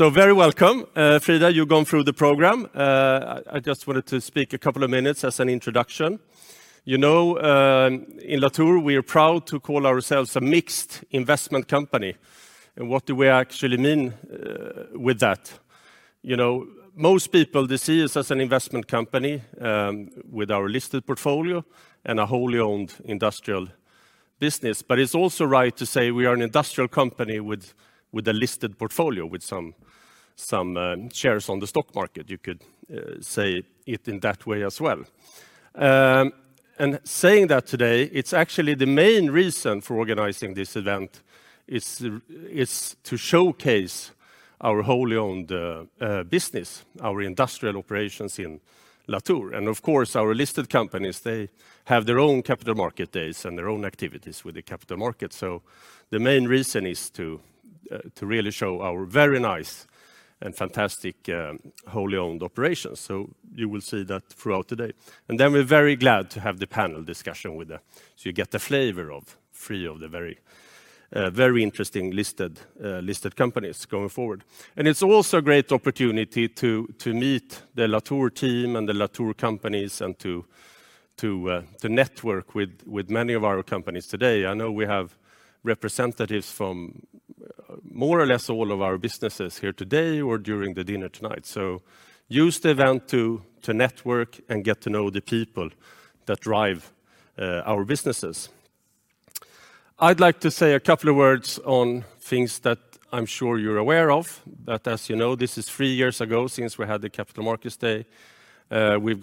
Very welcome. Frida, you've gone through the program. I just wanted to speak a couple of minutes as an introduction. You know, in Latour, we are proud to call ourselves a mixed investment company. What do we actually mean with that? You know, most people, they see us as an investment company with our listed portfolio and a wholly owned industrial business. But it's also right to say we are an industrial company with a listed portfolio, with some shares on the stock market. You could say it in that way as well. Saying that today, it's actually the main reason for organizing this event is to showcase our wholly owned business, our industrial operations in Latour. Of course, our listed companies, they have their own Capital Market Days and their own activities with the capital market. The main reason is to really show our very nice and fantastic wholly owned operations. You will see that throughout the day. We're very glad to have the panel discussion with that. You get the flavor of three of the very interesting listed companies going forward. It's also a great opportunity to meet the Latour team and the Latour companies and to network with many of our companies today. I know we have representatives from more or less all of our businesses here today or during the dinner tonight. Use the event to network and get to know the people that drive our businesses. I'd like to say a couple of words on things that I'm sure you're aware of, that as you know, this is three years ago since we had the Capital Markets Day. We've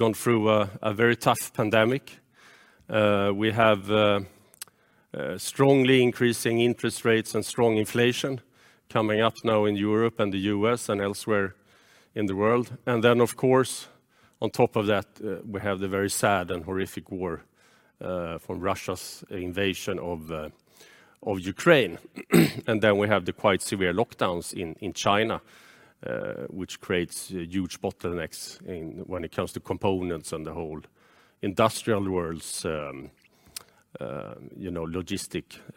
gone through a very tough pandemic. We have strongly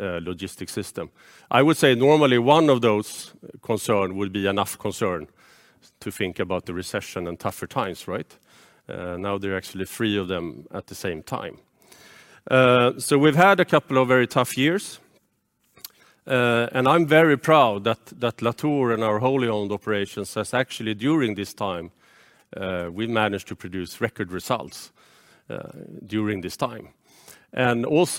increasing interest rates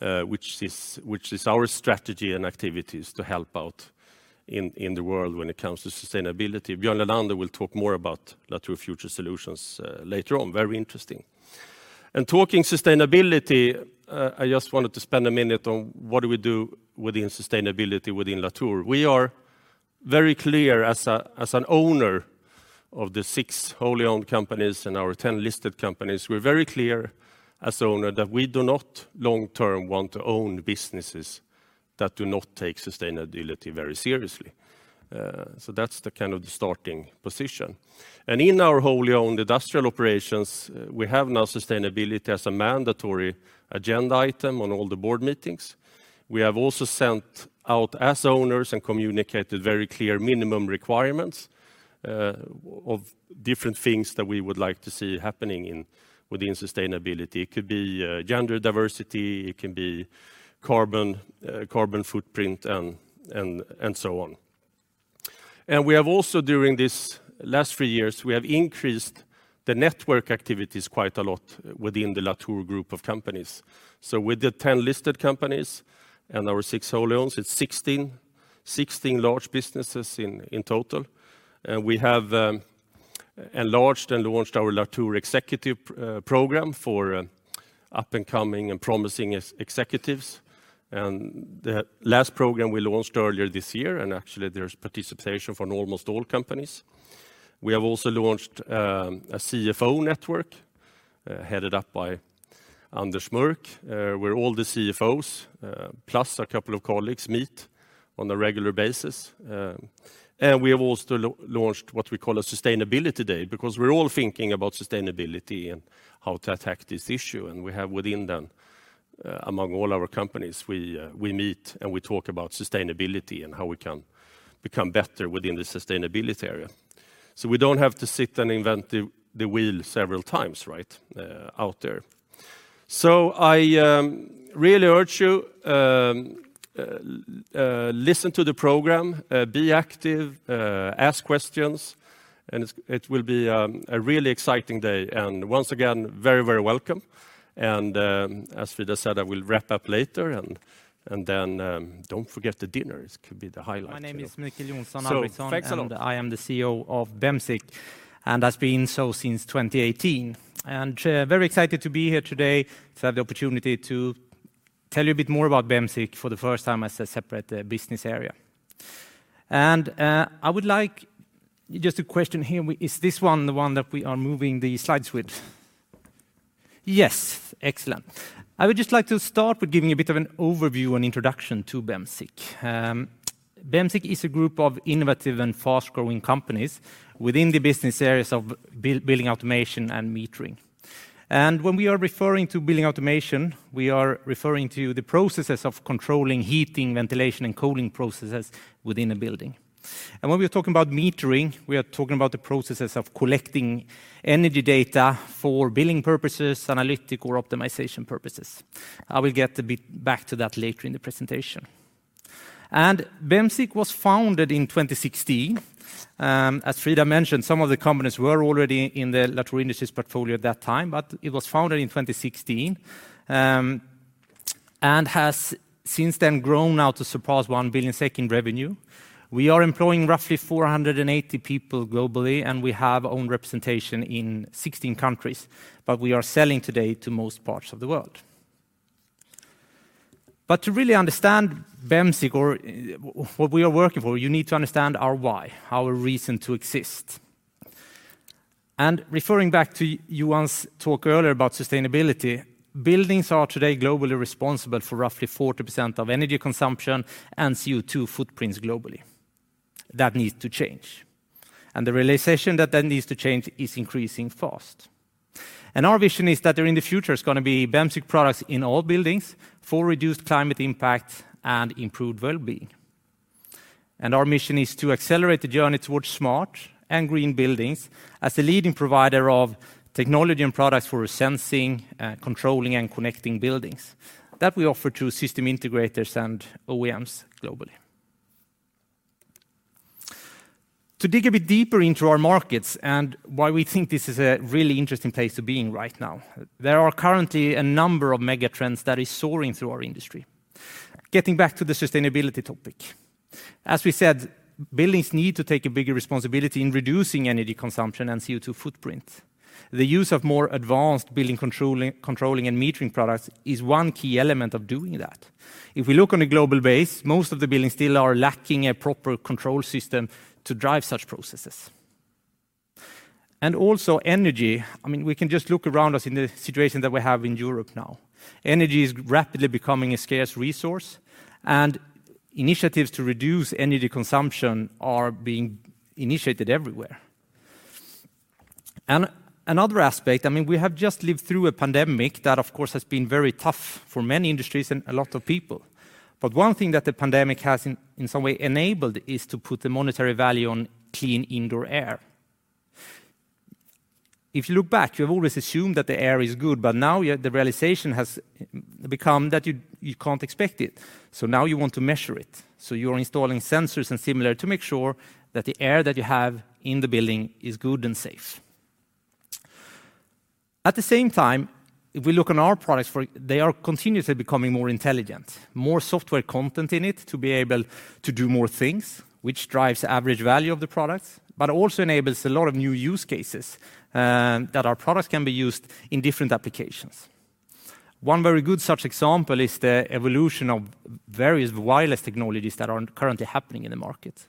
which is our strategy and activities to help out in the world when it comes to sustainability. Björn Lenander will talk more about Latour Future Solutions later on. Very interesting. Talking sustainability, I just wanted to spend a minute on what we do within sustainability within Latour. We are very clear as an owner of the six wholly owned companies and our 10 listed companies. We're very clear as owner that we do not long term want to own businesses that do not take sustainability very seriously. That's the kind of starting position. In our wholly owned industrial operations, we now have sustainability as a mandatory agenda item on all the Board meetings. We have also sent out as owners and communicated very clear minimum requirements of different things that we would like to see happening within sustainability. It could be gender diversity, it can be carbon footprint, and so on. We have also, during the last three years, increased the network activities quite a lot within the Latour Group of companies. With the 10 listed companies and our six wholly owned, it's 16 large businesses in total. We have enlarged and launched our Latour executive program for up and coming and promising executives. The last program we launched earlier this year, and actually there's participation from almost all companies. We have also launched a CFO network headed up by Anders Mörck where all the CFOs plus a couple of colleagues meet on a regular basis. We have also launched what we call a Sustainability Day because we're all thinking about sustainability and how to attack this issue. We have within them among all our companies we meet and we talk about sustainability and how we can become better within the sustainability area. We don't have to sit and invent the wheel several times right out there. I really urge you listen to the program be active ask questions and it will be a really exciting day. Once again very very welcome. As Frida said I will wrap up later. Don't forget the dinner. It could be the highlight, you know. Thanks a lot. My name is Mikael Albrektsson, and I am the CEO of Bemsiq, and has been so since 2018. Very excited to be here today to have the opportunity to tell you a bit more about Bemsiq for the first time as a separate business area. I would like-- Just a question here. Is this one the one that we are moving the slides with? Yes. Excellent. I would just like to start with giving a bit of an overview and introduction to Bemsiq. Bemsiq is a group of innovative and fast-growing companies within the business areas of building automation and metering. When we are referring to building automation, we are referring to the processes of controlling heating, ventilation, and cooling processes within a building. When we're talking about metering, we are talking about the processes of collecting energy data for billing purposes, analytic or optimization purposes. I will get a bit back to that later in the presentation. Bemsiq was founded in 2016. As Frida mentioned, some of the companies were already in the Latour Industries portfolio at that time, but it was founded in 2016, and has since then grown now to surpass 1 billion SEK in revenue. We are employing roughly 480 people globally, and we have own representation in 16 countries, but we are selling today to most parts of the world. To really understand Bemsiq or what we are working for, you need to understand our why, our reason to exist. Referring back to Johan's talk earlier about sustainability, buildings are today globally responsible for roughly 40% of energy consumption and CO₂ footprints globally. That needs to change. The realization that that needs to change is increasing fast. Our vision is that during the future, it's gonna be Bemsiq products in all buildings for reduced climate impact and improved wellbeing. Our mission is to accelerate the journey towards smart and green buildings as a leading provider of technology and products for sensing, controlling, and connecting buildings that we offer to system integrators and OEMs globally. To dig a bit deeper into our markets and why we think this is a really interesting place to be in right now, there are currently a number of mega trends that is soaring through our industry. Getting back to the sustainability topic. As we said, buildings need to take a bigger responsibility in reducing energy consumption and CO₂ footprint. The use of more advanced building controlling and metering products is one key element of doing that. If we look on a global base, most of the buildings still are lacking a proper control system to drive such processes. Also energy, I mean, we can just look around us in the situation that we have in Europe now. Energy is rapidly becoming a scarce resource, and initiatives to reduce energy consumption are being initiated everywhere. Another aspect, I mean, we have just lived through a pandemic that of course has been very tough for many industries and a lot of people. One thing that the pandemic has in some way enabled is to put the monetary value on clean indoor air. If you look back, you have always assumed that the air is good, but now the realization has become that you can't expect it. Now you want to measure it. You're installing sensors and similar to make sure that the air that you have in the building is good and safe. At the same time, if we look on our products they are continuously becoming more intelligent, more software content in it to be able to do more things, which drives the average value of the products, but also enables a lot of new use cases that our products can be used in different applications. One very good such example is the evolution of various wireless technologies that are currently happening in the market.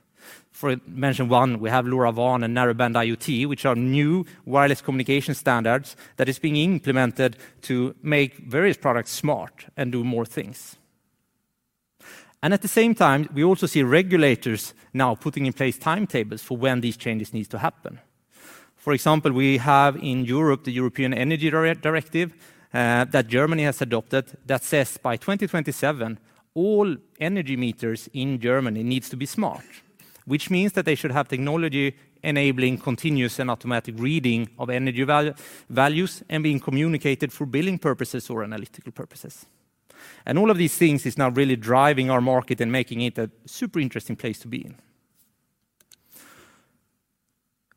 For mention one, we have LoRaWAN and Narrowband IoT, which are new wireless communication standards that is being implemented to make various products smart and do more things. At the same time, we also see regulators now putting in place timetables for when these changes needs to happen. For example, we have in Europe, the European Energy Directive, that Germany has adopted that says, "By 2027, all energy meters in Germany needs to be smart," which means that they should have technology enabling continuous and automatic reading of energy values and being communicated for billing purposes or analytical purposes. All of these things is now really driving our market and making it a super interesting place to be in.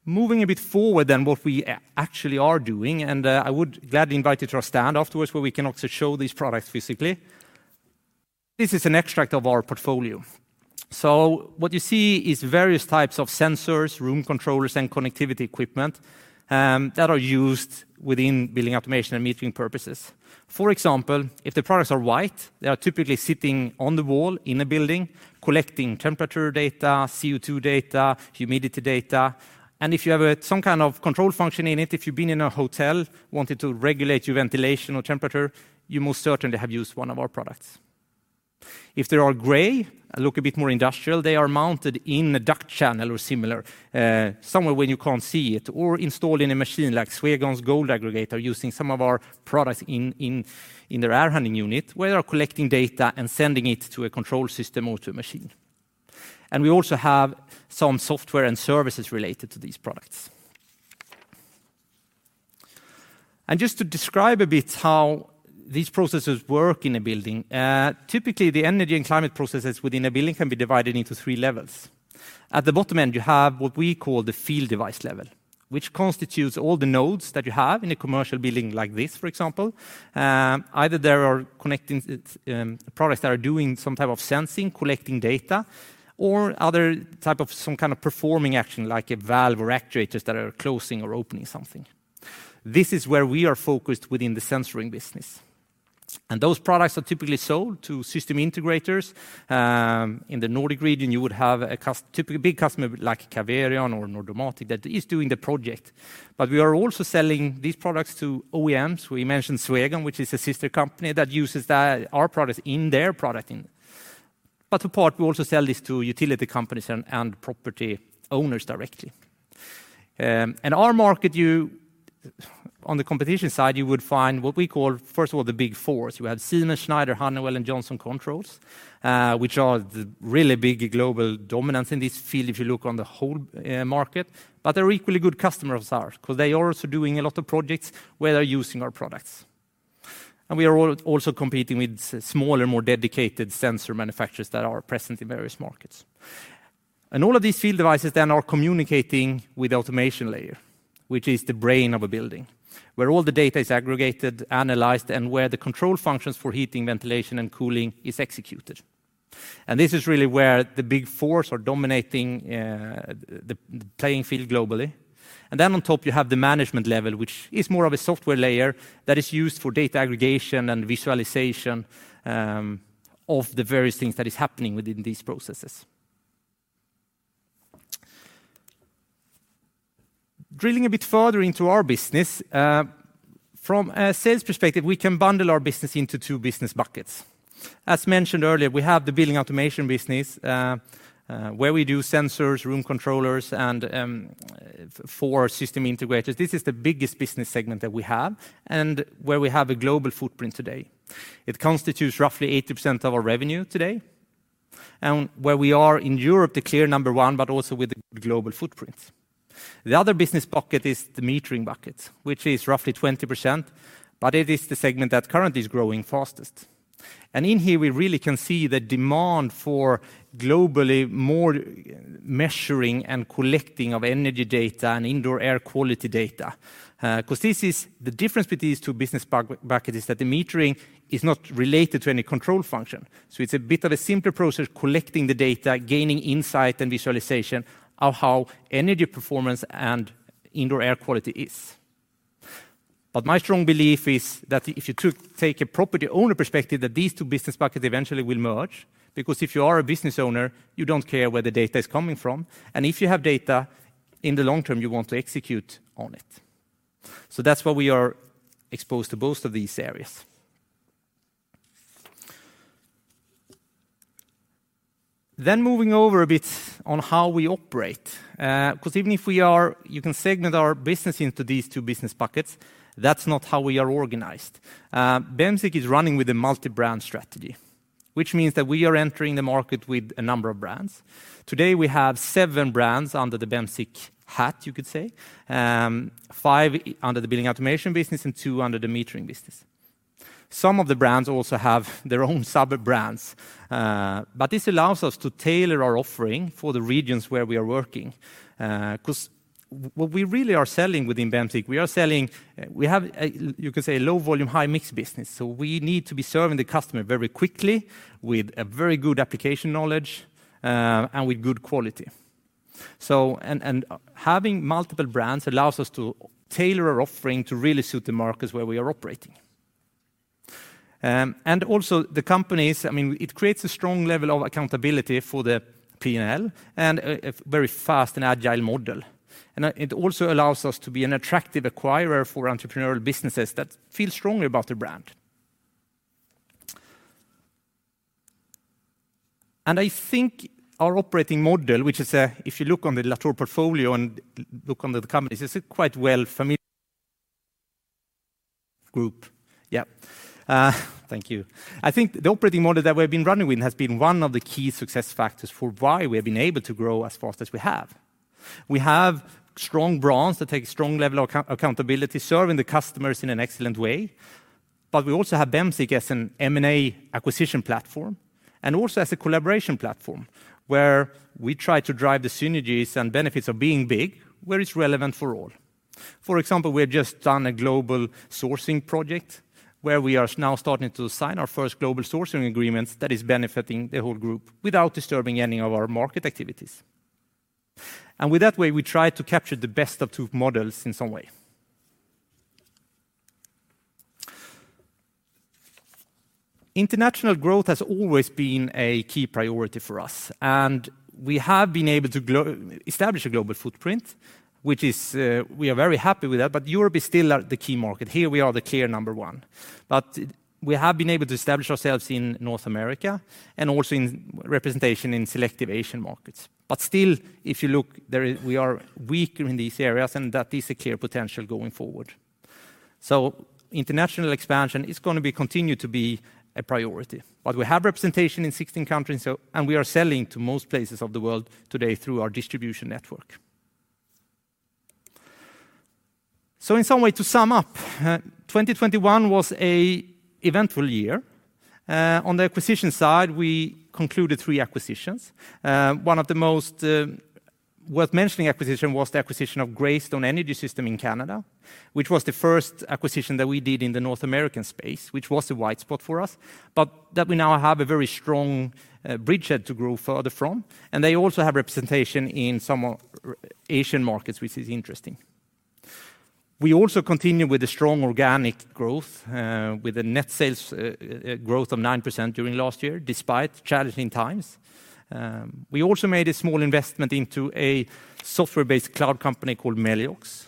Moving a bit forward than what we actually are doing, I would gladly invite you to our stand afterwards where we can also show these products physically. This is an extract of our portfolio. What you see is various types of sensors, room controllers, and connectivity equipment that are used within building automation and metering purposes. For example, if the products are white, they are typically sitting on the wall in a building, collecting temperature data, CO₂ data, humidity data. If you have some kind of control function in it, if you've been in a hotel, wanted to regulate your ventilation or temperature, you most certainly have used one of our products. If they are gray and look a bit more industrial, they are mounted in a duct channel or similar, somewhere where you can't see it or installed in a machine like Swegon's GOLD aggregator using some of our products in their air handling unit. We are collecting data and sending it to a control system or to a machine. We also have some software and services related to these products. Just to describe a bit how these processes work in a building, typically, the energy and climate processes within a building can be divided into three levels. At the bottom end, you have what we call the field device level, which constitutes all the nodes that you have in a commercial building like this, for example, either they are connecting products that are doing some type of sensing, collecting data, or other type of some kind of performing action, like a valve or actuators that are closing or opening something. This is where we are focused within the sensing business. Those products are typically sold to system integrators. In the Nordic region, you would have a typical big customer like Caverion or Nordomatic that is doing the project. We are also selling these products to OEMs. We mentioned Swegon, which is a sister company that uses our products in their product. Apart, we also sell this to utility companies and property owners directly. On the competition side, you would find what we call, first of all, the Big Four. You have Siemens, Schneider, Honeywell, and Johnson Controls, which are the really big global dominance in this field if you look on the whole market. They're equally good customers of ours because they are also doing a lot of projects where they're using our products. We are also competing with smaller, more dedicated sensor manufacturers that are present in various markets. All of these field devices then are communicating with the automation layer, which is the brain of a building, where all the data is aggregated, analyzed, and where the control functions for heating, ventilation, and cooling is executed. This is really where the Big Four are dominating, the playing field globally. On top, you have the management level, which is more of a software layer that is used for data aggregation and visualization of the various things that is happening within these processes. Drilling a bit further into our business, from a sales perspective, we can bundle our business into two business buckets. As mentioned earlier, we have the building automation business, where we do sensors, room controllers, and for system integrators. This is the biggest business segment that we have and where we have a global footprint today. It constitutes roughly 80% of our revenue today, and where we are in Europe, the clear number one, but also with a global footprint. The other business bucket is the metering bucket, which is roughly 20%, but it is the segment that currently is growing fastest. In here, we really can see the demand for globally more measuring and collecting of energy data and indoor air quality data. 'Cause this is the difference between these two business buckets is that the metering is not related to any control function. It's a bit of a simpler process collecting the data, gaining insight and visualization of how energy performance and indoor air quality is. My strong belief is that if you take a property owner perspective, that these two business buckets eventually will merge, because if you are a business owner, you don't care where the data is coming from. If you have data in the long term, you want to execute on it. That's why we are exposed to both of these areas. Moving over a bit on how we operate. 'Cause you can segment our business into these two business buckets, that's not how we are organized. Bemsiq is running with a multi-brand strategy, which means that we are entering the market with a number of brands. Today, we have seven brands under the Bemsiq hat, you could say, five under the building automation business and two under the metering business. Some of the brands also have their own sub-brands, but this allows us to tailor our offering for the regions where we are working. 'Cause what we really are selling within Bemsiq, we have a, you could say, low volume, high mix business, so we need to be serving the customer very quickly with a very good application knowledge, and with good quality. Having multiple brands allows us to tailor our offering to really suit the markets where we are operating. Also the companies, I mean, it creates a strong level of accountability for the P&L and a very fast and agile model. It also allows us to be an attractive acquirer for entrepreneurial businesses that feel strongly about the brand. And I think our operating model, which is, if you look on the Latour portfolio and look under the companies, it's quite well-familiar group. Yeah. Thank you. I think the operating model that we've been running with has been one of the key success factors for why we have been able to grow as fast as we have. We have strong brands that take a strong level of accountability, serving the customers in an excellent way, but we also have Bemsiq as an M&A acquisition platform and also as a collaboration platform where we try to drive the synergies and benefits of being big, where it's relevant for all. For example, we have just done a global sourcing project where we are now starting to sign our first global sourcing agreements that is benefiting the whole group without disturbing any of our market activities. With that way, we try to capture the best of two models in some way. International growth has always been a key priority for us, and we have been able to establish a global footprint, which is, we are very happy with that, but Europe is still the key market. Here we are the clear number one. We have been able to establish ourselves in North America and also in representation in selective Asian markets. Still, if you look, there is, we are weaker in these areas, and that is a clear potential going forward. International expansion is gonna be continue to be a priority. We have representation in 16 countries, and we are selling to most places of the world today through our distribution network. In some way, to sum up, 2021 was a eventful year. On the acquisition side, we concluded three acquisitions. One of the most worth mentioning acquisition was the acquisition of Greystone Energy Systems in Canada, which was the first acquisition that we did in the North American space, which was a white spot for us, but that we now have a very strong bridgehead to grow further from. They also have representation in some of Asian markets, which is interesting. We also continue with the strong organic growth with a net sales growth of 9% during last year, despite challenging times. We also made a small investment into a software-based cloud company called Meliox,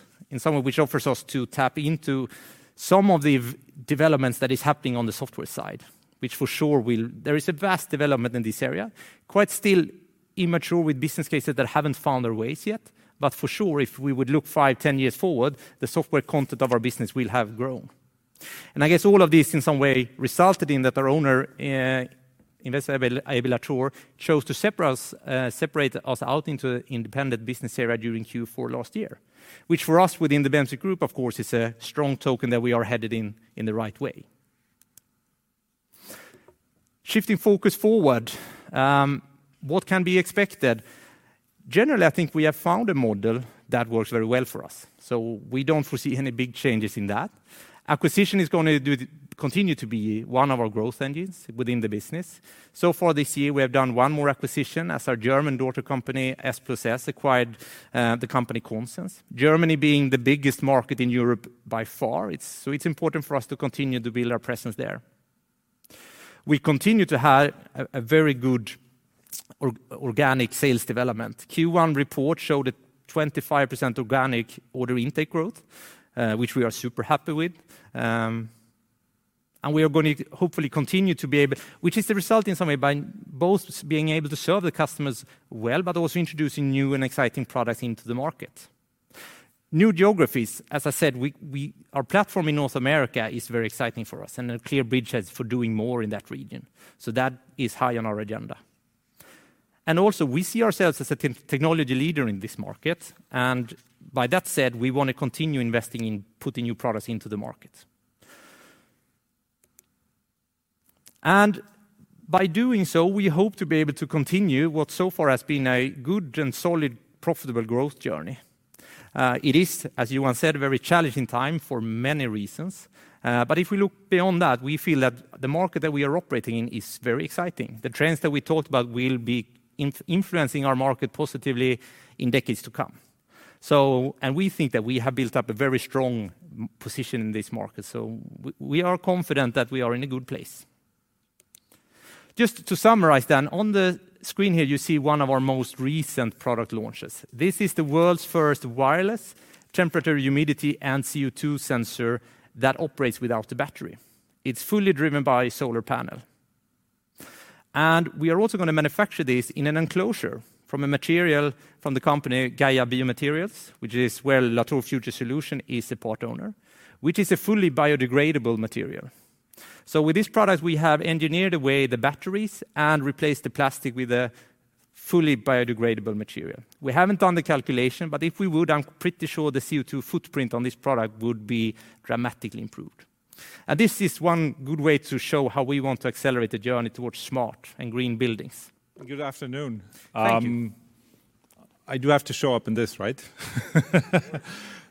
which offers us to tap into some of the developments that is happening on the software side, which for sure will. There is a vast development in this area, still quite immature with business cases that haven't found their ways yet. If we would look five, 10 years forward, the software content of our business will have grown. I guess all of this in some way resulted in that our owner, Investment AB Latour, chose to separate us out into independent business area during Q4 last year, which for us within the Bemsiq Group, of course, is a strong token that we are headed in the right way. Shifting focus forward, what can be expected? Generally, I think we have found a model that works very well for us, so we don't foresee any big changes in that. Acquisition is gonna continue to be one of our growth engines within the business. So far this year, we have done one more acquisition as our German daughter company, S+S, acquired the company Consens. Germany being the biggest market in Europe by far, it's important for us to continue to build our presence there. We continue to have a very good organic sales development. Q1 report showed a 25% organic order intake growth, which we are super happy with. We are gonna hopefully continue, which is the result in some way by both being able to serve the customers well, but also introducing new and exciting products into the market. New geographies, as I said. Our platform in North America is very exciting for us and a clear bridgehead for doing more in that region. That is high on our agenda. Also, we see ourselves as a technology leader in this market, and with that said, we wanna continue investing in putting new products into the market. By doing so, we hope to be able to continue what so far has been a good and solid profitable growth journey. It is, as Johan said, a very challenging time for many reasons. But if we look beyond that, we feel that the market that we are operating in is very exciting. The trends that we talked about will be influencing our market positively in decades to come. We think that we have built up a very strong position in this market, so we are confident that we are in a good place. Just to summarize, on the screen here, you see one of our most recent product launches. This is the world's first wireless temperature, humidity, and CO₂ sensor that operates without a battery. It's fully driven by solar panel. We are also gonna manufacture this in an enclosure from a material from the company Gaia BioMaterials, which is where Latour Future Solutions is a part owner, which is a fully biodegradable material. With this product, we have engineered away the batteries and replaced the plastic with a fully biodegradable material. We haven't done the calculation, but if we would, I'm pretty sure the CO₂ footprint on this product would be dramatically improved. This is one good way to show how we want to accelerate the journey towards smart and green buildings. Good afternoon. Thank you. I do have to show up in this, right?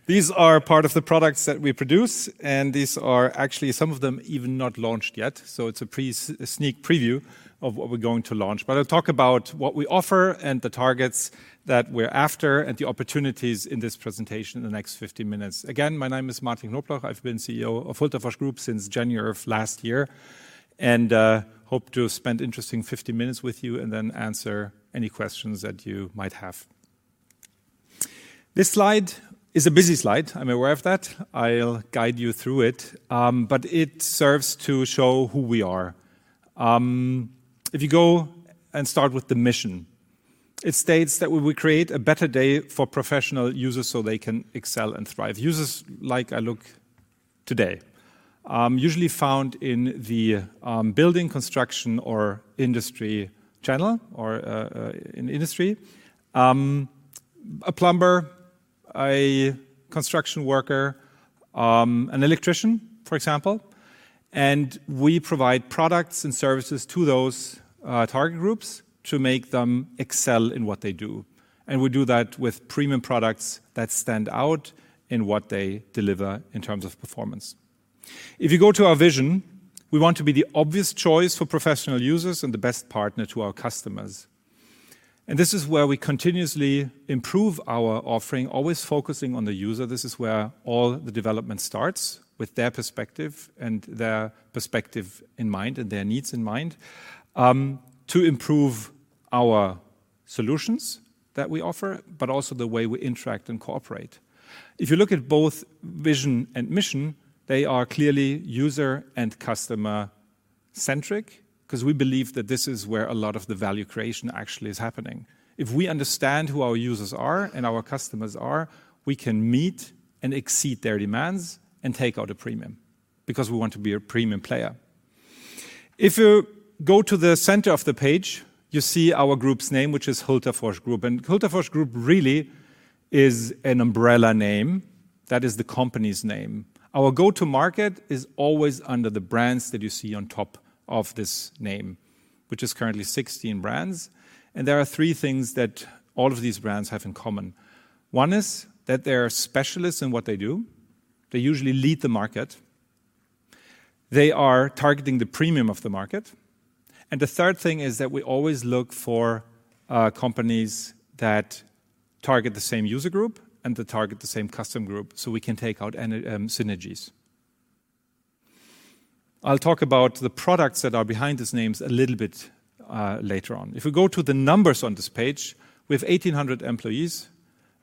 These are part of the products that we produce, and these are actually some of them even not launched yet. It's a sneak preview of what we're going to launch. I'll talk about what we offer and the targets that we're after and the opportunities in this presentation in the next 50 minutes. Again, my name is Martin Knobloch. I've been CEO of Hultafors Group since January of last year and hope to spend interesting 50 minutes with you and then answer any questions that you might have. This slide is a busy slide. I'm aware of that. I'll guide you through it, but it serves to show who we are. If you go and start with the mission, it states that we will create a better day for professional users so they can excel and thrive. Users like I look today, usually found in the building construction or industry channel or in industry. A plumber, a construction worker, an electrician, for example, and we provide products and services to those target groups to make them excel in what they do. We do that with premium products that stand out in what they deliver in terms of performance. If you go to our vision, we want to be the obvious choice for professional users and the best partner to our customers. This is where we continuously improve our offering, always focusing on the user. This is where all the development starts with their perspective in mind and their needs in mind, to improve our solutions that we offer, but also the way we interact and cooperate. If you look at both vision and mission, they are clearly user and customer-centric, because we believe that this is where a lot of the value creation actually is happening. If we understand who our users are and our customers are, we can meet and exceed their demands and take out a premium because we want to be a premium player. If you go to the center of the page, you see our group's name, which is Hultafors Group. Hultafors Group really is an umbrella name. That is the company's name. Our go-to-market is always under the brands that you see on top of this name, which is currently 16 brands. There are three things that all of these brands have in common. One is that they are specialists in what they do. They usually lead the market. They are targeting the premium of the market. The third thing is that we always look for companies that target the same user group and that target the same customer group so we can take out any synergies. I'll talk about the products that are behind these names a little bit later on. If we go to the numbers on this page, we have 1,800 employees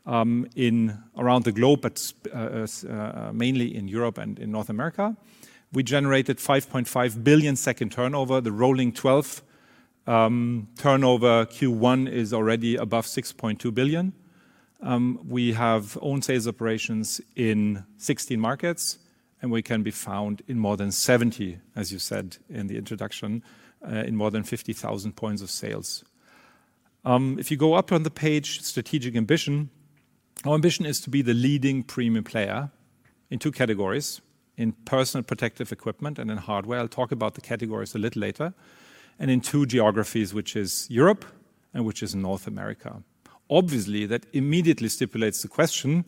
around the globe, but mainly in Europe and in North America. We generated 5.5 billion turnover. The rolling twelve turnover Q1 is already above 6.2 billion. We have own sales operations in 16 markets, and we can be found in more than 70, as you said in the introduction, in more than 50,000 points of sales. If you go up on the page, Strategic Ambition, our ambition is to be the leading premium player in two categories, in personal protective equipment and in hardware. I'll talk about the categories a little later. In two geographies, which is Europe and which is North America. Obviously, that immediately stipulates the question,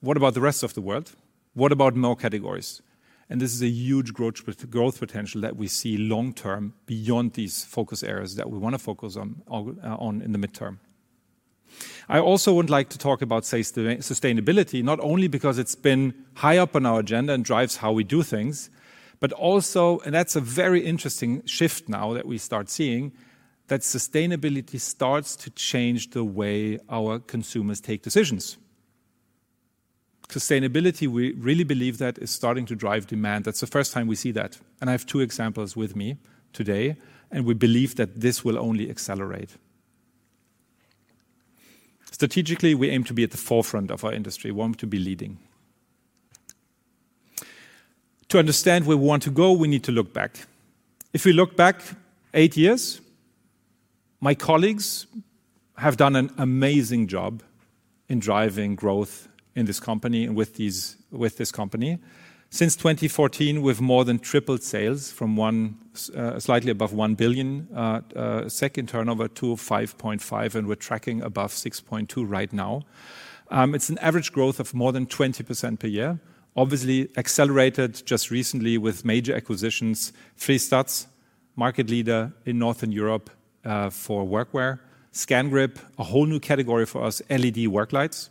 what about the rest of the world? What about more categories? This is a huge growth potential that we see long-term beyond these focus areas that we wanna focus on in the midterm. I also would like to talk about sustainability, not only because it's been high up on our agenda and drives how we do things, but also, and that's a very interesting shift now that we start seeing, that sustainability starts to change the way our consumers take decisions. Sustainability, we really believe that is starting to drive demand. That's the first time we see that, and I have two examples with me today, and we believe that this will only accelerate. Strategically, we aim to be at the forefront of our industry. We want to be leading. To understand where we want to go, we need to look back. If we look back eight years, my colleagues have done an amazing job in driving growth in this company and with this company. Since 2014, we've more than tripled sales from slightly above 1 billion in turnover to 5.5 billion, and we're tracking above 6.2 billion right now. It's an average growth of more than 20% per year, obviously accelerated just recently with major acquisitions. Fristads, market leader in Northern Europe for workwear. Scangrip, a whole new category for us, LED work lights.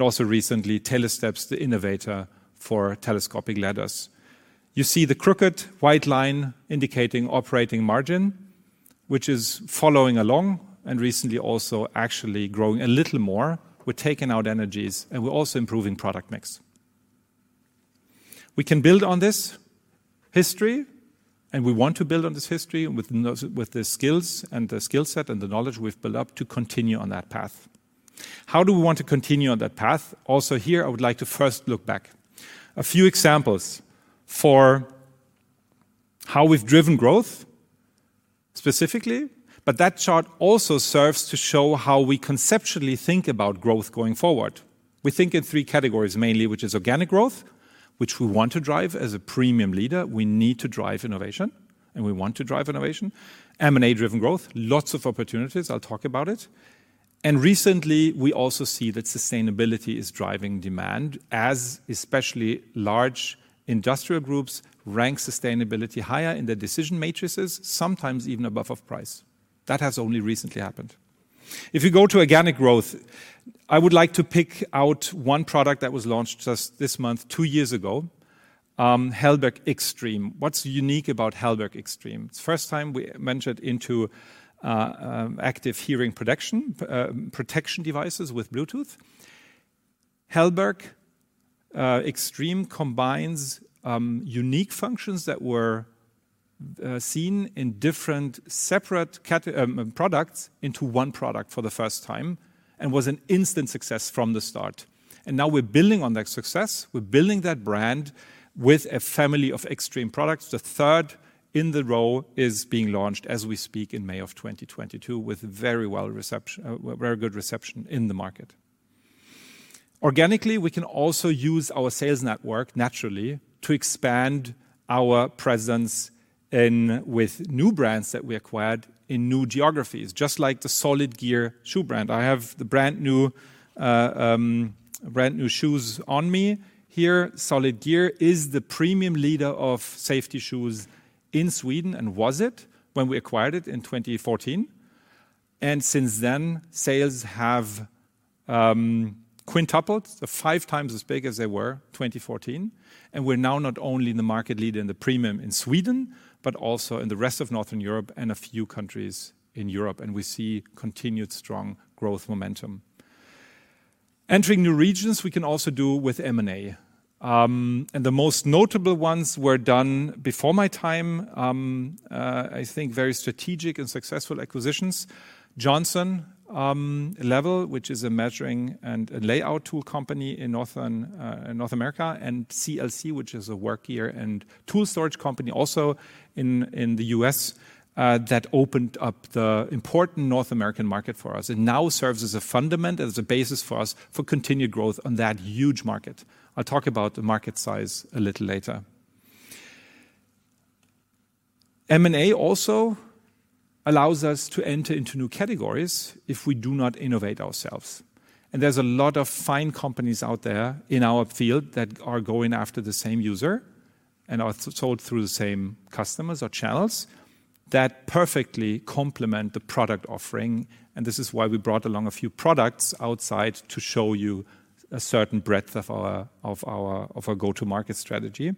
Also recently, Telesteps, the innovator for telescopic ladders. You see the crooked white line indicating operating margin, which is following along and recently also actually growing a little more. We're taking out inefficiencies, and we're also improving product mix. We can build on this history, and we want to build on this history with the skills and the skill set and the knowledge we've built up to continue on that path. How do we want to continue on that path? Also here, I would like to first look back. A few examples for how we've driven growth specifically, but that chart also serves to show how we conceptually think about growth going forward. We think in three categories mainly, which is organic growth, which we want to drive as a premium leader. We need to drive innovation, and we want to drive innovation. M&A-driven growth, lots of opportunities. I'll talk about it. Recently, we also see that sustainability is driving demand as especially large industrial groups rank sustainability higher in their decision matrices, sometimes even above price. That has only recently happened. If you go to organic growth, I would like to pick out one product that was launched just this month two years ago, Hellberg Xstream. What's unique about Hellberg Xstream? It's the first time we entered into active hearing protection devices with Bluetooth. Hellberg Xstream combines unique functions that were seen in different separate products into one product for the first time and was an instant success from the start. Now we're building on that success. We're building that brand with a family of Xstream products. The third in the row is being launched as we speak in May 2022 with very good reception in the market. Organically, we can also use our sales network naturally to expand our presence with new brands that we acquired in new geographies, just like the Solid Gear shoe brand. I have the brand-new shoes on me here. Solid Gear is the premium leader of safety shoes in Sweden and was then when we acquired it in 2014. Since then, sales have quintupled. They're five times as big as they were 2014. We're now not only the market leader in the premium in Sweden, but also in the rest of Northern Europe and a few countries in Europe, and we see continued strong growth momentum. Entering new regions we can also do with M&A. The most notable ones were done before my time, I think very strategic and successful acquisitions. Johnson Level which is a measuring and layout tool company in North America, and CLC Work Gear, which is a work gear and tool storage company also in the U.S,, that opened up the important North American market for us and now serves as a fundament, as a basis for us for continued growth on that huge market. I'll talk about the market size a little later. M&A also allows us to enter into new categories if we do not innovate ourselves. There's a lot of fine companies out there in our field that are going after the same user and are sold through the same customers or channels that perfectly complement the product offering, and this is why we brought along a few products outside to show you a certain breadth of our go-to-market strategy.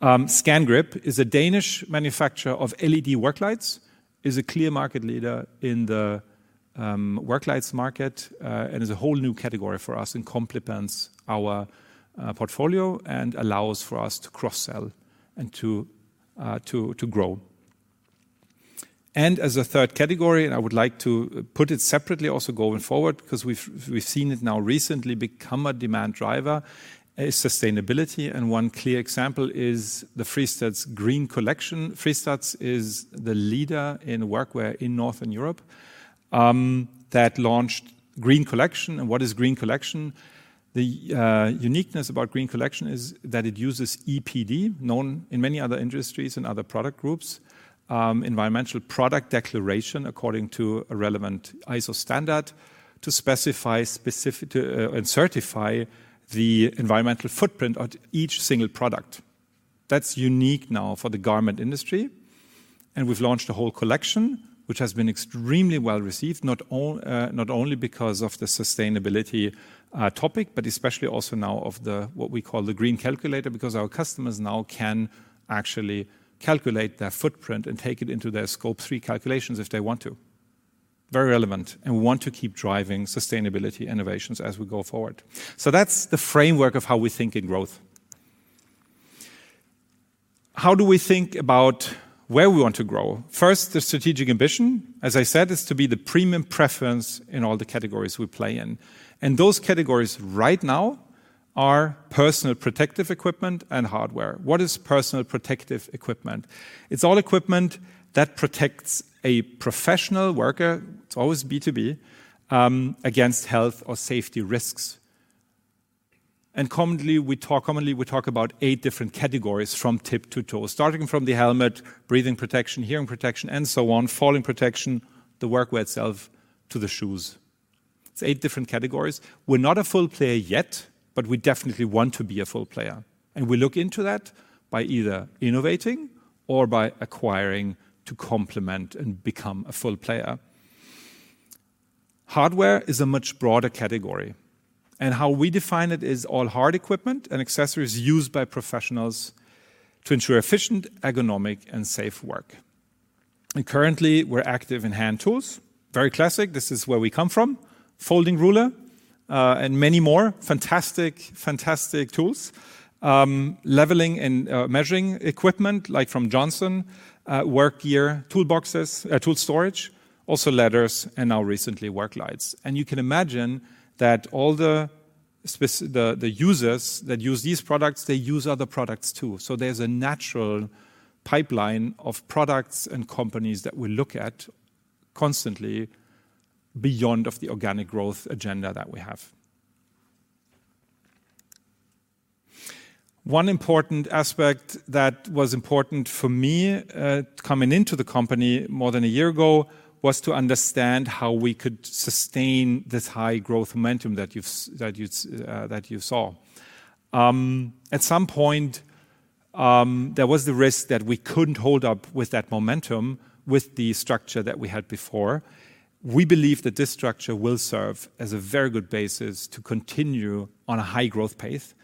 Scangrip is a Danish manufacturer of LED work lights, is a clear market leader in the work lights market, and is a whole new category for us and complements our portfolio and allows for us to cross-sell and to grow. As a third category, I would like to put it separately also going forward because we've seen it now recently become a demand driver, is sustainability. One clear example is the Fristads Green Collection. Fristads is the leader in workwear in Northern Europe, that launched Green Collection. What is Green Collection? The uniqueness about Green Collection is that it uses EPD, known in many other industries and other product groups, Environmental Product Declaration, according to a relevant ISO standard, to specify and certify the environmental footprint of each single product. That's unique now for the garment industry, and we've launched a whole collection which has been extremely well-received, not only because of the sustainability topic, but especially also now of the what we call the green calculator, because our customers now can actually calculate their footprint and take it into their Scope 3 calculations if they want to. Very relevant. We want to keep driving sustainability innovations as we go forward. That's the framework of how we think in growth. How do we think about where we want to grow? First, the strategic ambition, as I said, is to be the premium preference in all the categories we play in. Those categories right now are personal protective equipment and hardware. What is personal protective equipment? It's all equipment that protects a professional worker, it's always B2B, against health or safety risks. Commonly, we talk about eight different categories from tip to toe, starting from the helmet, breathing protection, hearing protection, and so on, fall protection, the workwear itself, to the shoes. It's eight different categories. We're not a full player yet, but we definitely want to be a full player. We look into that by either innovating or by acquiring to complement and become a full player. Hardware is a much broader category, and how we define it is all hard equipment and accessories used by professionals to ensure efficient, ergonomic, and safe work. Currently, we're active in hand tools. Very classic. This is where we come from. Folding ruler, and many more fantastic tools. Leveling and measuring equipment, like from Johnson, work gear, toolboxes, tool storage, also ladders, and now recently work lights. You can imagine that all the users that use these products, they use other products too. There's a natural pipeline of products and companies that we look at constantly beyond the organic growth agenda that we have. One important aspect that was important for me, coming into the company more than a year ago, was to understand how we could sustain this high-growth momentum that you saw. At some point, there was the risk that we couldn't keep up with that momentum with the structure that we had before. We believe that this structure will serve as a very good basis to continue on a high growth pace,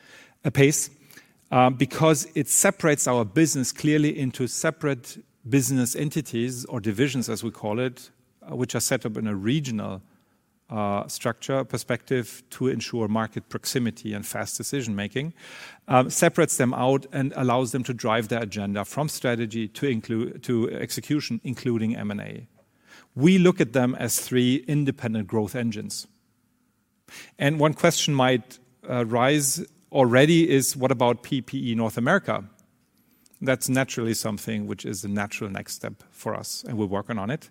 because it separates our business clearly into separate business entities or divisions, as we call it, which are set up in a regional structure perspective to ensure market proximity and fast decision-making, separates them out and allows them to drive their agenda from strategy to execution, including M&A. We look at them as three independent growth engines. One question might arise already is what about PPE North America? That's naturally something which is the natural next step for us, and we're working on it.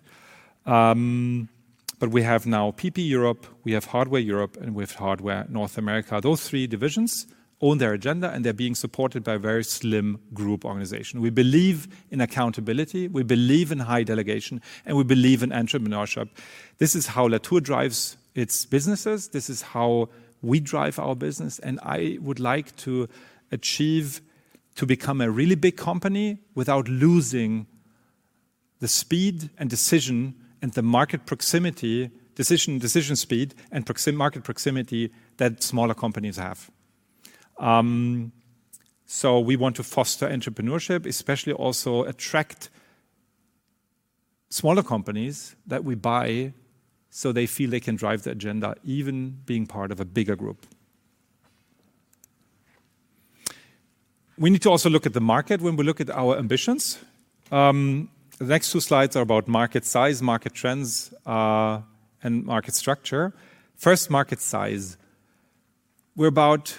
But we have now PPE Europe, we have Hardware Europe, and we have Hardware North America. Those three divisions own their agenda, and they're being supported by a very slim group organization. We believe in accountability, we believe in high delegation, and we believe in entrepreneurship. This is how Latour drives its businesses. This is how we drive our business, and I would like to achieve to become a really big company without losing the speed and decision speed and market proximity that smaller companies have. So we want to foster entrepreneurship, especially also attract smaller companies that we buy so they feel they can drive the agenda, even being part of a bigger group. We need to also look at the market when we look at our ambitions. The next two slides are about market size, market trends, and market structure. First, market size. We're about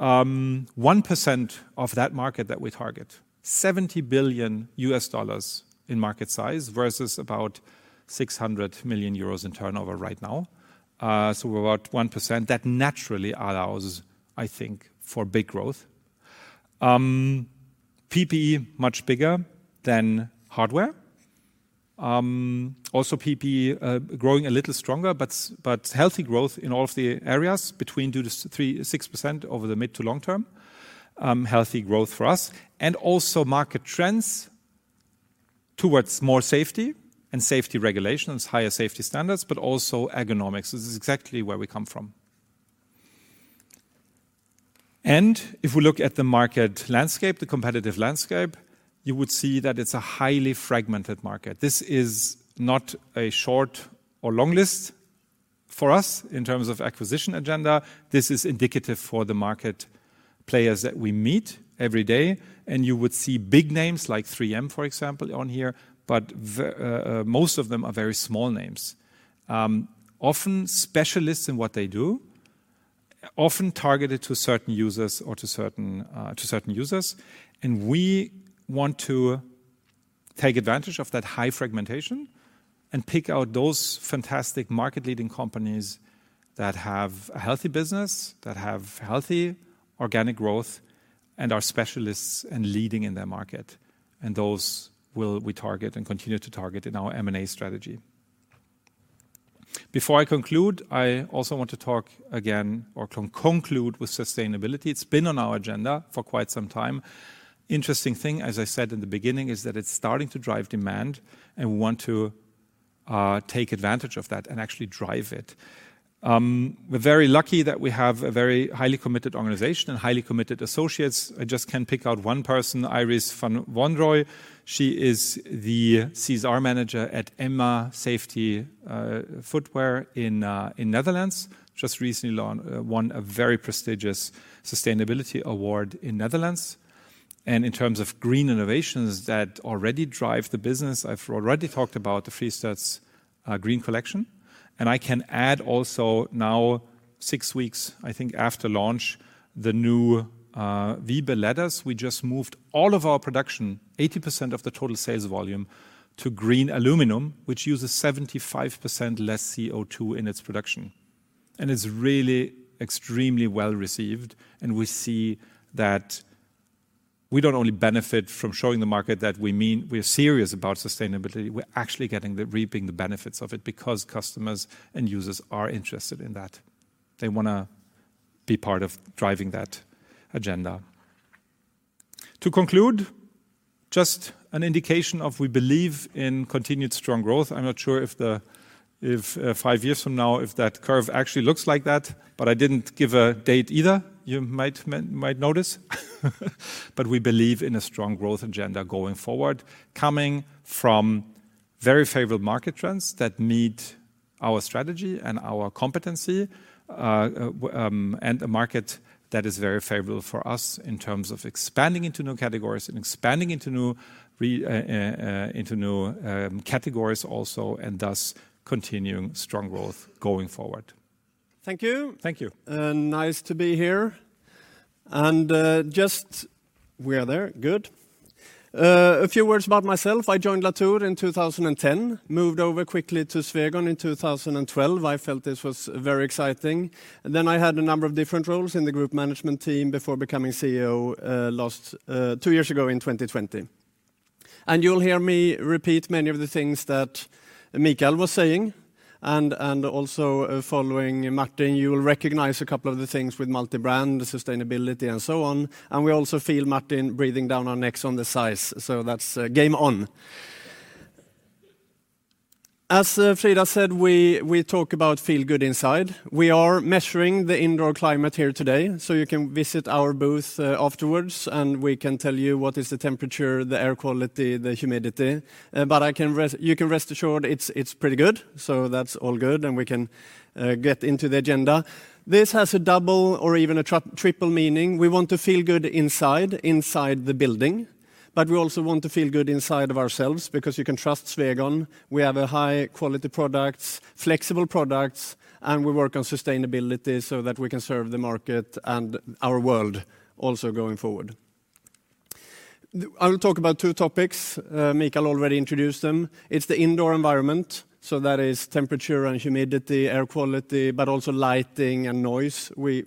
1% of that market that we target. $70 billion in market size versus about 600 million euros in turnover right now. We're about 1%. That naturally allows, I think, for big growth. PPE much bigger than hardware. Also PPE growing a little stronger, but healthy growth in all of the areas between 2%-6% over the mid to long term, healthy growth for us, and also market trends towards more safety and safety regulations, higher safety standards, but also ergonomics. This is exactly where we come from. If we look at the market landscape, the competitive landscape, you would see that it's a highly fragmented market. This is not a short or long list for us in terms of acquisition agenda. This is indicative for the market players that we meet every day, and you would see big names like 3M, for example, on here, but most of them are very small names. Often specialists in what they do, often targeted to certain users. We want to take advantage of that high fragmentation and pick out those fantastic market-leading companies that have a healthy business, that have healthy organic growth and are specialists and leading in their market, and those will we target and continue to target in our M&A strategy. Before I conclude, I also want to talk again or conclude with sustainability. It's been on our agenda for quite some time. Interesting thing, as I said in the beginning, is that it's starting to drive demand, and we want to take advantage of that and actually drive it. We're very lucky that we have a very highly committed organization and highly committed associates. I just can pick out one person, Iris van Wanrooij. She is the CSR manager at EMMA Safety Footwear in Netherlands. Just recently won a very prestigious sustainability award in Netherlands. In terms of green innovations that already drive the business, I've already talked about the Fristads Green collection. I can add also now six weeks, I think, after launch, the new Wibe Ladders. We just moved all of our production, 80% of the total sales volume, to green aluminum, which uses 75% less CO₂ in its production and is really extremely well-received. We see that we don't only benefit from showing the market that we're serious about sustainability, we're actually reaping the benefits of it because customers and users are interested in that. They wanna be part of driving that agenda. To conclude, just an indication of we believe in continued strong growth. I'm not sure if five years from now if that curve actually looks like that, but I didn't give a date either, you might notice. We believe in a strong growth agenda going forward, coming from very favorable market trends that meet our strategy and our competency, and a market that is very favorable for us in terms of expanding into new categories also, and thus continuing strong growth going forward. Thank you. Thank you. Nice to be here. A few words about myself. I joined Latour in 2010, moved over quickly to Swegon in 2012. I felt this was very exciting. I had a number of different roles in the group management team before becoming CEO last two years ago in 2020. You'll hear me repeat many of the things that Mikael was saying, and also following Martin, you will recognize a couple of the things with multi-brand, sustainability, and so on. We also feel Martin breathing down our necks on the size. That's game on. As Frida said, we talk about feel good inside. We are measuring the indoor climate here today, so you can visit our booth afterwards, and we can tell you what is the temperature, the air quality, the humidity. You can rest assured it's pretty good. That's all good, and we can get into the agenda. This has a double or even a triple meaning. We want to feel good inside the building, but we also want to feel good inside of ourselves because you can trust Swegon. We have high-quality products, flexible products, and we work on sustainability so that we can serve the market and our world also going forward. I will talk about two topics. Mikael already introduced them. It's the indoor environment, so that is temperature and humidity, air quality, but also lighting and noise we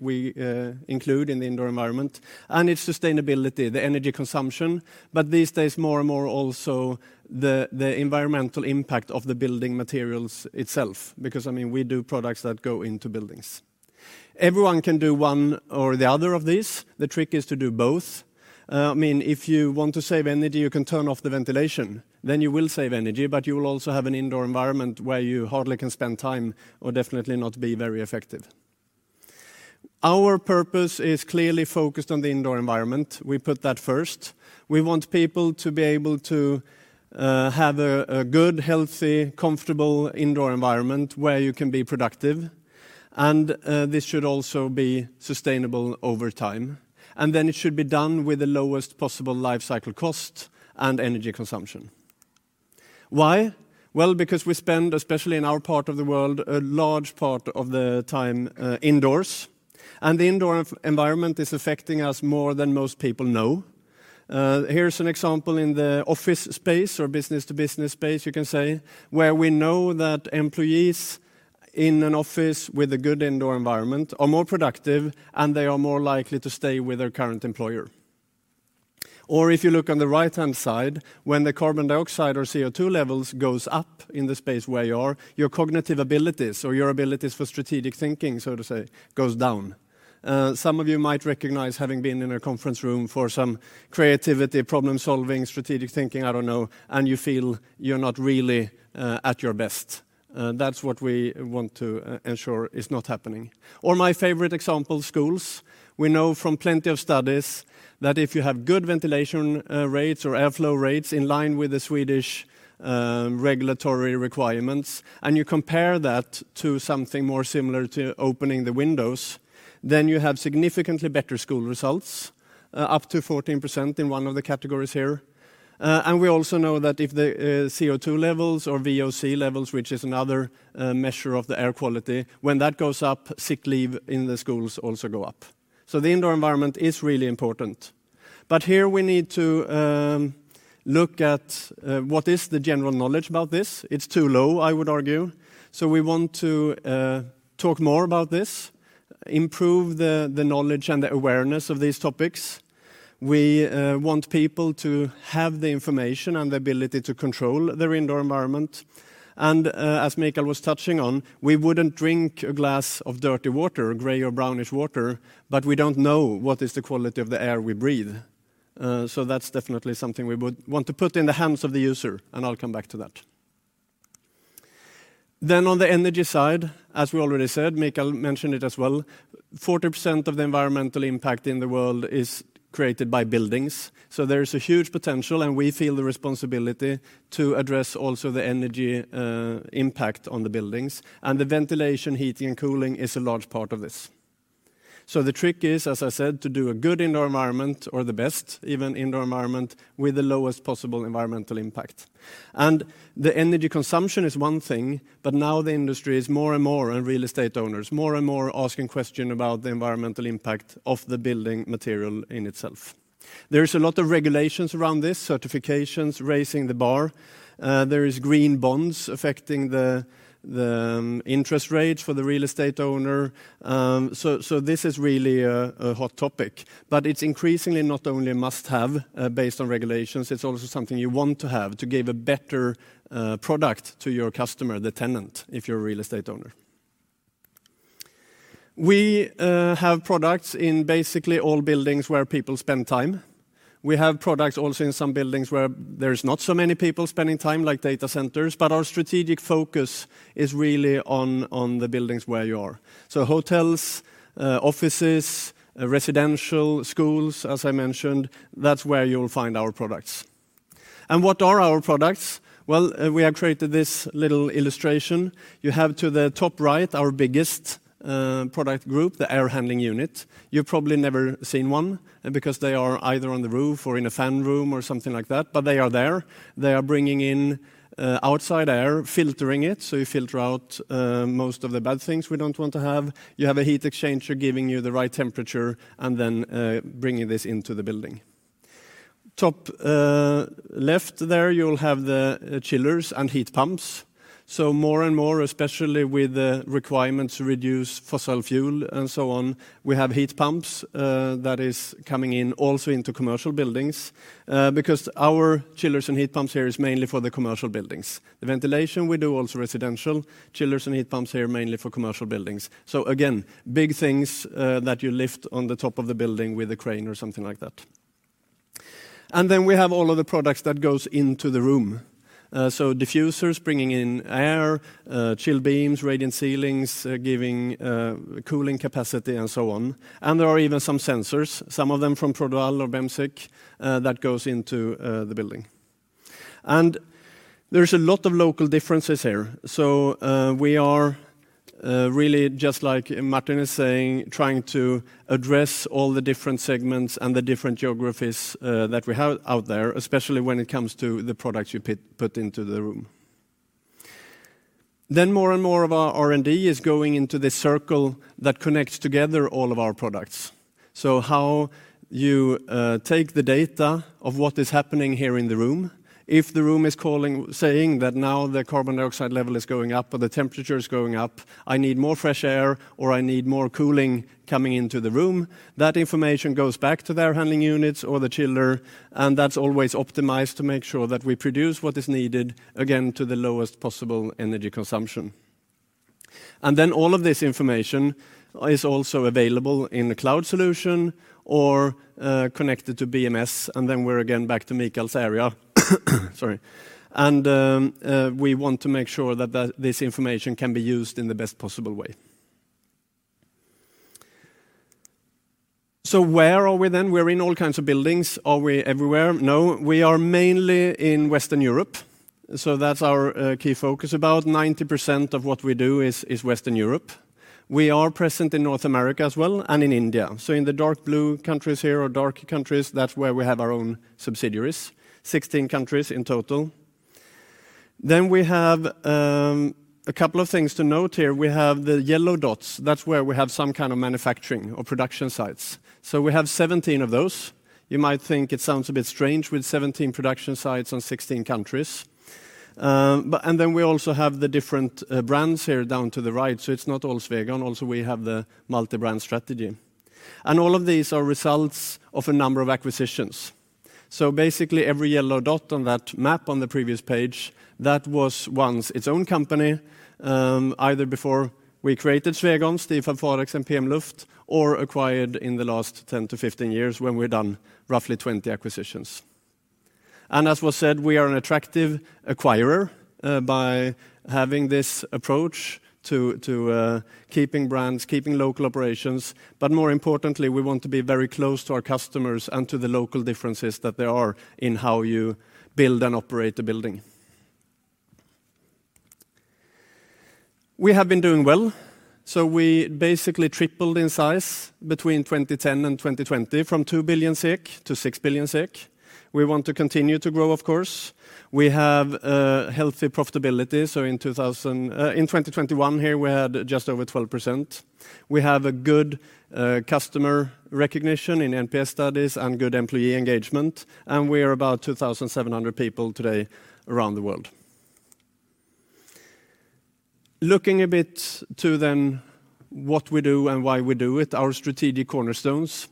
include in the indoor environment, and it's sustainability, the energy consumption, but these days more and more also the environmental impact of the building materials itself because, I mean, we do products that go into buildings. Everyone can do one or the other of these. The trick is to do both. I mean, if you want to save energy, you can turn off the ventilation, then you will save energy, but you will also have an indoor environment where you hardly can spend time or definitely not be very effective. Our purpose is clearly focused on the indoor environment. We put that first. We want people to be able to have a good, healthy, comfortable indoor environment where you can be productive, and this should also be sustainable over time. Then it should be done with the lowest possible life cycle cost and energy consumption. Why? Well, because we spend, especially in our part of the world, a large part of the time indoors, and the indoor environment is affecting us more than most people know. Here's an example in the office space or business to business space, you can say, where we know that employees in an office with a good indoor environment are more productive, and they are more likely to stay with their current employer. If you look on the right-hand side, when the carbon dioxide or CO₂ levels goes up in the space where you are, your cognitive abilities or your abilities for strategic thinking, so to say, goes down. Some of you might recognize having been in a conference room for some creativity, problem-solving, strategic thinking, I don't know, and you feel you're not really at your best. That's what we want to ensure is not happening. My favorite example, schools. We know from plenty of studies that if you have good ventilation rates or airflow rates in line with the Swedish regulatory requirements, and you compare that to something more similar to opening the windows, then you have significantly better school results up to 14% in one of the categories here. We also know that if the CO₂ levels or VOC levels, which is another measure of the air quality, when that goes up, sick leave in the schools also go up. The indoor environment is really important. Here we need to look at what is the general knowledge about this. It's too low, I would argue. We want to talk more about this, improve the knowledge and the awareness of these topics. We want people to have the information and the ability to control their indoor environment. As Mikael was touching on, we wouldn't drink a glass of dirty water, gray or brownish water, but we don't know what is the quality of the air we breathe. That's definitely something we would want to put in the hands of the user, and I'll come back to that. On the energy side, as we already said, Mikael mentioned it as well, 40% of the environmental impact in the world is created by buildings. There is a huge potential, and we feel the responsibility to address also the energy, impact on the buildings, and the ventilation, heating, and cooling is a large part of this. The trick is, as I said, to do a good indoor environment or the best even indoor environment with the lowest possible environmental impact. The energy consumption is one thing, but now the industry is more and more, and real estate owners, more and more asking question about the environmental impact of the building material in itself. There is a lot of regulations around this, certifications raising the bar. There is green bonds affecting the interest rates for the real estate owner. So this is really a hot topic, but it's increasingly not only a must-have based on regulations, it's also something you want to have to give a better product to your customer, the tenant, if you're a real estate owner. We have products in basically all buildings where people spend time. We have products also in some buildings where there is not so many people spending time, like data centers, but our strategic focus is really on the buildings where you are. Hotels, offices, residential, schools, as I mentioned, that's where you'll find our products. What are our products? Well, we have created this little illustration. To the top right, our biggest product group, the air handling unit. You've probably never seen one because they are either on the roof or in a fan room or something like that, but they are there. They are bringing in outside air, filtering it, so you filter out most of the bad things we don't want to have. You have a heat exchanger giving you the right temperature and then bringing this into the building. Top left there, you'll have the chillers and heat pumps. More and more, especially with the requirement to reduce fossil fuel and so on, we have heat pumps that is coming in also into commercial buildings because our chillers and heat pumps here is mainly for the commercial buildings. The ventilation, we do also residential. Chillers and heat pumps here are mainly for commercial buildings. Again, big things that you lift on the top of the building with a crane or something like that. Then we have all of the products that goes into the room. Diffusers bringing in air, chill beams, radiant ceilings, giving cooling capacity, and so on. There are even some sensors, some of them from Trolex or Bemsiq, that goes into the building. There's a lot of local differences here. We are really just like Martin is saying, trying to address all the different segments and the different geographies that we have out there, especially when it comes to the products you put into the room. More and more of our R&D is going into this circle that connects together all of our products. How you take the data of what is happening here in the room. If the room is saying that now the carbon dioxide level is going up or the temperature is going up, I need more fresh air or I need more cooling coming into the room, that information goes back to their handling units or the chiller, and that's always optimized to make sure that we produce what is needed, again, to the lowest possible energy consumption. All of this information is also available in the cloud solution or connected to BMS, and then we're again back to Mikael's area. Sorry. We want to make sure that this information can be used in the best possible way. Where are we then? We're in all kinds of buildings. Are we everywhere? No. We are mainly in Western Europe, so that's our key focus. About 90% of what we do is Western Europe. We are present in North America as well, and in India. In the dark blue countries here or dark countries, that's where we have our own subsidiaries, 16 countries in total. We have a couple of things to note here. We have the yellow dots, that's where we have some kind of manufacturing or production sites. We have 17 of those. You might think it sounds a bit strange with 17 production sites in 16 countries. We also have the different brands here down to the right, so it's not all Swegon. Also, we have the multi-brand strategy. All of these are results of a number of acquisitions. Basically every yellow dot on that map on the previous page, that was once its own company, either before we created Swegon, Stifab Farex, and PM-Luft, or acquired in the last 10 years-15 years when we've done roughly 20 acquisitions. As was said, we are an attractive acquirer by having this approach to keeping brands, keeping local operations. More importantly, we want to be very close to our customers and to the local differences that there are in how you build and operate a building. We have been doing well, so we basically tripled in size between 2010 and 2020 from 2 billion to 6 billion. We want to continue to grow, of course. We have healthy profitability, so in 2021 here, we had just over 12%. We have a good customer recognition in NPS studies and good employee engagement, and we are about 2,700 people today around the world. Looking a bit to then what we do and why we do it, our strategic cornerstones.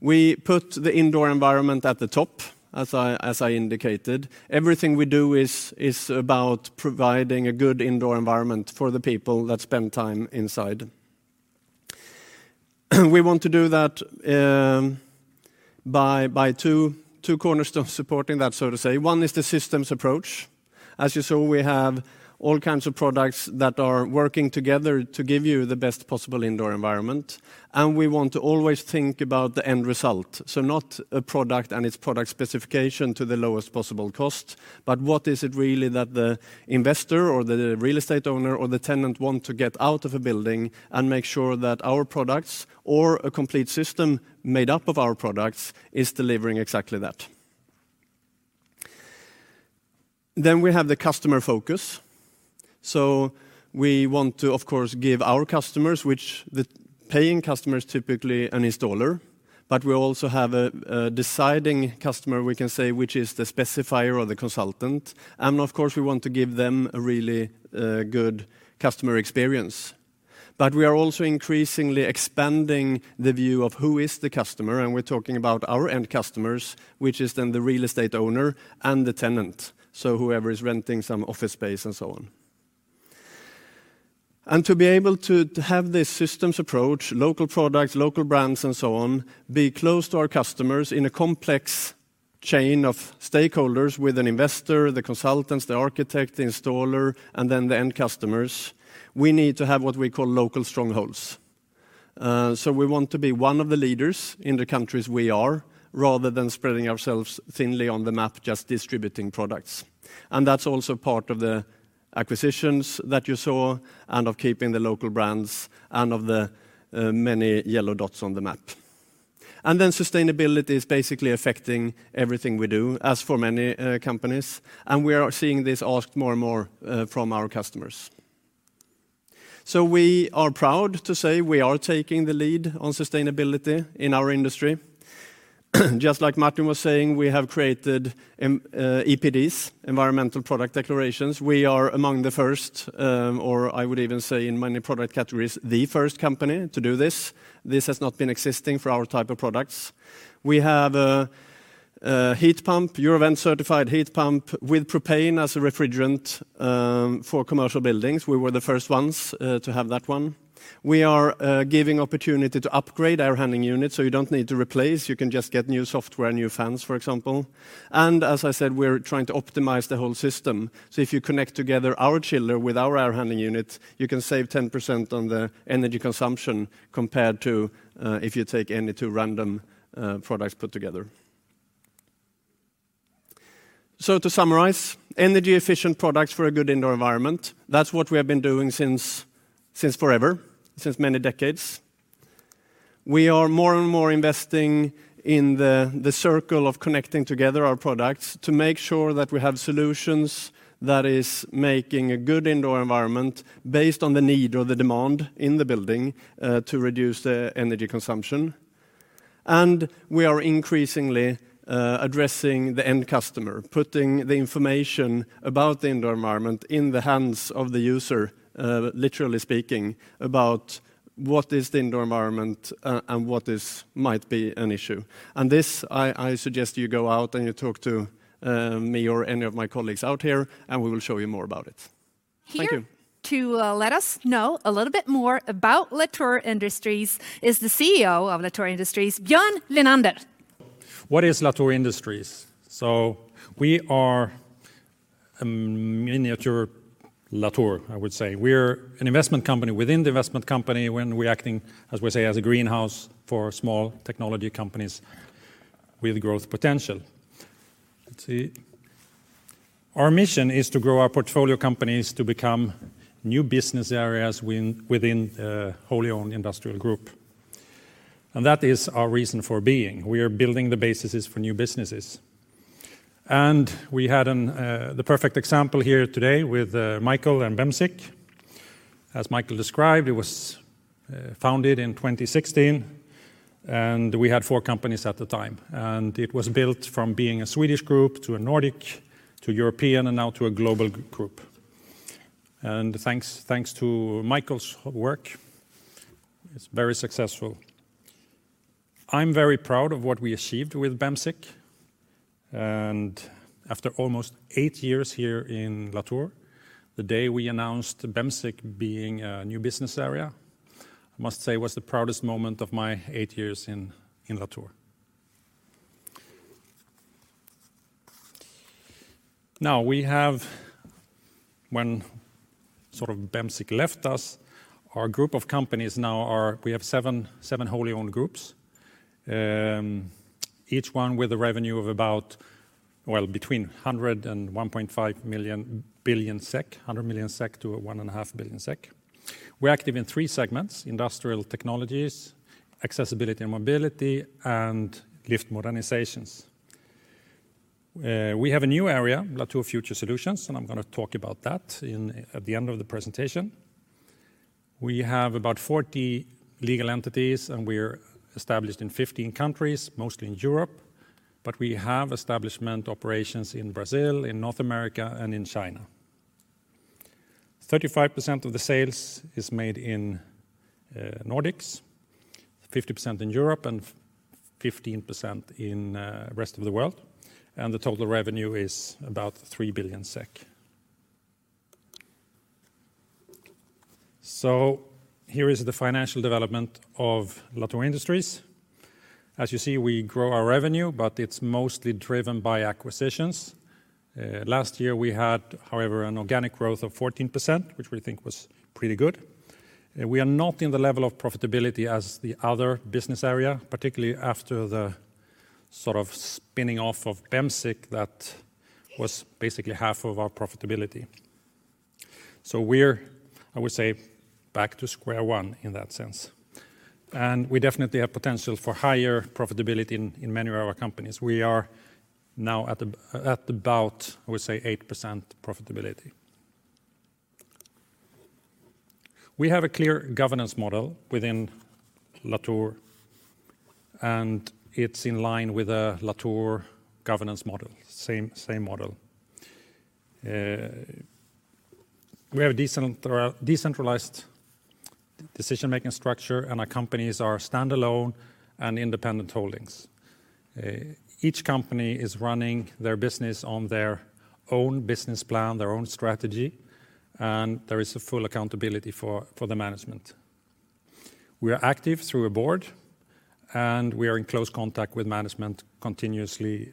We put the indoor environment at the top, as I indicated. Everything we do is about providing a good indoor environment for the people that spend time inside. We want to do that by two cornerstones supporting that, so to say. One is the systems approach. As you saw, we have all kinds of products that are working together to give you the best possible indoor environment, and we want to always think about the end result. Not a product and its product specification to the lowest possible cost, but what is it really that the investor or the real estate owner or the tenant want to get out of a building and make sure that our products or a complete system made up of our products is delivering exactly that. We have the customer focus. We want to, of course, give our customers, which the paying customer is typically an installer, but we also have a deciding customer we can say, which is the specifier or the consultant. Of course, we want to give them a really good customer experience. We are also increasingly expanding the view of who is the customer, and we're talking about our end customers, which is then the real estate owner and the tenant, so whoever is renting some office space and so on. To be able to have this systems approach, local products, local brands, and so on, be close to our customers in a complex chain of stakeholders with an investor, the consultants, the architect, the installer, and then the end customers, we need to have what we call local strongholds. We want to be one of the leaders in the countries we are, rather than spreading ourselves thinly on the map, just distributing products. That's also part of the acquisitions that you saw and of keeping the local brands and of the many yellow dots on the map. Sustainability is basically affecting everything we do, as for many companies, and we are seeing this asked more and more from our customers. We are proud to say we are taking the lead on sustainability in our industry. Just like Martin was saying, we have created EPDs, Environmental Product Declarations. We are among the first, or I would even say in many product categories, the first company to do this. This has not been existing for our type of products. We have a Eurovent certified heat pump with propane as a refrigerant for commercial buildings. We were the first ones to have that one. We are giving opportunity to upgrade air handling unit, so you don't need to replace, you can just get new software, new fans, for example. As I said, we're trying to optimize the whole system. If you connect together our chiller with our air handling unit, you can save 10% on the energy consumption compared to if you take any two random products put together. To summarize, energy efficient products for a good indoor environment. That's what we have been doing since forever, since many decades. We are more and more investing in the circle of connecting together our products to make sure that we have solutions that is making a good indoor environment based on the need or the demand in the building to reduce the energy consumption. We are increasingly addressing the end customer, putting the information about the indoor environment in the hands of the user, literally speaking, about what is the indoor environment, and what might be an issue. This, I suggest you go out and you talk to me or any of my colleagues out here, and we will show you more about it. Thank you. Here to let us know a little bit more about Latour Industries is the CEO of Latour Industries, Björn Lenander. What is Latour Industries? We are A miniature Latour, I would say. We're an investment company within the investment company when we're acting, as we say, as a greenhouse for small technology companies with growth potential. Let's see. Our mission is to grow our portfolio companies to become new business areas within wholly owned industrial group. That is our reason for being. We are building the basis for new businesses. We had the perfect example here today with Mikael and Bemsiq. As Mikael described, it was founded in 2016, and we had four companies at the time. It was built from being a Swedish group to a Nordic, to European, and now to a global group. Thanks to Mikael's work, it's very successful. I'm very proud of what we achieved with Bemsiq, and after almost 8 years here in Latour, the day we announced Bemsiq being a new business area, I must say was the proudest moment of my 8 years in Latour. Now, when sort of Bemsiq left us, our group of companies now are we have seven wholly owned groups, each one with a revenue of about, well, between 100 million and 1.5 billion SEK, 100 million SEK to 1.5 billion SEK. We're active in three segments, industrial technologies, accessibility and mobility, and lift modernizations. We have a new area, Latour Future Solutions, and I'm gonna talk about that at the end of the presentation. We have about 40 legal entities, and we're established in 15 countries, mostly in Europe, but we have establishment operations in Brazil, in North America, and in China. 35% of the sales is made in Nordics, 50% in Europe, and 15% in rest of the world, and the total revenue is about 3 billion SEK. Here is the financial development of Latour Industries. As you see, we grow our revenue, but it's mostly driven by acquisitions. Last year we had, however, an organic growth of 14%, which we think was pretty good. We are not in the level of profitability as the other business area, particularly after the sort of spinning off of Bemsiq that was basically half of our profitability. We're, I would say, back to square one in that sense, and we definitely have potential for higher profitability in many of our companies. We are now at about 8% profitability. We have a clear governance model within Latour, and it's in line with a Latour governance model, same model. We have a decentralized decision-making structure, and our companies are standalone and independent holdings. Each company is running their business on their own business plan, their own strategy, and there is a full accountability for the management. We are active through a board, and we are in close contact with management continuously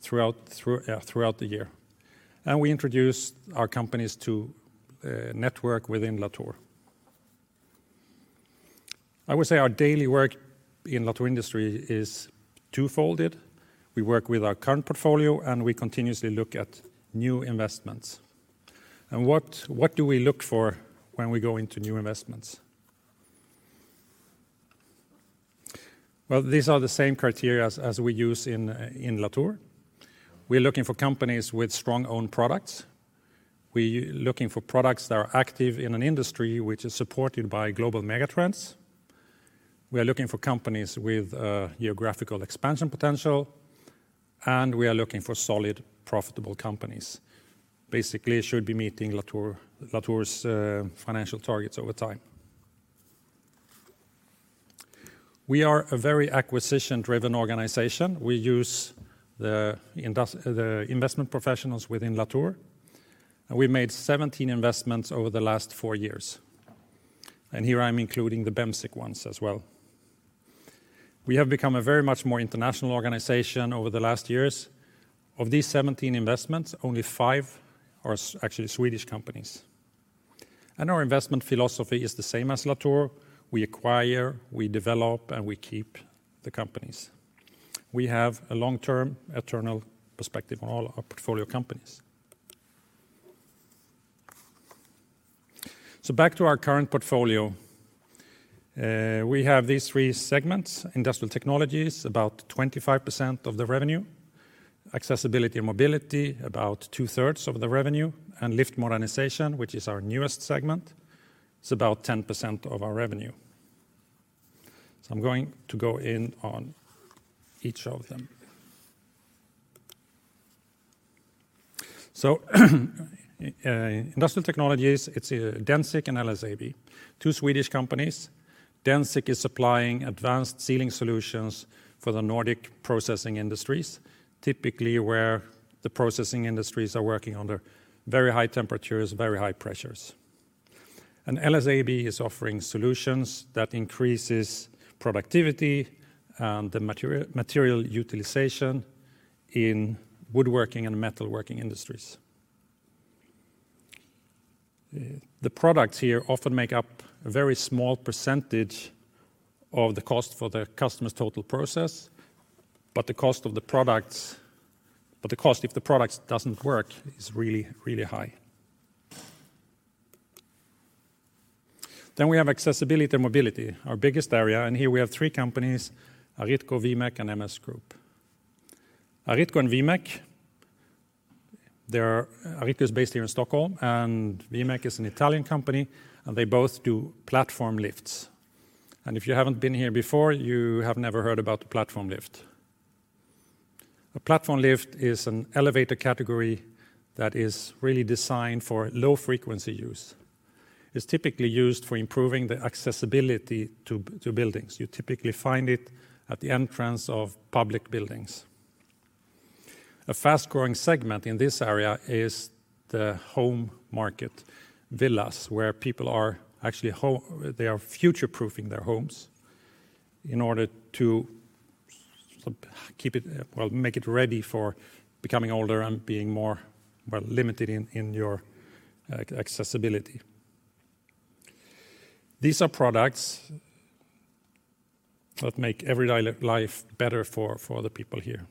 throughout the year. We introduce our companies to network within Latour. I would say our daily work in Latour Industries is twofold. We work with our current portfolio, and we continuously look at new investments. What do we look for when we go into new investments? Well, these are the same criteria as we use in Latour. We're looking for companies with strong own products. We're looking for products that are active in an industry which is supported by global megatrends. We are looking for companies with geographical expansion potential, and we are looking for solid, profitable companies. Basically, it should be meeting Latour's financial targets over time. We are a very acquisition-driven organization. We use the investment professionals within Latour, and we made 17 investments over the last four years. Here I'm including the Bemsiq ones as well. We have become a very much more international organization over the last years. Of these 17 investments, only five are actually Swedish companies. Our investment philosophy is the same as Latour. We acquire, we develop, and we keep the companies. We have a long-term eternal perspective on all our portfolio companies. Back to our current portfolio. We have these three segments, industrial technologies, about 25% of the revenue, accessibility and mobility, about two-thirds of the revenue, and lift modernization, which is our newest segment. It's about 10% of our revenue. I'm going to go in on each of them. Industrial technologies, it's Densiq and LSAB, two Swedish companies. Densiq is supplying advanced sealing solutions for the Nordic processing industries, typically where the processing industries are working under very high temperatures, very high pressures. LSAB is offering solutions that increases productivity and the material utilization in woodworking and metalworking industries. The products here often make up a very small percentage of the cost for the customer's total process, but the cost if the products doesn't work is really, really high. We have accessibility and mobility, our biggest area, and here we have three companies, Aritco, Vimec, and MS Group. Aritco and Vimec, Aritco is based here in Stockholm, and Vimec is an Italian company, and they both do platform lifts. If you haven't been here before, you have never heard about the platform lift. A platform lift is an elevator category that is really designed for low-frequency use. It's typically used for improving the accessibility to buildings. You typically find it at the entrance of public buildings. A fast-growing segment in this area is the home market, villas, where people are actually they are future-proofing their homes in order to keep it, well, make it ready for becoming older and being more, well, limited in your accessibility. These are products that make everyday life better for the people here.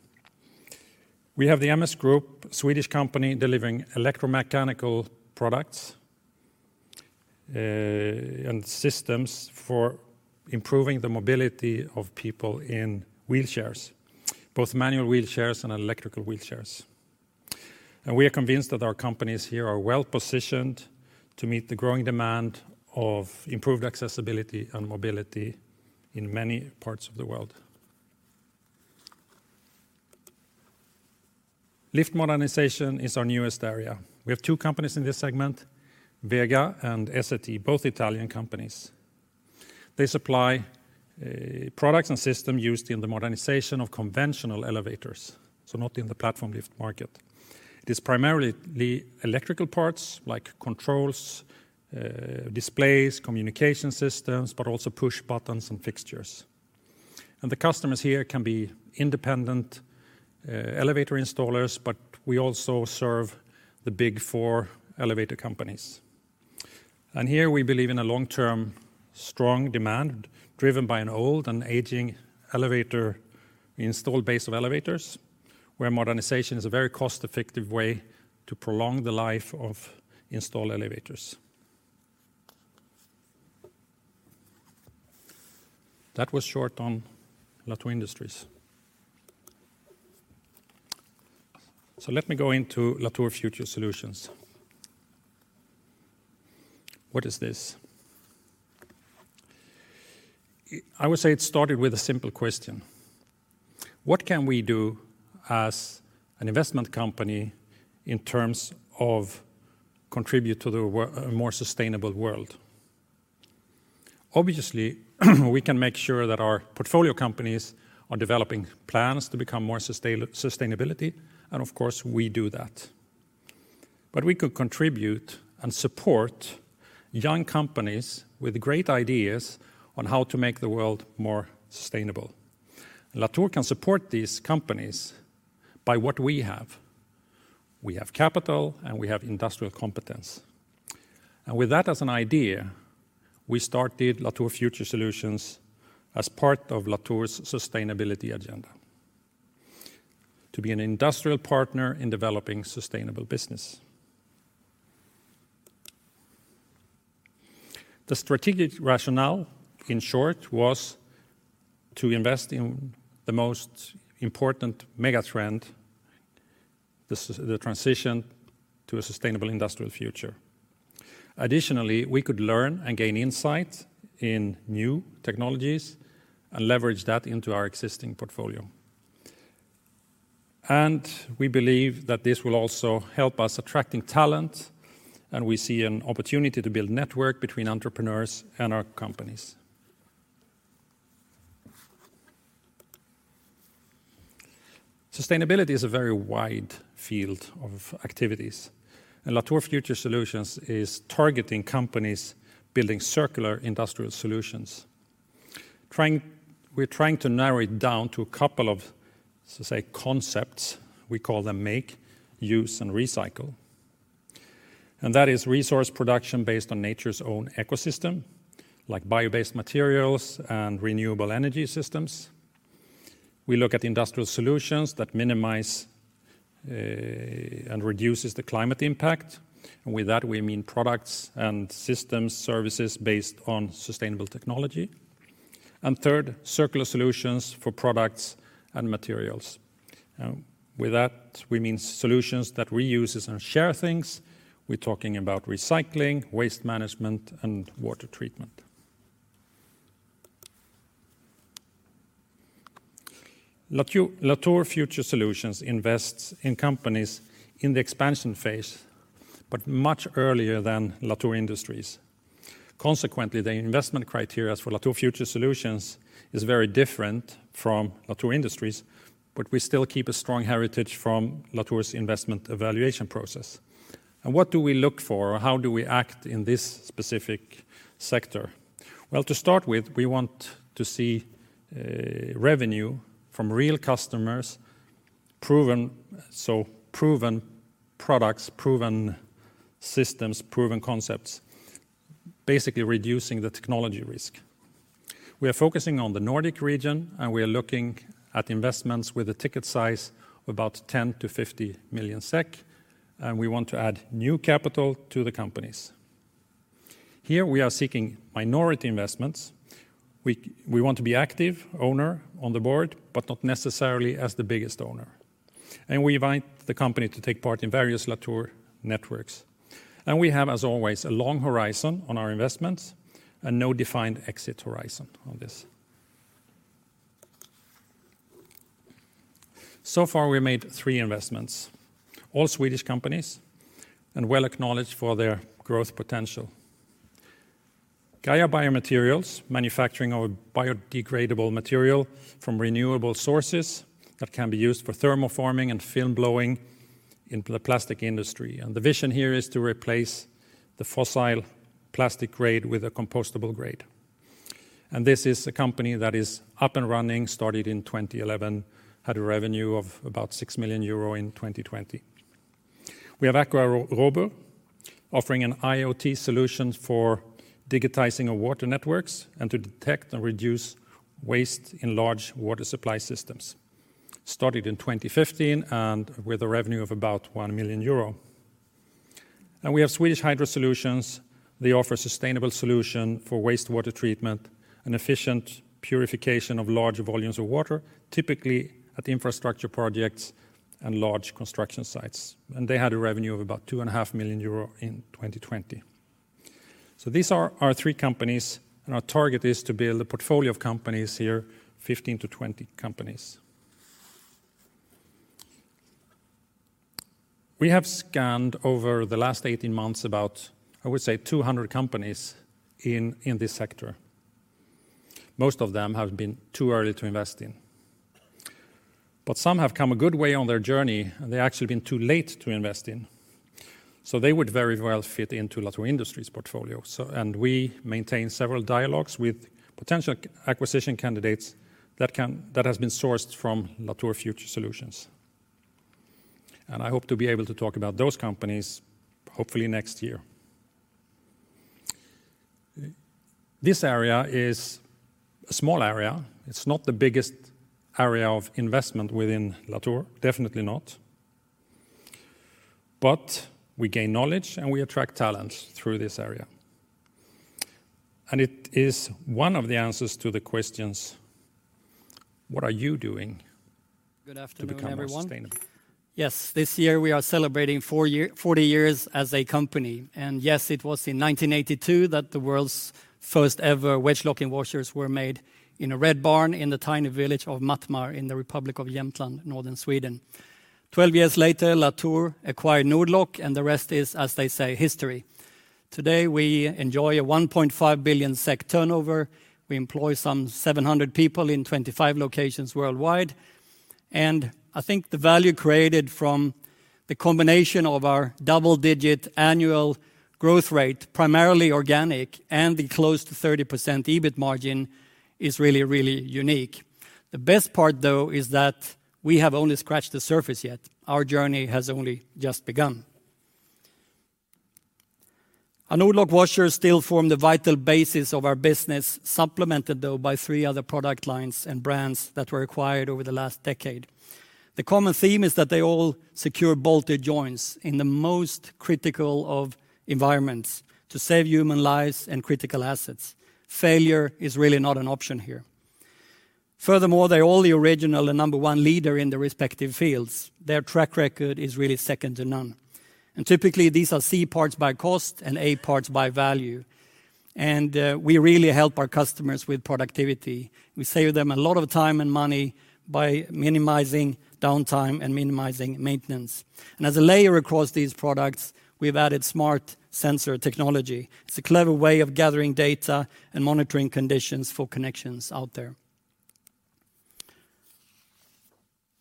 We have the MS Group, Swedish company delivering electromechanical products and systems for improving the mobility of people in wheelchairs, both manual wheelchairs and electrical wheelchairs. We are convinced that our companies here are well-positioned to meet the growing demand of improved accessibility and mobility in many parts of the world. Lift modernization is our newest area. We have two companies in this segment, Vega and Esse-ti, both Italian companies. They supply products and systems used in the modernization of conventional elevators, so not in the platform lift market. It is primarily electrical parts like controls, displays, communication systems, but also push buttons and fixtures. The customers here can be independent, elevator installers, but we also serve the big four elevator companies. Here we believe in a long-term strong demand driven by an old and aging elevator, installed base of elevators, where modernization is a very cost-effective way to prolong the life of installed elevators. That was short on Latour Industries. Let me go into Latour Future Solutions. What is this? I would say it started with a simple question. What can we do as an investment company in terms of contribute to a more sustainable world? Obviously, we can make sure that our portfolio companies are developing plans to become more sustainability, and of course, we do that. We could contribute and support young companies with great ideas on how to make the world more sustainable. Latour can support these companies by what we have. We have capital, and we have industrial competence. With that as an idea, we started Latour Future Solutions as part of Latour's sustainability agenda, to be an industrial partner in developing sustainable business. The strategic rationale, in short, was to invest in the most important mega trend, the transition to a sustainable industrial future. Additionally, we could learn and gain insight in new technologies and leverage that into our existing portfolio. We believe that this will also help us attracting talent, and we see an opportunity to build network between entrepreneurs and our companies. Sustainability is a very wide field of activities, and Latour Future Solutions is targeting companies building circular industrial solutions. We're trying to narrow it down to a couple of, say, concepts. We call them make, use, and recycle. That is resource production based on nature's own ecosystem, like bio-based materials and renewable energy systems. We look at industrial solutions that minimize and reduces the climate impact. With that, we mean products and systems, services based on sustainable technology. Third, circular solutions for products and materials. With that, we mean solutions that reuses and share things. We're talking about recycling, waste management, and water treatment. Latour Future Solutions invests in companies in the expansion phase, but much earlier than Latour Industries. Consequently, the investment criterias for Latour Future Solutions is very different from Latour Industries, but we still keep a strong heritage from Latour's investment evaluation process. What do we look for? How do we act in this specific sector? Well, to start with, we want to see a revenue from real customers, proven, so proven products, proven systems, proven concepts, basically reducing the technology risk. We are focusing on the Nordic region, and we are looking at investments with a ticket size of about 10 million- 50 million SEK, and we want to add new capital to the companies. Here we are seeking minority investments. We want to be active owner on the board, but not necessarily as the biggest owner. We invite the company to take part in various Latour networks. We have, as always, a long horizon on our investments and no defined exit horizon on this. So far, we made three investments, all Swedish companies and well acknowledged for their growth potential. Gaia BioMaterials, manufacturing our biodegradable material from renewable sources that can be used for thermoforming and film blowing in plastic industry. The vision here is to replace the fossil plastic grade with a compostable grade. This is a company that is up and running, started in 2011, had a revenue of about 6 million euro in 2020. We have Aqua Robur offering an IoT solution for digitizing of water networks and to detect and reduce waste in large water supply systems. Started in 2015 and with a revenue of about 1 million euro. We have Swedish Hydro Solutions. They offer sustainable solution for wastewater treatment and efficient purification of large volumes of water, typically at infrastructure projects and large construction sites. They had a revenue of about 2.5 million euro in 2020. These are our three companies, and our target is to build a portfolio of companies here, 15 companies-20 companies. We have scanned over the last 18 months about, I would say, 200 companies in this sector. Most of them have been too early to invest in. Some have come a good way on their journey, and they actually been too late to invest in. They would very well fit into Latour Industries portfolio. We maintain several dialogues with potential acquisition candidates that has been sourced from Latour Future Solutions. I hope to be able to talk about those companies hopefully next year. This area is a small area. It's not the biggest area of investment within Latour, definitely not. We gain knowledge, and we attract talent through this area. It is one of the answers to the question, what are you doing to become more sustainable? Good afternoon, everyone. Yes, this year we are celebrating 40 years as a company. Yes, it was in 1982 that the world's first ever wedge locking washers were made in a red barn in the tiny village of Mattmar in the Republic of Jämtland, northern Sweden. 12 years later, Latour acquired Nord-Lock, and the rest is, as they say, history. Today, we enjoy a 1.5 billion SEK turnover. We employ some 700 people in 25 locations worldwide. I think the value created from the combination of our double-digit annual growth rate, primarily organic, and the close to 30% EBIT margin is really, really unique. The best part, though, is that we have only scratched the surface yet. Our journey has only just begun. Our Nord-Lock washers still form the vital basis of our business, supplemented though by three other product lines and brands that were acquired over the last decade. The common theme is that they all secure bolted joints in the most critical of environments to save human lives and critical assets. Failure is really not an option here. Furthermore, they're all the original and number one leader in their respective fields. Their track record is really second to none. We really help our customers with productivity. We save them a lot of time and money by minimizing downtime and minimizing maintenance. As a layer across these products, we've added smart sensor technology. It's a clever way of gathering data and monitoring conditions for connections out there.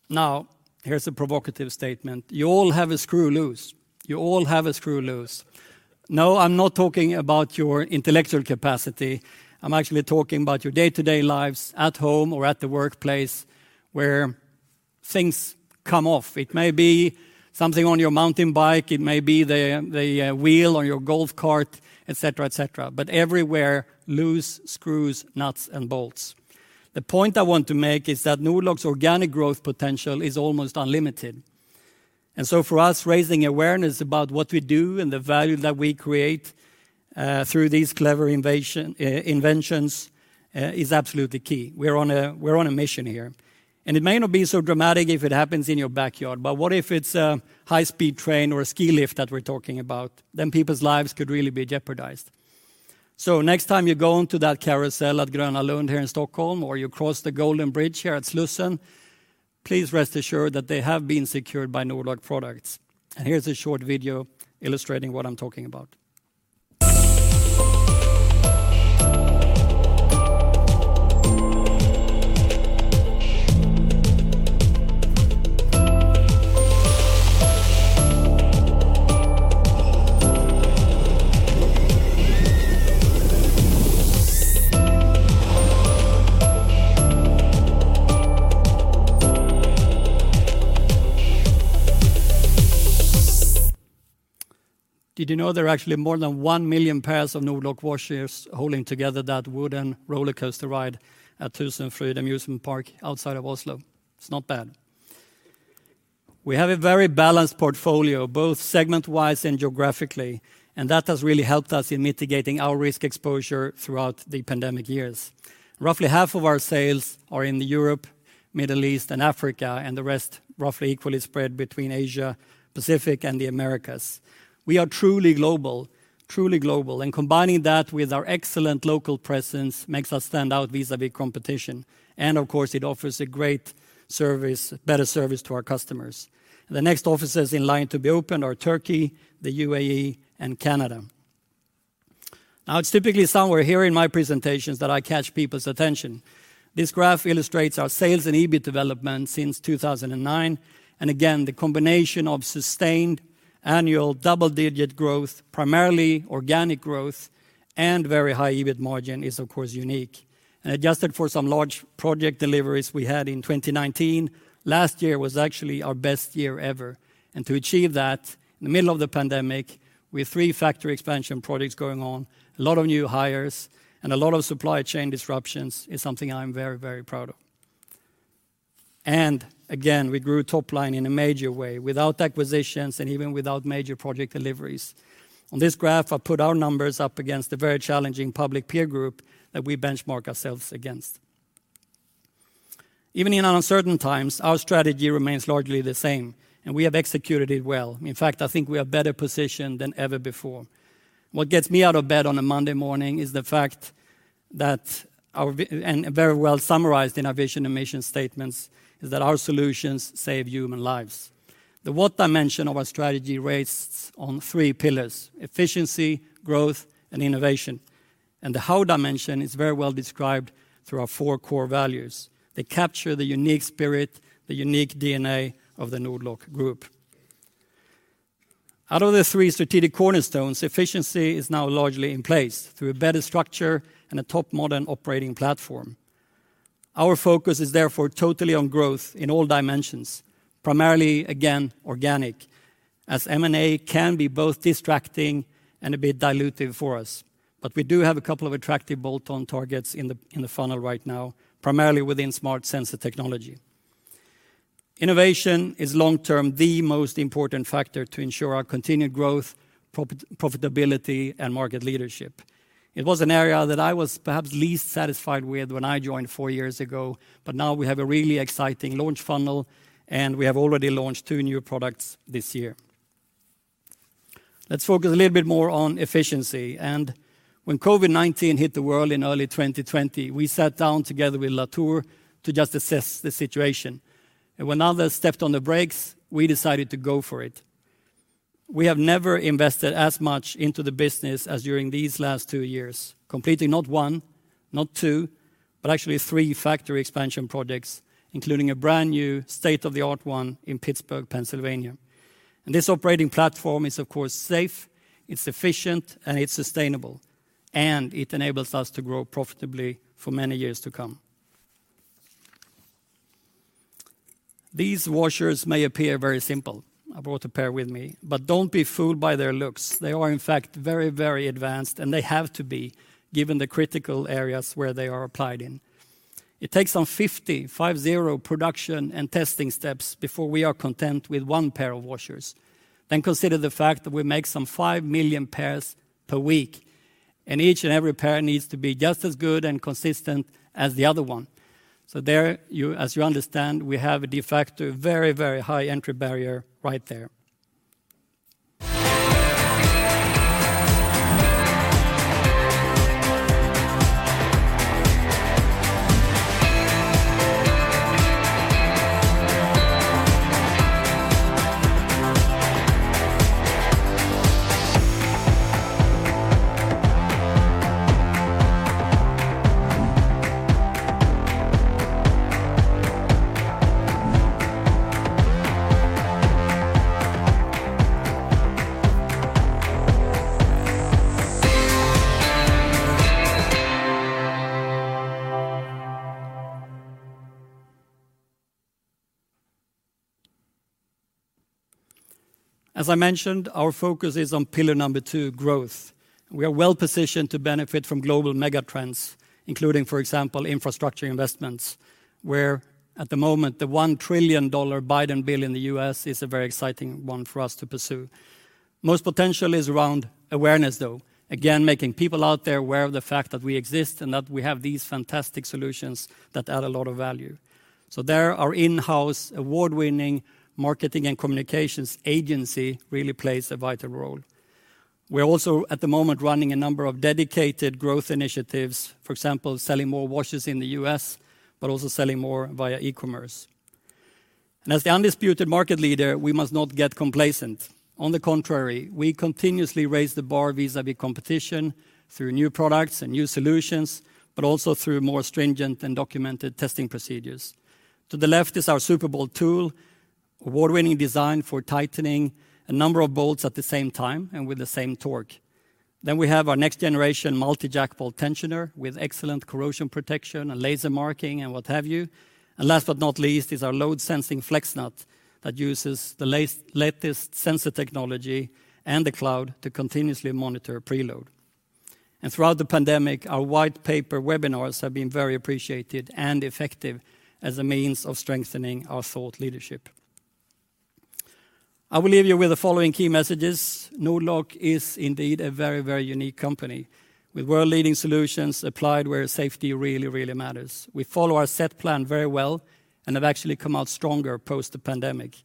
Now, here's a provocative statement. You all have a screw loose. No, I'm not talking about your intellectual capacity. I'm actually talking about your day-to-day lives at home or at the workplace where things come off. It may be something on your mountain bike, it may be the wheel on your golf cart, et cetera, et cetera. But everywhere, loose screws, nuts, and bolts. The point I want to make is that Nord-Lock's organic growth potential is almost unlimited. For us, raising awareness about what we do and the value that we create through these clever inventions is absolutely key. We're on a mission here. It may not be so dramatic if it happens in your backyard, but what if it's a high-speed train or a ski lift that we're talking about? People's lives could really be jeopardized. Next time you go onto that carousel at Gröna Lund here in Stockholm, or you cross the Guldbron here at Slussen, please rest assured that they have been secured by Nord-Lock products. Here's a short video illustrating what I'm talking about. Did you know there are actually more than 1 million pairs of Nord-Lock washers holding together that wooden rollercoaster ride at TusenFryd Amusement Park outside of Oslo? It's not bad. We have a very balanced portfolio, both segment-wise and geographically, and that has really helped us in mitigating our risk exposure throughout the pandemic years. Roughly half of our sales are in Europe, Middle East, and Africa, and the rest roughly equally spread between Asia, Pacific, and the Americas. We are truly global, truly global, and combining that with our excellent local presence makes us stand out vis-à-vis competition. Of course, it offers a great service, better service to our customers. The next offices in line to be opened are Turkey, the UAE, and Canada. Now, it's typically somewhere here in my presentations that I catch people's attention. This graph illustrates our sales and EBIT development since 2009. Again, the combination of sustained annual double-digit growth, primarily organic growth, and very high EBIT margin is of course, unique. Adjusted for some large project deliveries we had in 2019, last year was actually our best year ever. To achieve that in the middle of the pandemic, with three factory expansion projects going on, a lot of new hires, and a lot of supply chain disruptions, is something I'm very, very proud of. Again, we grew top-line in a major way without acquisitions and even without major project deliveries. On this graph, I put our numbers up against the very challenging public peer group that we benchmark ourselves against. Even in uncertain times, our strategy remains largely the same, and we have executed it well. In fact, I think we are better positioned than ever before. What gets me out of bed on a Monday morning is the fact that our and very well summarized in our vision and mission statements, is that our solutions save human lives. The what dimension of our strategy rests on three pillars, efficiency, growth, and innovation. The how dimension is very well described through our four core values. They capture the unique spirit, the unique DNA of the Nord-Lock Group. Out of the three strategic cornerstones, efficiency is now largely in place through a better structure and a top modern operating platform. Our focus is therefore totally on growth in all dimensions, primarily, again, organic, as M&A can be both distracting and a bit dilutive for us. We do have a couple of attractive bolt-on targets in the funnel right now, primarily within smart sensor technology. Innovation is long-term, the most important factor to ensure our continued growth, profitability, and market leadership. It was an area that I was perhaps least satisfied with when I joined four years ago, but now we have a really exciting launch funnel, and we have already launched two new products this year. Let's focus a little bit more on efficiency. When COVID-19 hit the world in early 2020, we sat down together with Latour to just assess the situation. When others stepped on the brakes, we decided to go for it. We have never invested as much into the business as during these last two years, completing not one, not two, but actually three factory expansion projects, including a brand-new state-of-the-art one in Pittsburgh, Pennsylvania. This operating platform is, of course, safe, it's efficient, and it's sustainable, and it enables us to grow profitably for many years to come. These washers may appear very simple. I brought a pair with me. Don't be fooled by their looks. They are, in fact, very, very advanced, and they have to be, given the critical areas where they are applied in. It takes some 50, five, zero, production and testing steps before we are content with one pair of washers. Consider the fact that we make some 5 million pairs per week, and each and every pair needs to be just as good and consistent as the other one. There you, as you understand, we have a de facto, very, very high entry barrier right there. As I mentioned, our focus is on pillar number two, growth. We are well-positioned to benefit from global mega trends, including, for example, infrastructure investments, where at the moment, the $1 trillion Biden bill in the U.S. is a very exciting one for us to pursue. Most potential is around awareness, though. Again, making people out there aware of the fact that we exist and that we have these fantastic solutions that add a lot of value. There, our in-house award-winning marketing and communications agency really plays a vital role. We're also at the moment running a number of dedicated growth initiatives, for example, selling more washers in the U.S., but also selling more via e-commerce. As the undisputed market leader, we must not get complacent. On the contrary, we continuously raise the bar vis-à-vis competition through new products and new solutions, but also through more stringent and documented testing procedures. To the left is our Superbolt tool. Award-winning design for tightening a number of bolts at the same time and with the same torque. We have our next generation multi-jack bolt tensioner with excellent corrosion protection and laser marking and what have you. Last but not least is our load-sensing flex nut that uses the latest sensor technology and the cloud to continuously monitor preload. Throughout the pandemic, our white paper webinars have been very appreciated and effective as a means of strengthening our thought leadership. I will leave you with the following key messages. Nord-Lock is indeed a very, very unique company with world-leading solutions applied where safety really, really matters. We follow our set plan very well and have actually come out stronger post the pandemic.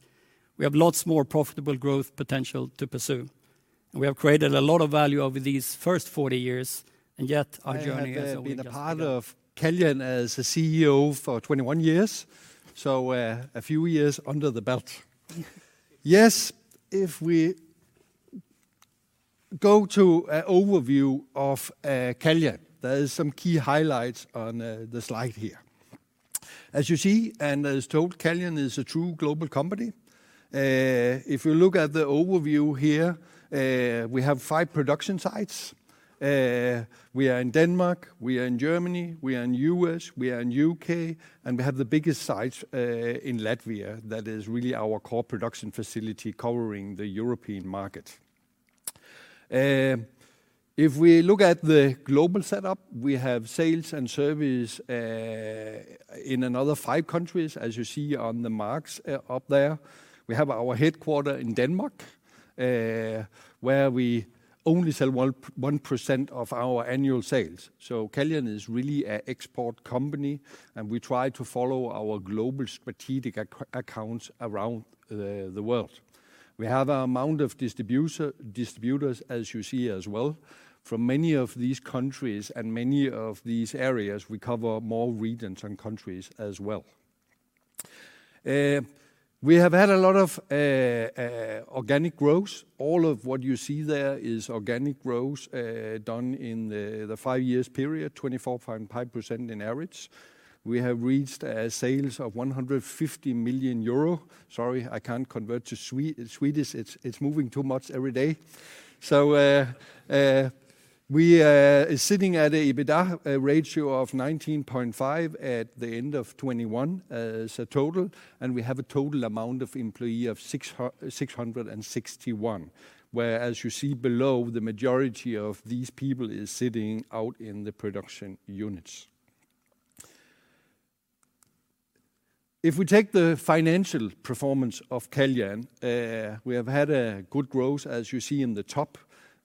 We have lots more profitable growth potential to pursue, and we have created a lot of value over these first 40 years, and yet our journey has only just begun. I have been a part of Caljan as a CEO for 21 years, so a few years under the belt. Yes, if we go to an overview of Caljan, there is some key highlights on the slide here. As you see, and as told, Caljan is a true global company. If you look at the overview here, we have five production sites. We are in Denmark, we are in Germany, we are in U.S., we are in U.K., and we have the biggest site in Latvia. That is really our core production facility covering the European market. If we look at the global setup, we have sales and service in another five countries, as you see on the map up there. We have our headquarters in Denmark, where we only sell 1% of our annual sales. Caljan is really an export company, and we try to follow our global strategic accounts around the world. We have an amount of distributors, as you see as well. From many of these countries and many of these areas, we cover more regions and countries as well. We have had a lot of organic growth. All of what you see there is organic growth, done in the five years period, 24.5% in average. We have reached sales of 150 million euro. Sorry, I can't convert to Swedish. It's moving too much every day. We are sitting at an EBITDA ratio of 19.5 at the end of 2021 as a total, and we have a total amount of employees of 661, where, as you see below, the majority of these people is sitting out in the production units. If we take the financial performance of Caljan, we have had a good growth, as you see in the top,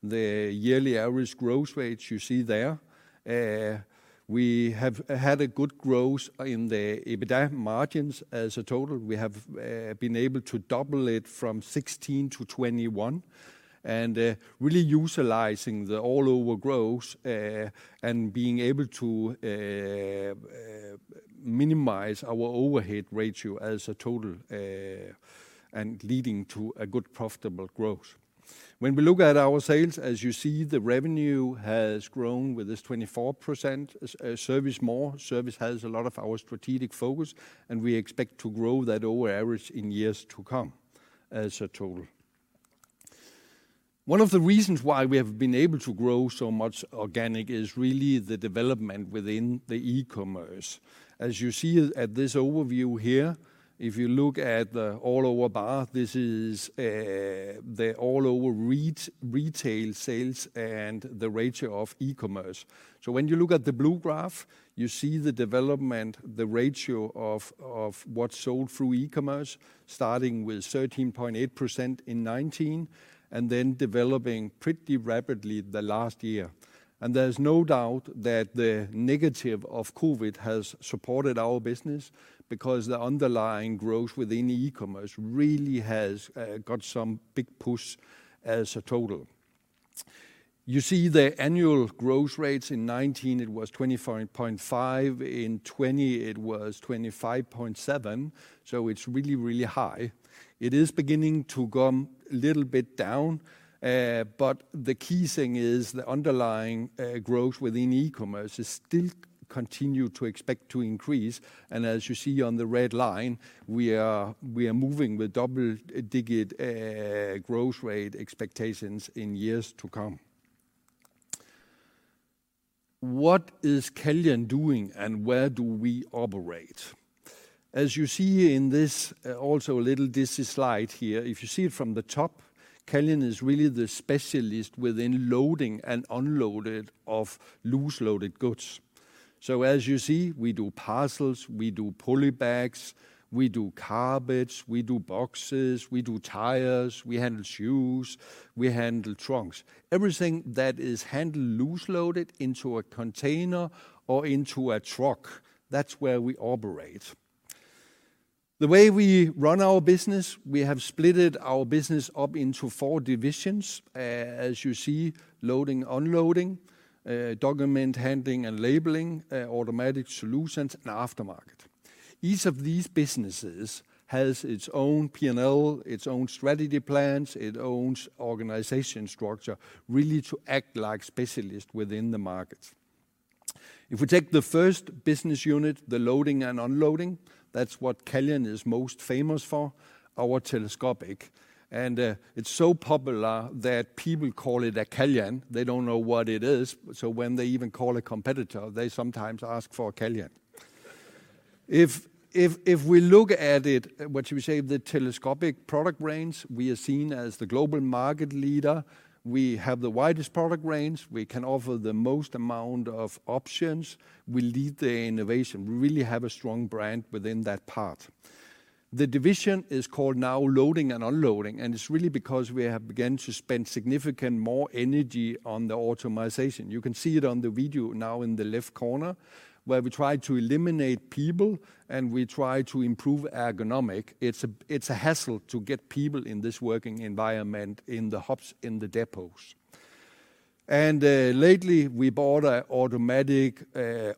the yearly average growth rates you see there. We have had a good growth in the EBITDA margins as a total. We have been able to double it from 16% to 21% and really utilizing the all-over growth and being able to minimize our overhead ratio as a total and leading to a good profitable growth. When we look at our sales, as you see, the revenue has grown with this 24% as service more. Service has a lot of our strategic focus, and we expect to grow that over average in years to come as a total. One of the reasons why we have been able to grow so much organic is really the development within the e-commerce. As you see at this overview here, if you look at the all-over bar, this is the all-over retail sales and the ratio of e-commerce. When you look at the blue graph, you see the development, the ratio of what's sold through e-commerce, starting with 13.8% in 2019 and then developing pretty rapidly the last year. There's no doubt that the negative of COVID has supported our business because the underlying growth within e-commerce really has got some big push as a total. You see the annual growth rates in 2019, it was 24.5%. In 2020, it was 25.7%, so it's really, really high. It is beginning to come a little bit down, but the key thing is the underlying growth within e-commerce is still continue to expect to increase. As you see on the red line, we are moving with double-digit growth rate expectations in years to come. What is Caljan doing, and where do we operate? As you see in this also a little busy slide here, if you see it from the top, Caljan is really the specialist within loading and unloading of loose loaded goods. As you see, we do parcels, we do polybags, we do carpets, we do boxes, we do tires, we handle shoes, we handle trunks. Everything that is handled loose loaded into a container or into a truck, that's where we operate. The way we run our business, we have split our business up into four divisions, as you see, loading, unloading, document handling and labeling, automatic solutions and aftermarket. Each of these businesses has its own P&L, its own strategy plans, its own organization structure, really to act like specialists within the markets. If we take the first business unit, the loading and unloading, that's what Caljan is most famous for, our telescopic. It's so popular that people call it a Caljan. They don't know what it is, so when they even call a competitor, they sometimes ask for a Caljan. If we look at it, what should we say, the telescopic product range, we are seen as the global market leader. We have the widest product range. We can offer the most amount of options. We lead the innovation. We really have a strong brand within that part. The division is called now Loading and Unloading, and it's really because we have began to spend significant more energy on the automation. You can see it on the video now in the left corner, where we try to eliminate people, and we try to improve ergonomics. It's a hassle to get people in this working environment in the hubs, in the depots. Lately we bought a automatic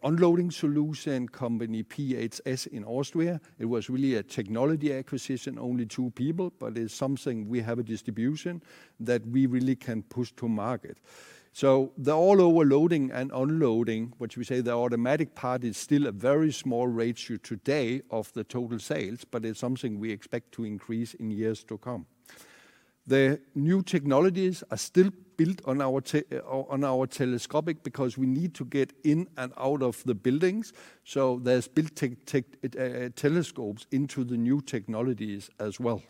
unloading solution company, PHS in Austria. It was really a technology acquisition, only two people, but it's something we have a distribution that we really can push to market. The all-over loading and unloading, which we say the automatic part, is still a very small ratio today of the total sales, but it's something we expect to increase in years to come. The new technologies are still built on our telescopic because we need to get in and out of the buildings, so there's built telescopes into the new technologies as well.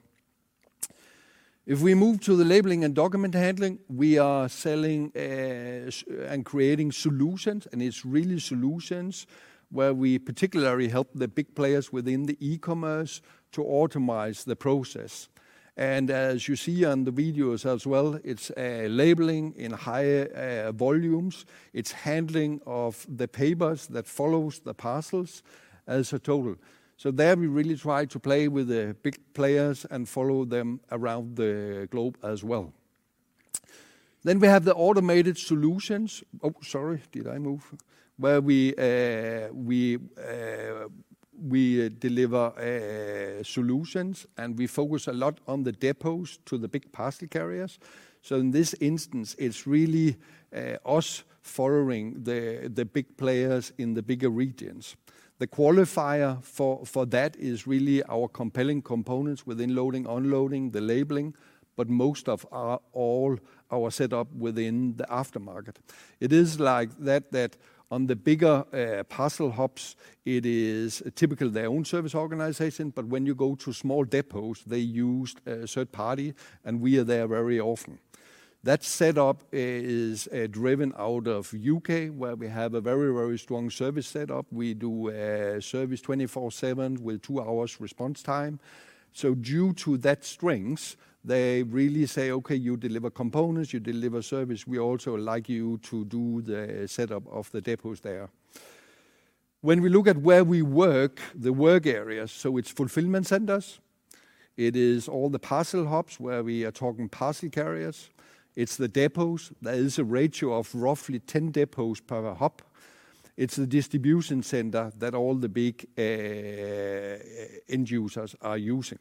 If we move to the labeling and document handling, we are selling and creating solutions, and it's really solutions where we particularly help the big players within the e-commerce to automate the process. As you see on the videos as well, it's labeling in high volumes. It's handling of the papers that follows the parcels as a total. There we really try to play with the big players and follow them around the globe as well. We have the automated solutions. Where we deliver solutions, and we focus a lot on the depots to the big parcel carriers. In this instance, it's really us following the big players in the bigger regions. The qualifier for that is really our compelling components within loading, unloading, the labeling, but most of our, all our setup within the aftermarket. It is like that on the bigger parcel hubs, it is typically their own service organization. When you go to small depots, they use a third party, and we are there very often. That setup is driven out of U.K., where we have a very strong service setup. We do service 24/7 with two hours response time. Due to that strength, they really say, "Okay, you deliver components. You deliver service. We also like you to do the setup of the depots there." When we look at where we work, the work areas, it's fulfillment centers. It is all the parcel hubs where we are talking parcel carriers. It's the depots. There is a ratio of roughly 10 depots per hub. It's the distribution center that all the big end users are using.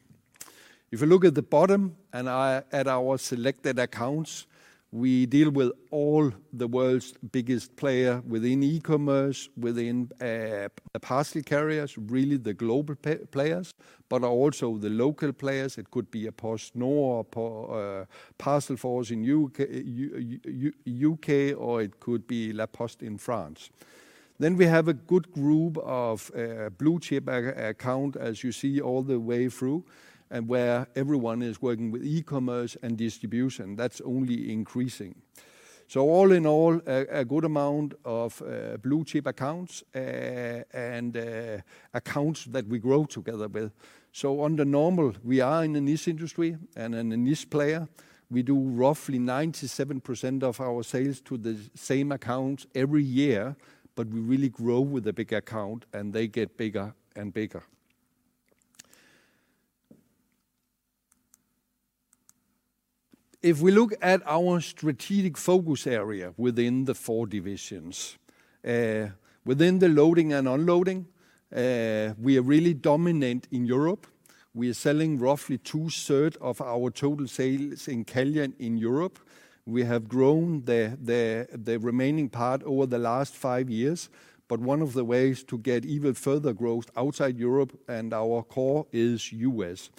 If you look at the bottom at our selected accounts, we deal with all the world's biggest player within e-commerce, within parcel carriers, really the global players, but also the local players. It could be a PostNord, Parcelforce in U.K., or it could be La Poste in France. We have a good group of blue-chip accounts, as you see all the way through, and where everyone is working with e-commerce and distribution. That's only increasing. All in all, a good amount of blue-chip accounts and accounts that we grow together with. Under normal, we are in a niche industry and a niche player. We do roughly 97% of our sales to the same accounts every year, but we really grow with a big account, and they get bigger and bigger. If we look at our strategic focus area within the four divisions, within the Loading and Unloading, we are really dominant in Europe. We are selling roughly two-thirds of our total sales in Caljan in Europe. We have grown the remaining part over the last five years, but one of the ways to get even further growth outside Europe and our core is the U.S.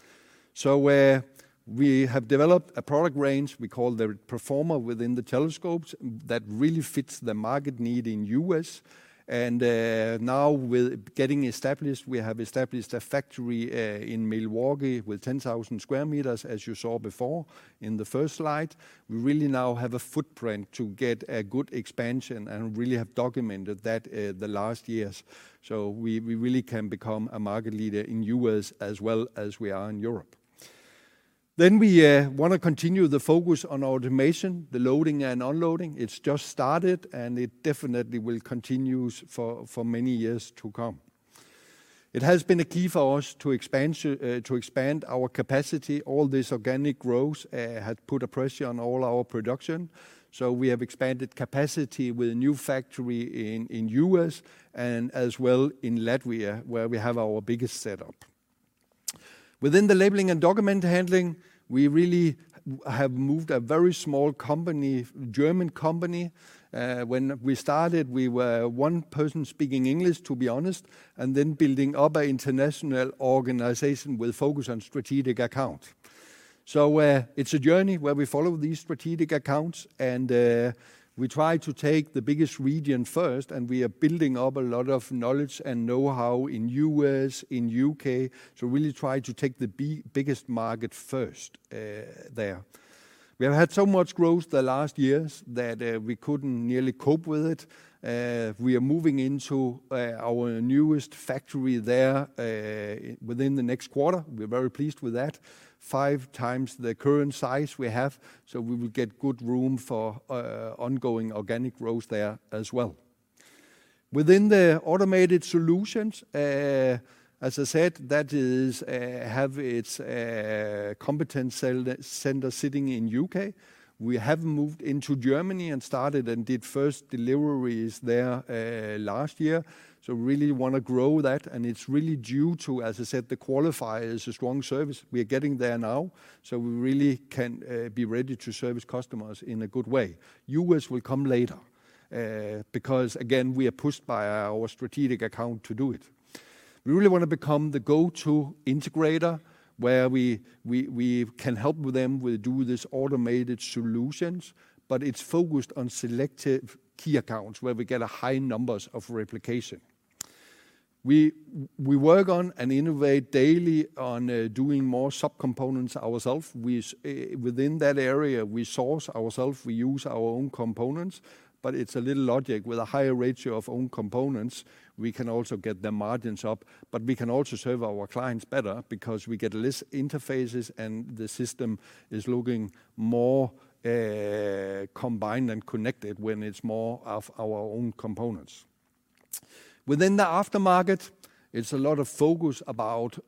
We have developed a product range we call the Performer within the Telescopes that really fits the market need in the U.S.. Now with getting established, we have established a factory in Milwaukee with 10,000 square meters, as you saw before in the first slide. We really now have a footprint to get a good expansion and really have documented that the last years. We really can become a market leader in the U.S. As well as we are in Europe. We wanna continue the focus on automation, the loading and unloading. It has just started, and it definitely will continue for many years to come. It has been a key for us to expand our capacity. All this organic growth has put a pressure on all our production, so we have expanded capacity with a new factory in the U.S. and as well in Latvia where we have our biggest setup. Within the labeling and document handling, we really have moved a very small company, German company. When we started, we were one person speaking English, to be honest, and then building up an international organization with focus on strategic account. It's a journey where we follow these strategic accounts and we try to take the biggest region first, and we are building up a lot of knowledge and know-how in the U.S., in the U.K. We really try to take the biggest market first, there. We have had so much growth the last years that we couldn't nearly cope with it. We are moving into our newest factory there within the next quarter. We're very pleased with that. Five times the current size we have, so we will get good room for ongoing organic growth there as well. Within the automated solutions, as I said, that has its competence center sitting in U.K. We have moved into Germany and started first deliveries there last year, so really wanna grow that. It's really due to, as I said, the qualifiers, a strong service. We are getting there now, so we really can be ready to service customers in a good way. U.S. will come later because again, we are pushed by our strategic account to do it. We really wanna become the go-to integrator where we can help them with these automated solutions, but it's focused on selective key accounts where we get a high numbers of replication. We work on and innovate daily on doing more subcomponents ourselves. Within that area, we source ourselves, we use our own components, but it's a little logistics. With a higher ratio of own components, we can also get the margins up, but we can also serve our clients better because we get less interfaces, and the system is looking more combined and connected when it's more of our own components. Within the aftermarket, it's a lot of focus about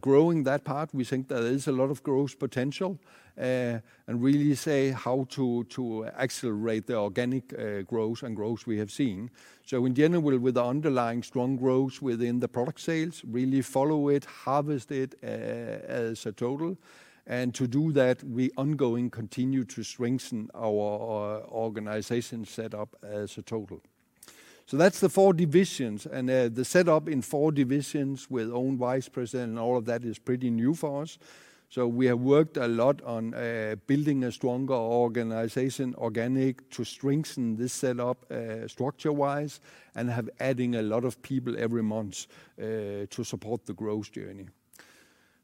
growing that part. We think there is a lot of growth potential, and really see how to accelerate the organic growth and growth we have seen. In general, with the underlying strong growth within the product sales, really follow it, harvest it, as a total. To do that, we ongoing continue to strengthen our organization set up as a total. That's the four divisions, and the setup in four divisions with own Vice President and all of that is pretty new for us, so we have worked a lot on building a stronger organization organic to strengthen this setup, structure-wise and have adding a lot of people every month to support the growth journey.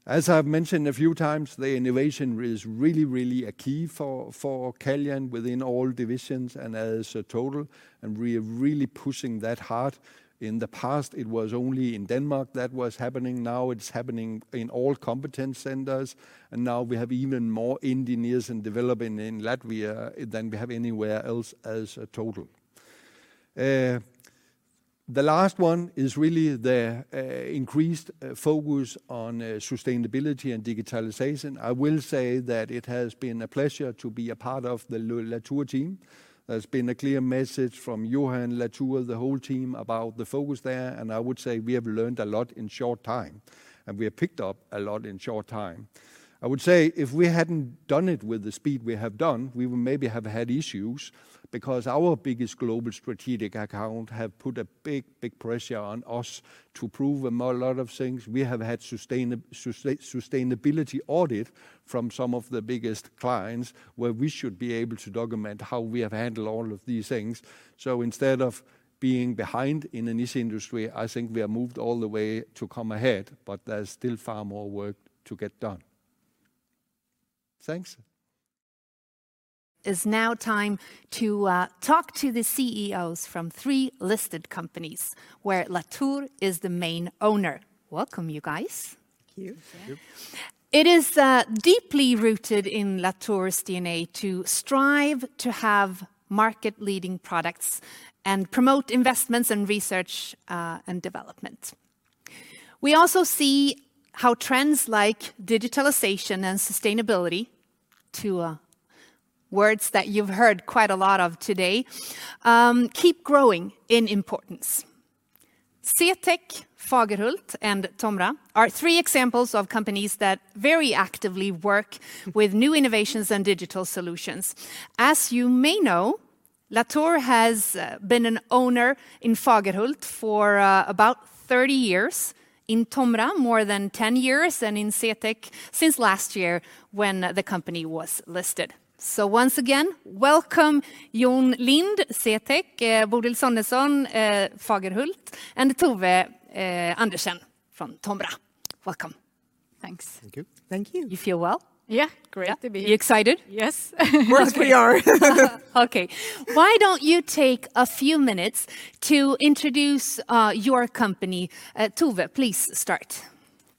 As I've mentioned a few times, the innovation is really, really a key for Caljan within all divisions and as a total, and we are really pushing that hard. In the past, it was only in Denmark that was happening. Now it's happening in all competence centers, and now we have even more engineers and developing in Latvia than we have anywhere else as a total. The last one is really the increased focus on sustainability and digitalization. I will say that it has been a pleasure to be a part of the Latour team. There's been a clear message from Johan, Latour, the whole team, about the focus there, and I would say we have learned a lot in short time, and we have picked up a lot in short time. I would say if we hadn't done it with the speed we have done, we would maybe have had issues because our biggest global strategic account have put a big, big pressure on us to prove a lot of things. We have had sustainability audit from some of the biggest clients where we should be able to document how we have handled all of these things. Instead of being behind in a niche industry, I think we have moved all the way to come ahead, but there's still far more work to get done. Thanks. It's now time to talk to the CEOs from three listed companies where Latour is the main owner. Welcome, you guys. Thank you. Thank you. It is deeply rooted in Latour's DNA to strive to have market-leading products and promote investments in research and development. We also see how trends like digitalization and sustainability, two words that you've heard quite a lot of today, keep growing in importance. CTEK, Fagerhult, and TOMRA are three examples of companies that very actively work with new innovations and digital solutions. As you may know, Latour has been an owner in Fagerhult for about 30 years, in TOMRA more than 10 years, and in CTEK since last year when the company was listed. Once again, welcome Jon Lind, CTEK, Bodil Sonesson, Fagerhult, and Tove Andersen from TOMRA. Welcome. Thanks. Thank you. You feel well? Yeah. You excited? Yes. Of course we are. Okay. Why don't you take a few minutes to introduce your company? Tove, please start.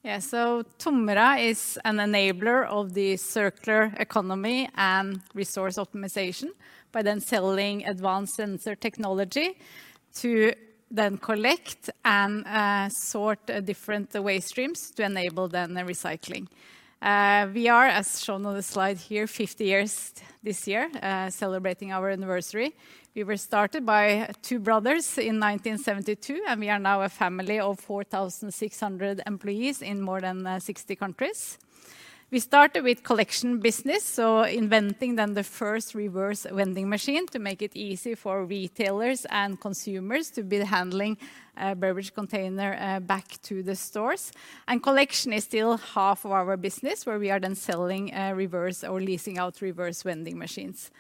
Yeah. TOMRA is an enabler of the circular economy and resource optimization by then selling advanced sensor technology to then collect and sort different waste streams to enable then the recycling. We are, as shown on the slide here, 50 years this year celebrating our anniversary. We were started by two brothers in 1972, and we are now a family of 4,600 employees in more than 60 countries. We started with collection business, so inventing then the first reverse vending machine to make it easy for retailers and consumers to be handling beverage container back to the stores. Collection is still half of our business, where we are then selling reverse or leasing out reverse vending machines.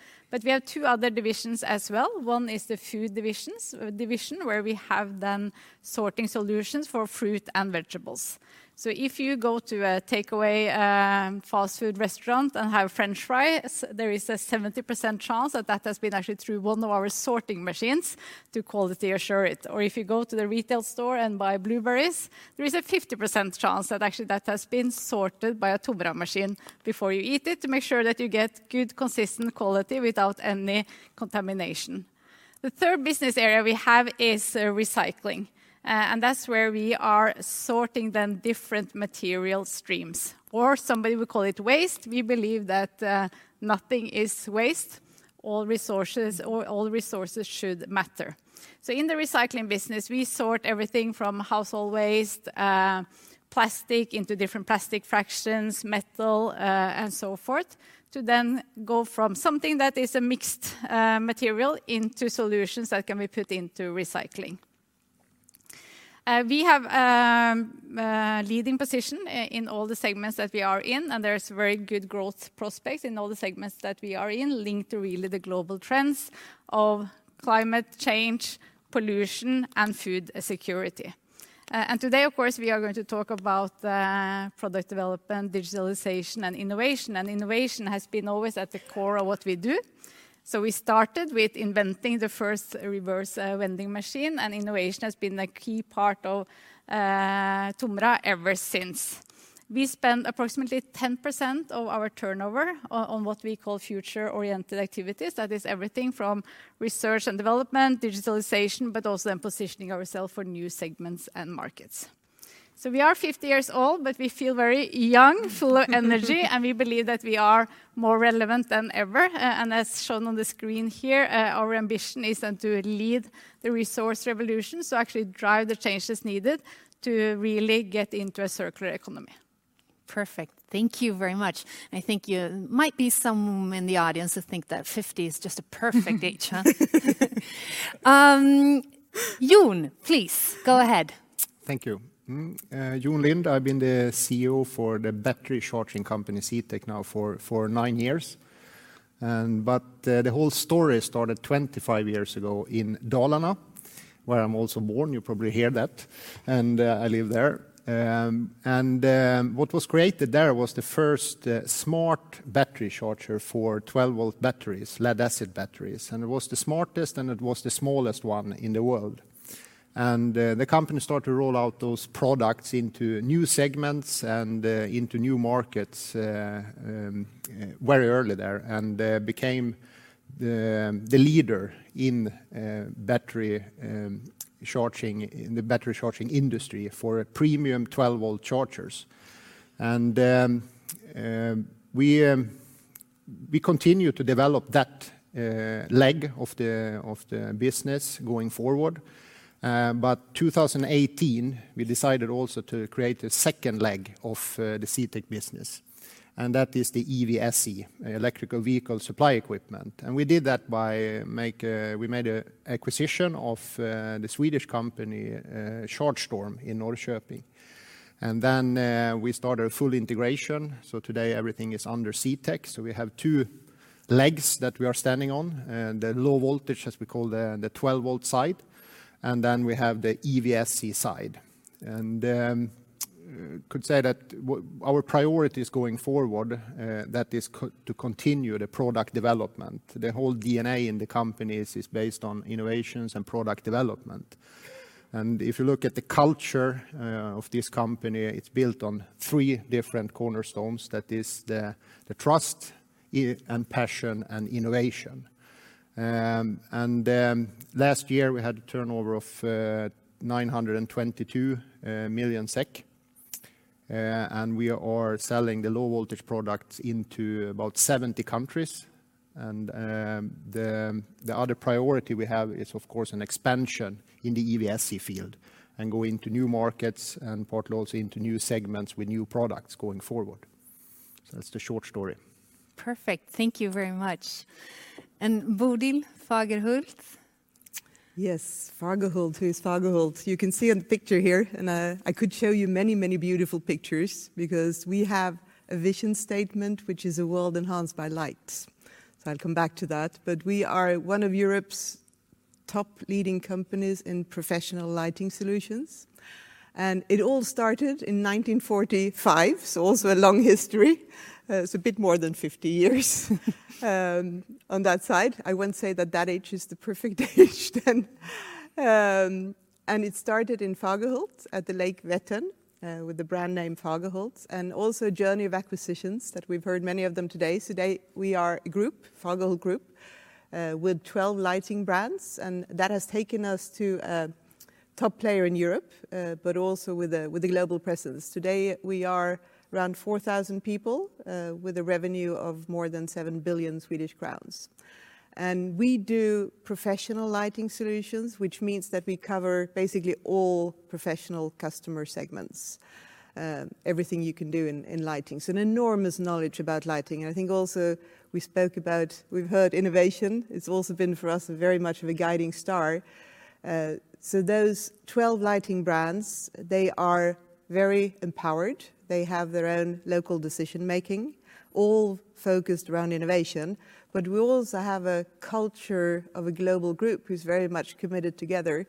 We have two other divisions as well. One is the food division, where we have then sorting solutions for fruit and vegetables. If you go to a takeout fast food restaurant and have French fries, there is a 70% chance that that has been actually through one of our sorting machines to quality assure it. Or if you go to the retail store and buy blueberries, there is a 50% chance that actually that has been sorted by a TOMRA machine before you eat it to make sure that you get good, consistent quality without any contamination. The third business area we have is recycling. That's where we are sorting different material streams, or somebody would call it waste. We believe that nothing is waste. All resources should matter. In the recycling business, we sort everything from household waste, plastic into different plastic fractions, metal, and so forth, to then go from something that is a mixed material into solutions that can be put into recycling. We have leading position in all the segments that we are in, and there's very good growth prospects in all the segments that we are in linked to really the global trends of climate change, pollution, and food security. Today, of course, we are going to talk about product development, digitalization, and innovation. Innovation has been always at the core of what we do. We started with inventing the first reverse vending machine, and innovation has been a key part of TOMRA ever since. We spend approximately 10% of our turnover on what we call future-oriented activities. That is everything from research and development, digitalization, but also then positioning ourselves for new segments and markets. We are 50 years old, but we feel very young, full of energy, and we believe that we are more relevant than ever. As shown on the screen here, our ambition is then to lead the resource revolution, so actually drive the changes needed to really get into a circular economy. Perfect. Thank you very much. I think there might be some in the audience who think that 50 years is just a perfect age, huh? Jon, please go ahead. Thank you. Jon Lind. I've been the CEO for the battery charging company CTEK now for nine years. The whole story started 25 years ago in Dalarna, where I'm also born. You probably hear that. I live there. What was created there was the first smart battery charger for 12-volt batteries, lead-acid batteries, and it was the smartest, and it was the smallest one in the world. The company started to roll out those products into new segments and into new markets very early there and became the leader in battery charging in the battery charging industry for a premium 12-volt chargers. We continue to develop that leg of the business going forward. 2018, we decided also to create a second leg of the CTEK business, and that is the EVSE, Electric Vehicle Supply Equipment. We did that by we made an acquisition of the Swedish company Chargestorm in Norrköping. We started full integration, so today everything is under CTEK. We have two legs that we are standing on, the low voltage, as we call it, the 12-volt side, and then we have the EVSE side. Could say that our priority is going forward, that is to continue the product development. The whole DNA in the company is based on innovations and product development. If you look at the culture of this company, it's built on three different cornerstones. That is the trust, and passion, and innovation. Last year we had a turnover of SEK 922 million, and we are selling the low voltage products into about 70 countries. The other priority we have is of course an expansion in the EVSE field and go into new markets and partly also into new segments with new products going forward. That's the short story. Perfect. Thank you very much, Bodil Fagerhult. Yes. Fagerhult. Who is Fagerhult? You can see in the picture here, and I could show you many, many beautiful pictures because we have a vision statement, which is a world enhanced by light. I'll come back to that. We are one of Europe's top leading companies in professional lighting solutions, and it all started in 1945, also a long history. It's a bit more than 50 years on that side. I won't say that age is the perfect age then. It started in Fagerhult at the Lake Vättern, with the brand name Fagerhult, and also a journey of acquisitions that we've heard many of them today. Today we are a group, Fagerhult Group, with 12 lighting brands, and that has taken us to a top player in Europe, but also with a global presence. Today we are around 4,000 people, with a revenue of more than 7 billion Swedish crowns. We do professional lighting solutions, which means that we cover basically all professional customer segments, everything you can do in lighting. An enormous knowledge about lighting. I think also we spoke about, we've heard innovation. It's also been for us very much of a guiding star. Those 12 lighting brands, they are very empowered. They have their own local decision-making, all focused around innovation. We also have a culture of a global group who's very much committed together.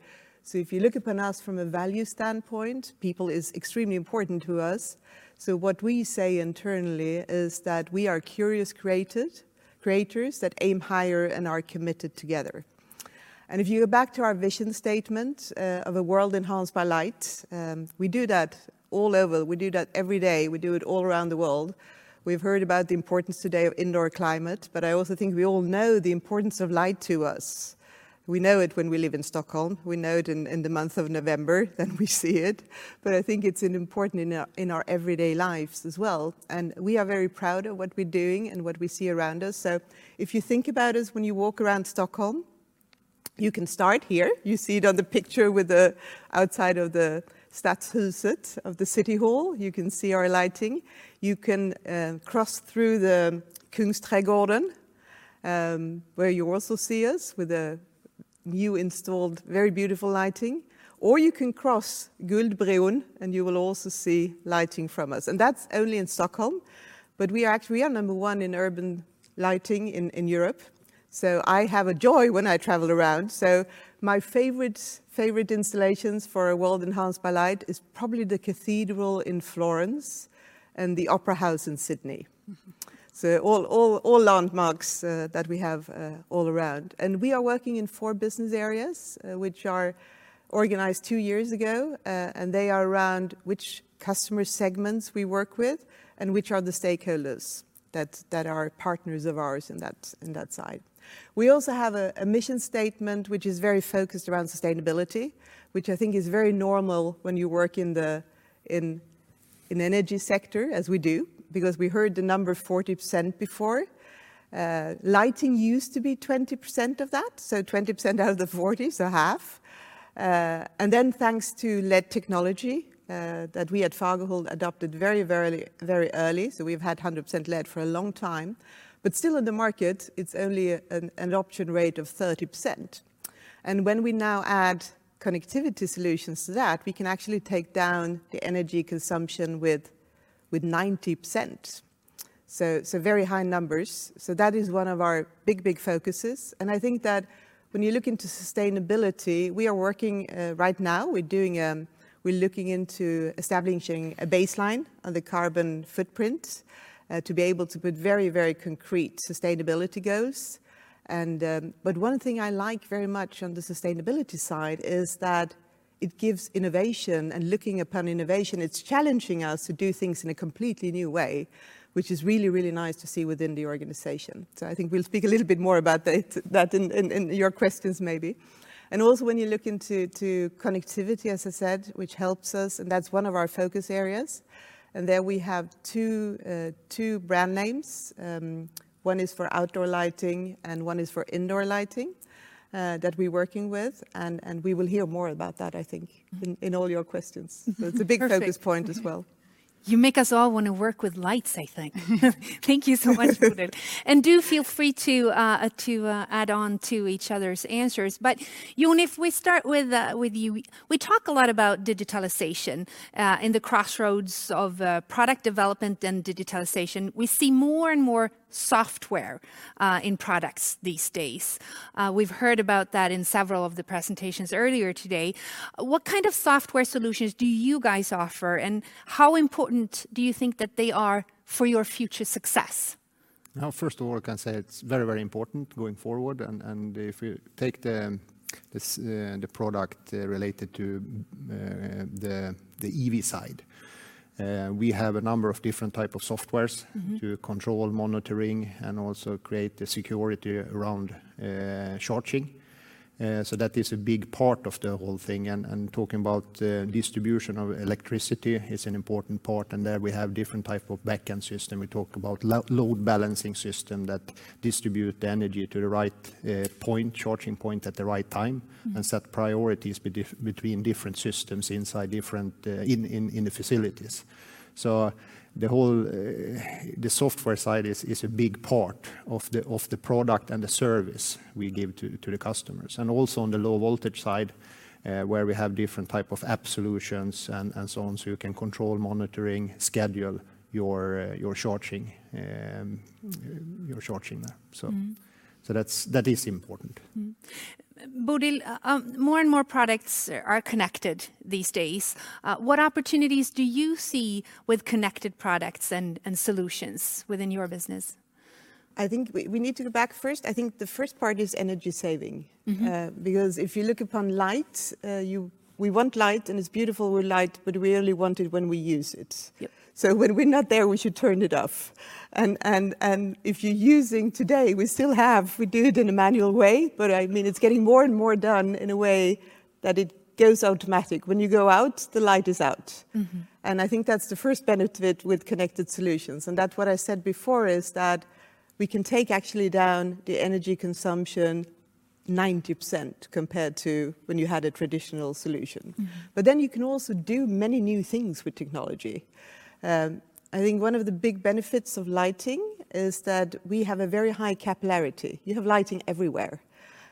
If you look upon us from a value standpoint, people is extremely important to us. What we say internally is that we are curious creators that aim higher and are committed together. If you go back to our vision statement, of a world enhanced by light, we do that all over. We do that every day. We do it all around the world. We've heard about the importance today of indoor climate, but I also think we all know the importance of light to us. We know it when we live in Stockholm. We know it in the month of November, then we see it. I think it's important in our everyday lives as well, and we are very proud of what we're doing and what we see around us. If you think about us when you walk around Stockholm, you can start here. You see it on the picture with the outside of the Stadshuset, of the city hall. You can cross through the Kungsträdgården, where you also see us with a new installed very beautiful lighting. Or you can cross Guldbron, and you will also see lighting from us. That's only in Stockholm. We are actually number one in urban lighting in Europe, so I have a joy when I travel around. My favorite installations for a world enhanced by light is probably the cathedral in Florence and the opera house in Sydney. All landmarks that we have all around. We are working in four business areas, which are organized two years ago, and they are around which customer segments we work with and which are the stakeholders that are partners of ours in that side. We also have a mission statement which is very focused around sustainability, which I think is very normal when you work in the energy sector, as we do, because we heard the number 40% before. Lighting used to be 20% of that, so 20% out of the 40%, so half. Thanks to LED technology that we at Fagerhult adopted very early, so we've had 100% LED for a long time. Still in the market, it's only an adoption rate of 30%. When we now add connectivity solutions to that, we can actually take down the energy consumption with 90%. So very high numbers. That is one of our big focuses. I think that when you look into sustainability, we are working right now. We're looking into establishing a baseline on the carbon footprint to be able to put very concrete sustainability goals. One thing I like very much on the sustainability side is that it gives innovation, and looking upon innovation, it's challenging us to do things in a completely new way, which is really nice to see within the organization. I think we'll speak a little bit more about that in your questions maybe. Also when you look into connectivity, as I said, which helps us, and that's one of our focus areas. There we have two brand names. One is for outdoor lighting and one is for indoor lighting that we're working with, and we will hear more about that, I think, in all your questions. Perfect. It's a big focus point as well. You make us all wanna work with lights, I think. Thank you so much, Bodil. Do feel free to add on to each other's answers. Jon, if we start with you, we talk a lot about digitalization in the crossroads of product development and digitalization. We see more and more software in products these days. We've heard about that in several of the presentations earlier today. What kind of software solutions do you guys offer, and how important do you think that they are for your future success? Now, first of all, I can say it's very, very important going forward. If you take the product related to the EV side, we have a number of different type of softwares- Mm-hmm To control monitoring and also create the security around charging. That is a big part of the whole thing. Talking about distribution of electricity is an important part, and there we have different type of backend system. We talked about load balancing system that distribute the energy to the right charging point at the right time. Mm-hmm And set priorities between different systems inside different facilities. The whole software side is a big part of the product and the service we give to the customers. Also on the low voltage side, where we have different type of app solutions and so on, you can control monitoring, schedule your charging there. Mm-hmm That is important. Bodil, more and more products are connected these days. What opportunities do you see with connected products and solutions within your business? I think we need to go back first. I think the first part is energy saving. Mm-hmm. Because if you look upon light, we want light, and it's beautiful with light, but we only want it when we use it. Yeah. When we're not there, we should turn it off. If you're using today, we still have, we do it in a manual way, but, I mean, it's getting more and more done in a way that it goes automatic. When you go out, the light is out. Mm-hmm. I think that's the first benefit with connected solutions, and that's what I said before is that we can take actually down the energy consumption 90% compared to when you had a traditional solution. Mm-hmm. You can also do many new things with technology. I think one of the big benefits of lighting is that we have a very high capillarity. You have lighting everywhere,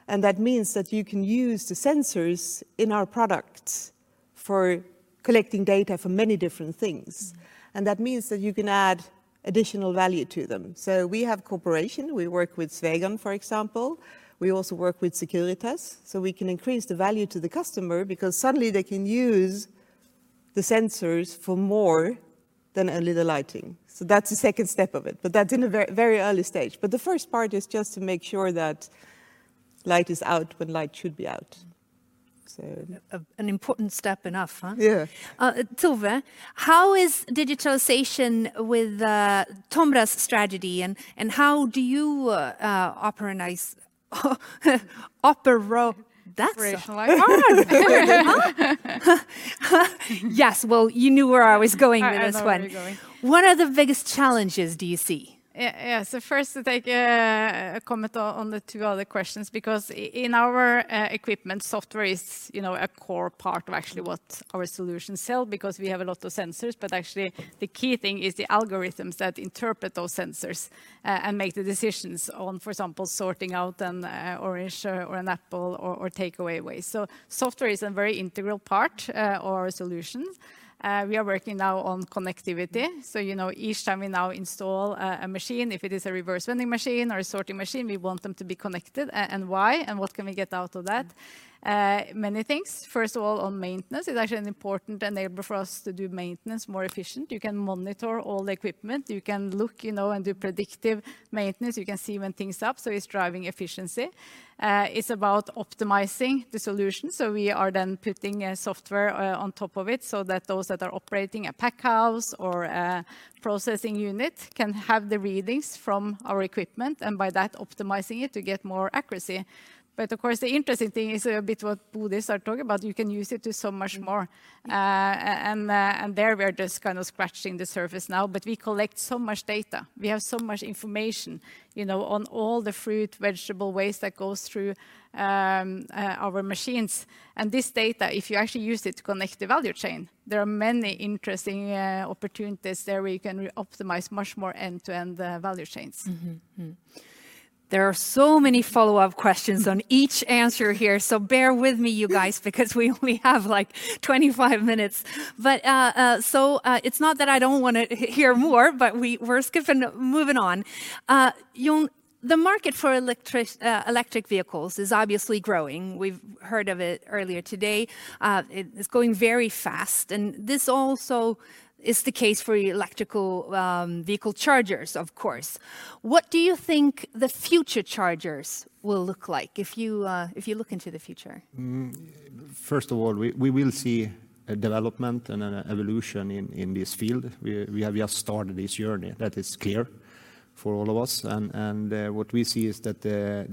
and that means that you can use the sensors in our products for collecting data for many different things. Mm-hmm. That means that you can add additional value to them. We have cooperation. We work with Swegon, for example. We also work with Securitas. We can increase the value to the customer because suddenly they can use the sensors for more than only the lighting. That's the second step of it, but that's in a very, very early stage. The first part is just to make sure that light is out when light should be out. An important step enough, huh? Yeah. Tove, how is digitalization with TOMRA's strategy, and how do you operationalize Operationalize. Yes, well, you knew where I was going. I know where you're going. This one. What are the biggest challenges do you see? First, to take a comment on the two other questions because in our equipment, software is a core part of actually what our solutions sell because we have a lot of sensors. Actually the key thing is the algorithms that interpret those sensors and make the decisions on, for example, sorting out an orange or an apple or take away waste. Software is a very integral part of our solutions. We are working now on connectivity. You know, each time we now install a machine, if it is a reverse vending machine or a sorting machine, we want them to be connected. Why, and what can we get out of that? Many things. First of all, on maintenance, it's actually an important enabler for us to do maintenance more efficient. You can monitor all the equipment. You can look, you know, and do predictive maintenance. You can see when things stop, so it's driving efficiency. It's about optimizing the solution, so we are then putting software on top of it so that those that are operating a pack house or a processing unit can have the readings from our equipment, and by that optimizing it to get more accuracy. Of course, the interesting thing is a bit what Bodil are talking about, you can use it to so much more. There we are just kind of scratching the surface now. We collect so much data. We have so much information, you know, on all the fruit, vegetable waste that goes through our machines. This data, if you actually use it to connect the value chain, there are many interesting opportunities there where you can reoptimize much more end-to-end value chains. There are so many follow-up questions on each answer here, so bear with me, you guys, because we have, like, 25 minutes. It's not that I don't wanna hear more, but we're moving on. Jon, the market for electric vehicles is obviously growing. We've heard of it earlier today. It's going very fast, and this also is the case for electric vehicle chargers, of course. What do you think the future chargers will look like if you look into the future? First of all, we will see a development and an evolution in this field. We have just started this journey. That is clear for all of us. What we see is that the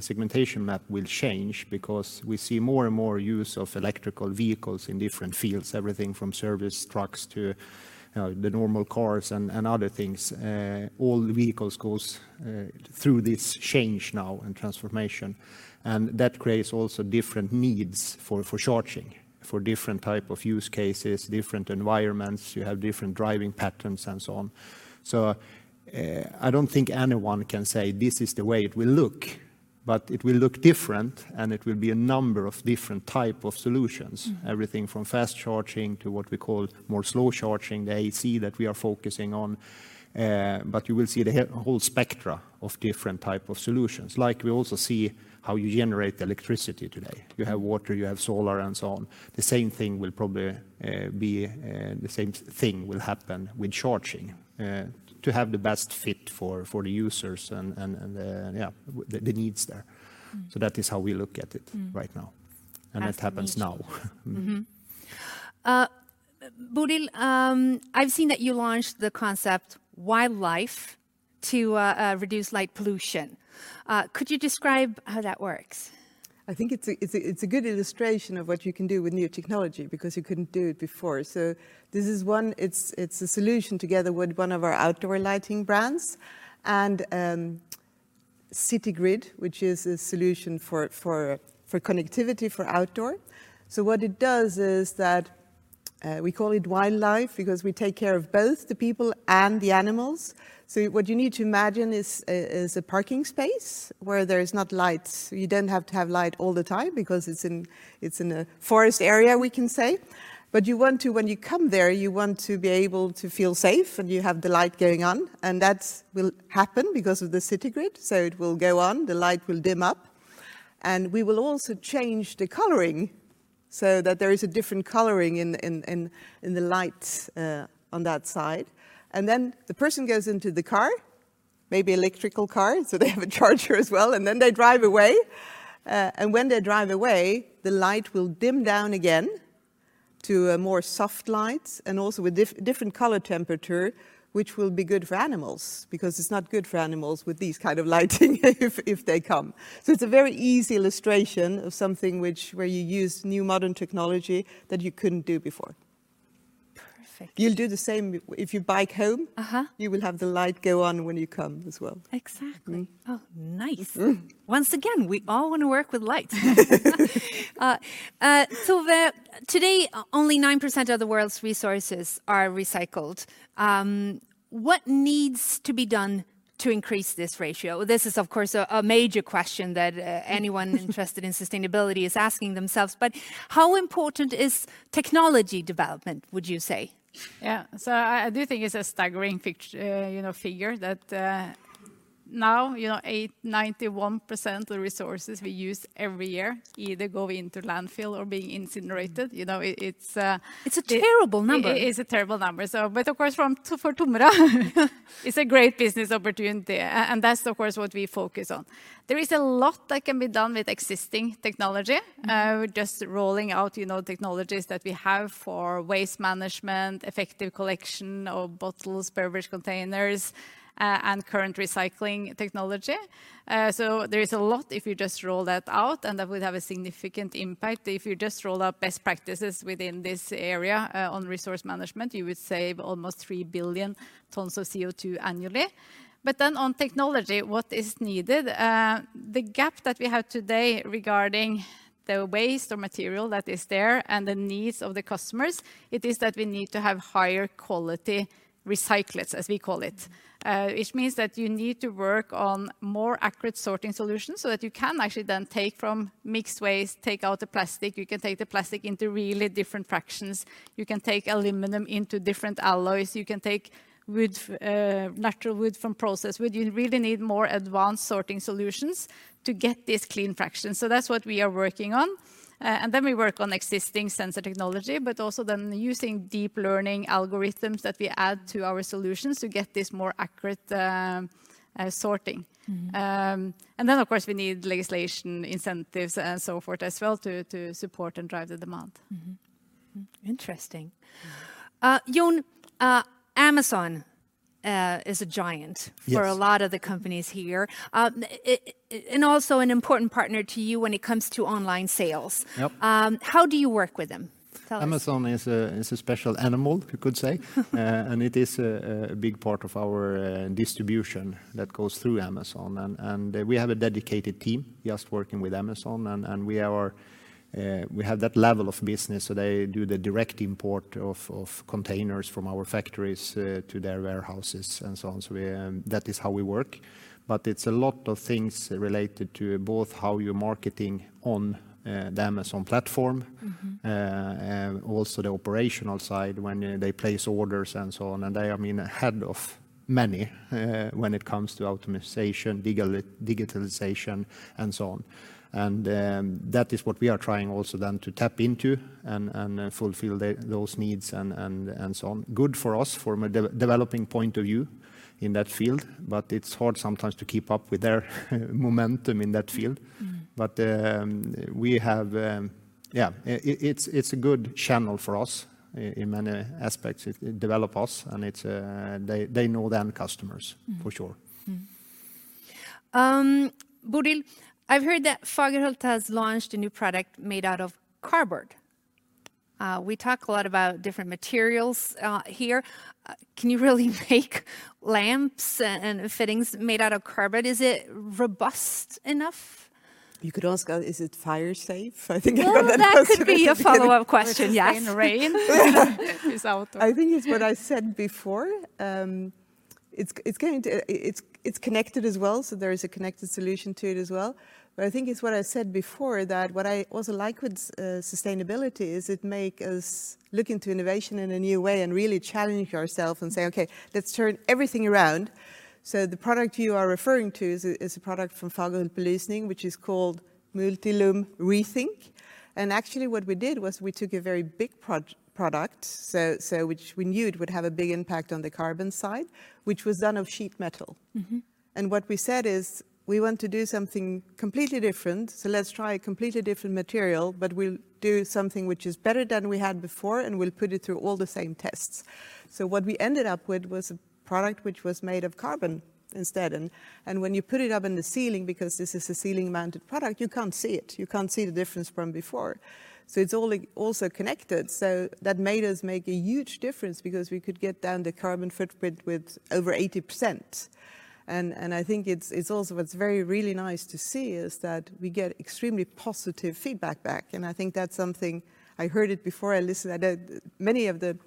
segmentation map will change because we see more and more use of electric vehicles in different fields. Everything from service trucks to the normal cars and other things. All the vehicles goes through this change now and transformation, and that creates also different needs for charging, for different type of use cases, different environments. You have different driving patterns and so on. I don't think anyone can say, "This is the way it will look," but it will look different, and it will be a number of different type of solutions. Everything from fast charging to what we call more slow charging, the AC that we are focusing on. You will see the whole spectrum of different type of solutions. Like we also see how you generate electricity today. You have water, you have solar, and so on. The same thing will probably happen with charging to have the best fit for the users and the needs there. Mm-hmm. That is how we look at it. Mm-hmm Right now. Absolutely. It happens now. Bodil, I've seen that you launched the concept Wildlife to reduce light pollution. Could you describe how that works? I think it's a good illustration of what you can do with new technology because you couldn't do it before. This is one, it's a solution together with one of our outdoor lighting brands and Citygrid, which is a solution for connectivity for outdoor. What it does is that we call it Wildlife because we take care of both the people and the animals. What you need to imagine is a parking space where there's not lights. You don't have to have light all the time because it's in a forest area, we can say. You want to, when you come there, you want to be able to feel safe, and you have the light going on, and that will happen because of the Citygrid. It will go on. The light will dim up and we will also change the coloring so that there is a different coloring in the lights on that side. Then the person goes into the car, maybe electrical car, so they have a charger as well, and then they drive away. When they drive away, the light will dim down again to a more soft light, and also a different color temperature which will be good for animals, because it's not good for animals with these kind of lighting if they come. It's a very easy illustration of something where you use new modern technology that you couldn't do before. Perfect. You'll do the same if you bike home. Uh-huh. You will have the light go on when you come as well. Exactly. Mm-hmm. Oh, nice. Mm. Once again, we all wanna work with lights. Tove, Today, only 9% of the world's resources are recycled. What needs to be done to increase this ratio? This is of course a major question that anyone interested in sustainability is asking themselves. How important is technology development would you say? Yeah. I do think it's a staggering figure that now 91% of the resources we use every year either go into landfill or being incinerated. You know, it's. It's a terrible number. It is a terrible number. Of course from, for TOMRA it's a great business opportunity. That's of course what we focus on. There is a lot that can be done with existing technology. Mm-hmm. We're just rolling out, you know, technologies that we have for waste management, effective collection of bottles, beverage containers, and current recycling technology. There is a lot if you just roll that out, and that would have a significant impact. If you just roll out best practices within this area, on resource management, you would save almost 3 billion tons of CO₂ annually. On technology, what is needed, the gap that we have today regarding the waste or material that is there and the needs of the customers, it is that we need to have higher quality recyclates, as we call it. Which means that you need to work on more accurate sorting solutions so that you can actually then take from mixed waste, take out the plastic, you can take the plastic into really different fractions. You can take aluminum into different alloys. You can take natural wood from processed wood. You really need more advanced sorting solutions to get these clean fractions. That's what we are working on. We work on existing sensor technology, but also using deep learning algorithms that we add to our solutions to get this more accurate sorting. Mm-hmm. Of course we need legislation incentives and so forth as well to support and drive the demand. Interesting. Jon, Amazon is a giant. Yes For a lot of the companies here. It and also an important partner to you when it comes to online sales. Yep. How do you work with them? Tell us. Amazon is a special animal, you could say. It is a big part of our distribution that goes through Amazon. We have a dedicated team just working with Amazon. We have that level of business, so they do the direct import of containers from our factories to their warehouses and so on. That is how we work. But it's a lot of things related to both how you're marketing on the Amazon platform. Mm-hmm. Also the operational side when they place orders and so on. They, I mean, ahead of many when it comes to optimization, digitalization, and so on. That is what we are trying also then to tap into and fulfill those needs and so on. Good for us from a developing point of view in that field, but it's hard sometimes to keep up with their momentum in that field. Mm-hmm. We have. Yeah. It's a good channel for us in many aspects. It develops us, and it's. They know their customers. Mm For sure. Bodil, I've heard that Fagerhult has launched a new product made out of cardboard. We talk a lot about different materials here. Can you really make lamps and fittings made out of cardboard? Is it robust enough? You could ask, is it fire safe? I think I read that question because. Well, that could be a follow-up question, yes. Will it rain? If it's outdoors. I think it's what I said before. It's connected as well, so there is a connected solution to it as well. I think it's what I said before, that what I also like with sustainability is it make us look into innovation in a new way and really challenge ourself and say, "Okay, let's turn everything around." The product you are referring to is a product from Fagerhults Belysning, which is called Multilume Re:Think. Actually, what we did was we took a very big product, so which we knew it would have a big impact on the carbon side, which was made of sheet metal. Mm-hmm. What we said is, "We want to do something completely different, so let's try a completely different material, but we'll do something which is better than we had before, and we'll put it through all the same tests." What we ended up with was a product which was made of carbon instead. When you put it up in the ceiling, because this is a ceiling-mounted product, you can't see it. You can't see the difference from before. It's all also connected, so that made us make a huge difference because we could get down the carbon footprint with over 80%. I think it's also what's very really nice to see is that we get extremely positive feedback back, and I think that's something. Many of the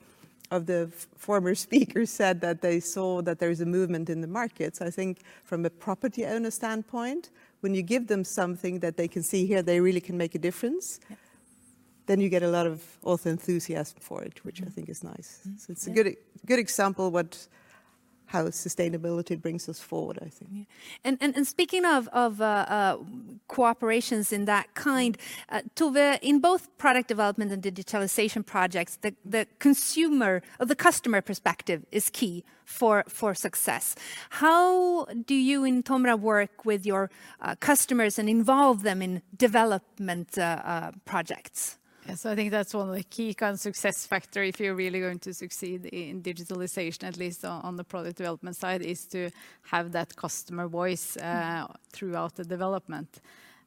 former speakers said that they saw that there is a movement in the market. I think from a property owner standpoint, when you give them something that they can see here, they really can make a difference. You get a lot of enthusiasm for it, which I think is nice. Mm-hmm. It's a good example how sustainability brings us forward, I think. Speaking of cooperations in that kind- Tove, in both product development and digitalization projects, the consumer or the customer perspective is key for success. How do you in TOMRA work with your customers and involve them in development projects? Yes. I think that's one of the key, kind of, success factor if you're really going to succeed in digitalization, at least on the product development side, is to have that customer voice throughout the development.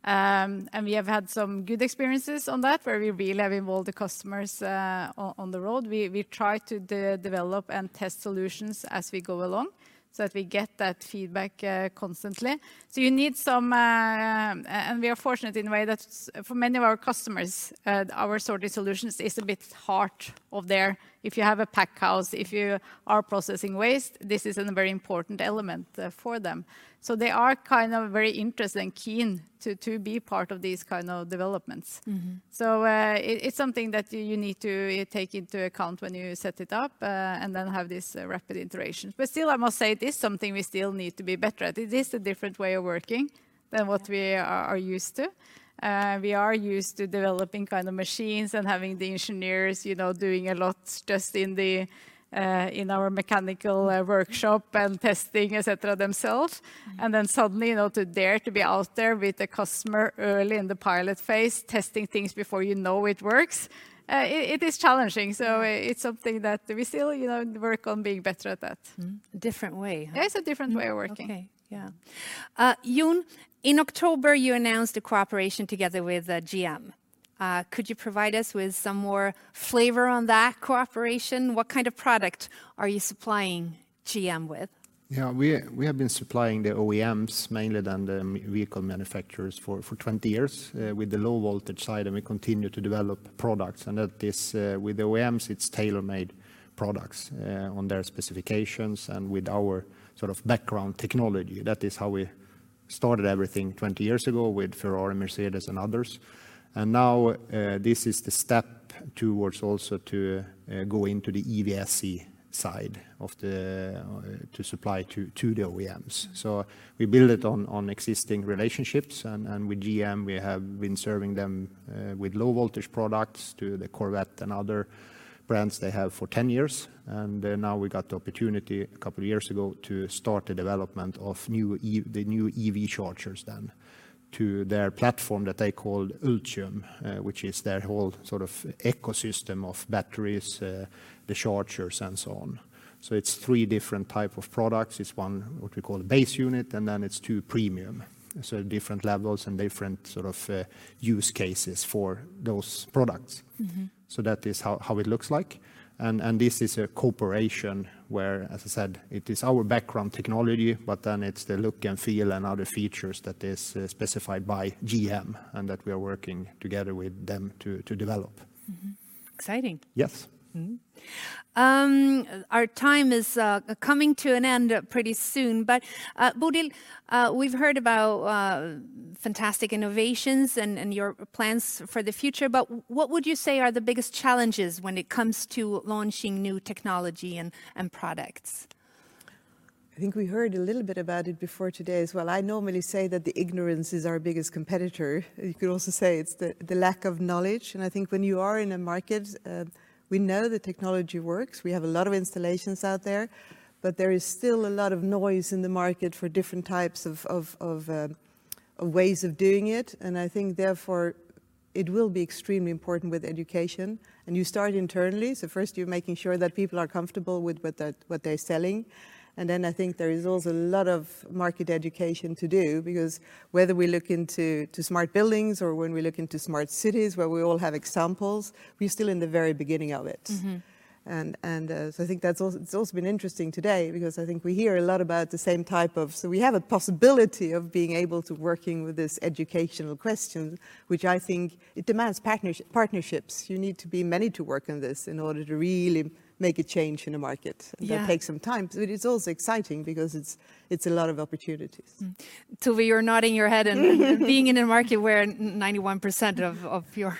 We have had some good experiences on that, where we really have involved the customers on the road. We try to develop and test solutions as we go along, so that we get that feedback constantly. You need some. We are fortunate in a way that for many of our customers, our sorting solutions is at the heart of their. If you have a pack house, if you are processing waste, this is a very important element for them. They are kind of very interested and keen to be part of these kind of developments. Mm-hmm. It's something that you need to take into account when you set it up and then have this rapid iteration. Still, I must say, it is something we still need to be better at. It is a different way of working than what we are used to. We are used to developing kind of machines and having the engineers, you know, doing a lot just in our mechanical workshop and testing, et cetera, themselves. Suddenly, you know, to dare to be out there with the customer early in the pilot phase, testing things before you know it works, it is challenging. Yeah. It's something that we still, you know, work on being better at that. Mm-hmm. Different way, huh? It's a different way of working. Okay. Yeah. Jon, in October, you announced a cooperation together with GM. Could you provide us with some more flavor on that cooperation? What kind of product are you supplying GM with? Yeah. We have been supplying to the OEMs, mainly the vehicle manufacturers for 20 years with the low-voltage side, and we continue to develop products. That's with OEMs, it's tailor-made products on their specifications and with our sort of background technology. That is how we started everything 20 years ago with Ferrari, Mercedes, and others. Now this is the step towards also to go into the EVSE side to supply to the OEMs. We build it on existing relationships. With GM, we have been serving them with low-voltage products to the Corvette and other brands they have for 10 years. Now we got the opportunity a couple of years ago to start the development of new EV. The new EV chargers then to their platform that they call Ultium, which is their whole sort of ecosystem of batteries, the chargers and so on. It's three different type of products. It's one what we call a base unit, and then it's two premium. Different levels and different sort of use cases for those products. Mm-hmm. That is how it looks like. This is a cooperation where, as I said, it is our background technology, but then it's the look and feel and other features that is specified by GM and that we are working together with them to develop. Mm-hmm. Exciting. Yes. Our time is coming to an end pretty soon. Bodil, we've heard about fantastic innovations and your plans for the future, what would you say are the biggest challenges when it comes to launching new technology and products? I think we heard a little bit about it before today as well. I normally say that the ignorance is our biggest competitor. You could also say it's the lack of knowledge. I think when you are in a market, we know the technology works, we have a lot of installations out there, but there is still a lot of noise in the market for different types of ways of doing it. I think therefore, it will be extremely important with education. You start internally. First, you're making sure that people are comfortable with what they're selling. Then I think there is also a lot of market education to do, because whether we look into smart buildings or when we look into smart cities where we all have examples, we're still in the very beginning of it. Mm-hmm. I think it's also been interesting today because I think we hear a lot about the same type of. We have a possibility of being able to working with this educational question, which I think it demands partnerships. You need to be many to work in this in order to really make a change in the market. Yeah. That take some time. It is also exciting because it's a lot of opportunities. Tove, you're nodding your head and being in a market where 91% of your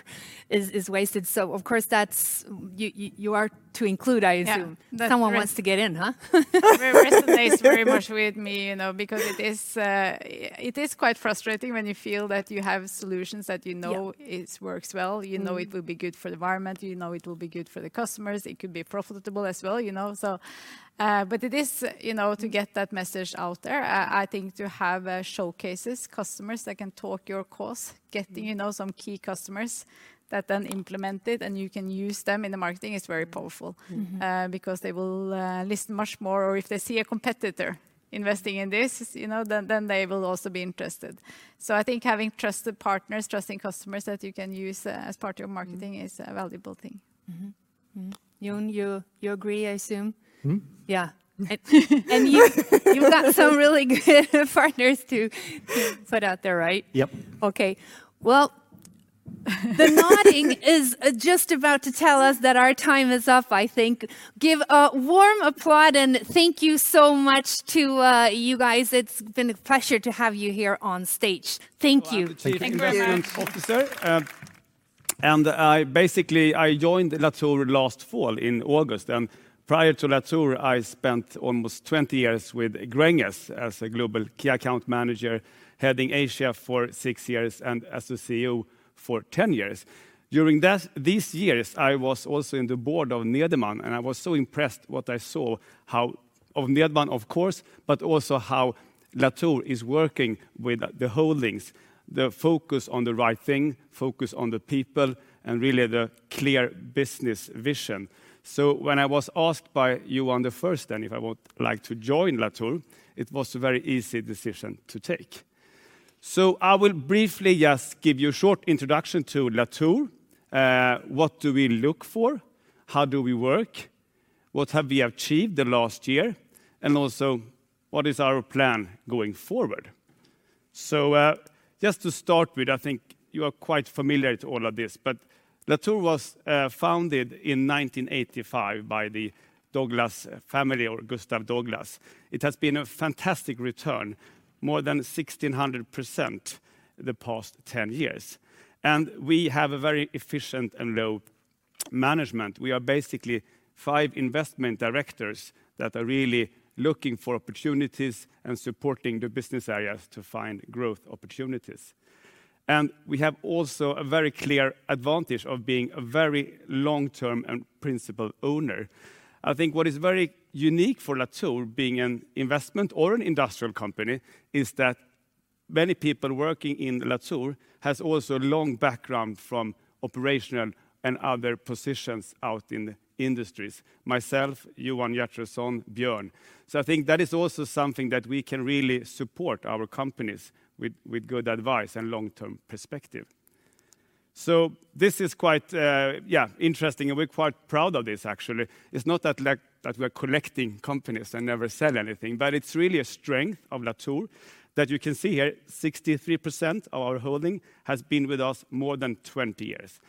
is wasted. Of course, that's you are to include, I assume. Yeah. That resonates. Someone wants to get in, huh? That resonates very much with me, you know, because it is quite frustrating when you feel that you have solutions that you know- Yeah It works well, you know it will be good for the environment, you know it will be good for the customers, it could be profitable as well, you know. But it is, you know, to get that message out there, I think to have showcases, customers that can talk your cause, get, you know, some key customers that then implement it, and you can use them in the marketing, is very powerful. Mm-hmm. Because they will listen much more, or if they see a competitor investing in this, then they will also be interested. I think having trusted partners, trusting customers that you can use as part of your marketing is a valuable thing. Jon, you agree, I assume? Mm-hmm. Yeah. You've got some really good partners to put out there, right? Yep. The nodding is just about to tell us that our time is up, I think. Give a warm applause and thank you so much to you guys. It's been a pleasure to have you here on stage. Thank you. Thank you. Thank you very much. I basically joined Latour last fall in August, and prior to Latour, I spent almost 20 years with Gränges as a global key account manager, heading Asia for six years and as a CEO for 10 years. During those years, I was also on the board of Nederman, and I was so impressed by what I saw of Nederman, of course, but also how Latour is working with the holdings, the focus on the right thing, focus on the people, and really the clear business vision. When I was asked by Johan the first if I would like to join Latour, it was a very easy decision to take. I will briefly just give you a short introduction to Latour. What do we look for? How do we work? What have we achieved the last year? What is our plan going forward? Just to start with, I think you are quite familiar to all of this, but Latour was founded in 1985 by the Douglas family or Gustaf Douglas. It has been a fantastic return, more than 1,600% the past 10 years. We have a very efficient and low management. We are basically five investment directors that are really looking for opportunities and supporting the business areas to find growth opportunities. We have also a very clear advantage of being a very long-term and principal owner. I think what is very unique for Latour being an investment or an industrial company is that many people working in Latour has also long background from operational and other positions out in the industries. Myself, Johan Hjertonsson, Björn. I think that is also something that we can really support our companies with good advice and long-term perspective. This is quite interesting, and we're quite proud of this actually. It's not that like, that we're collecting companies and never sell anything, but it's really a strength of Latour that you can see here, 63% of our holding has been with us more than 20 years.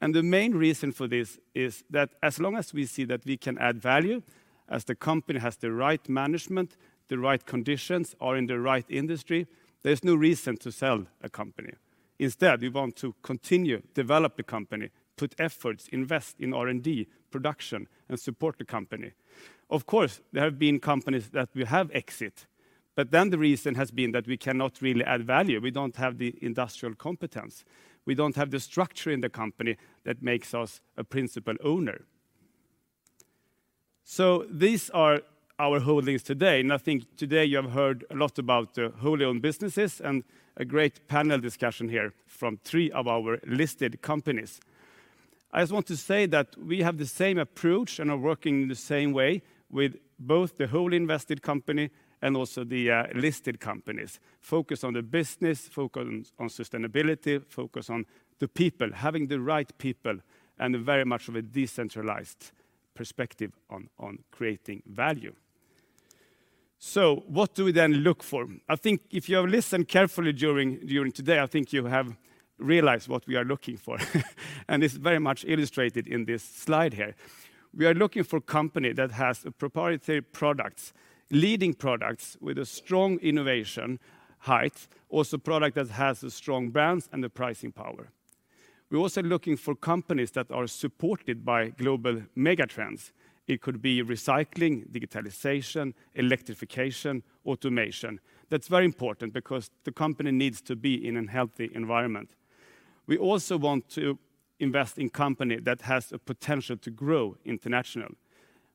The main reason for this is that as long as we see that we can add value, as the company has the right management, the right conditions, or in the right industry, there's no reason to sell a company. Instead, we want to continue, develop the company, put efforts, invest in R&D, production, and support the company. Of course, there have been companies that we have exited, but then the reason has been that we cannot really add value. We don't have the industrial competence. We don't have the structure in the company that makes us a principal owner. These are our holdings today. I think today you have heard a lot about wholly owned businesses and a great panel discussion here from three of our listed companies. I just want to say that we have the same approach and are working the same way with both the wholly owned companies and also the listed companies. Focus on the business, focus on sustainability, focus on the people, having the right people, and very much of a decentralized perspective on creating value. What do we then look for? I think if you have listened carefully during today, I think you have realized what we are looking for. It's very much illustrated in this slide here. We are looking for company that has proprietary products, leading products with a strong innovation height, also product that has a strong brands and the pricing power. We're also looking for companies that are supported by global mega trends. It could be recycling, digitalization, electrification, automation. That's very important because the company needs to be in a healthy environment. We also want to invest in company that has the potential to grow international.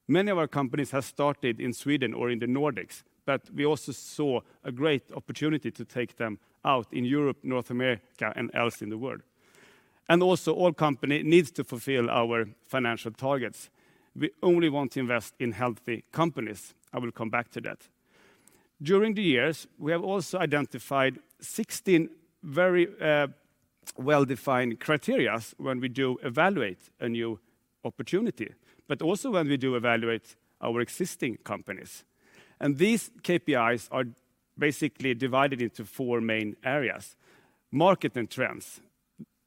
Many of our companies have started in Sweden or in the Nordics, but we also saw a great opportunity to take them out in Europe, North America, and else in the world. Also all company needs to fulfill our financial targets. We only want to invest in healthy companies. I will come back to that. During the years, we have also identified 16 very, well-defined criteria when we do evaluate a new opportunity, but also when we do evaluate our existing companies. These KPIs are basically divided into four main areas. Market and trends.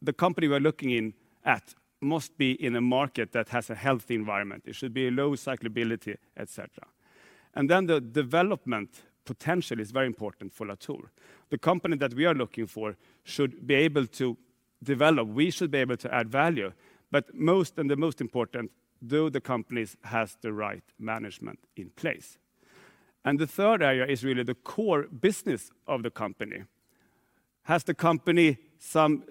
The company we are looking at must be in a market that has a healthy environment. It should be a low cyclicality, et cetera. Then the development potential is very important for Latour. The company that we are looking for should be able to develop. We should be able to add value. But the most important, do the companies has the right management in place? The third area is really the core business of the company. Has the company some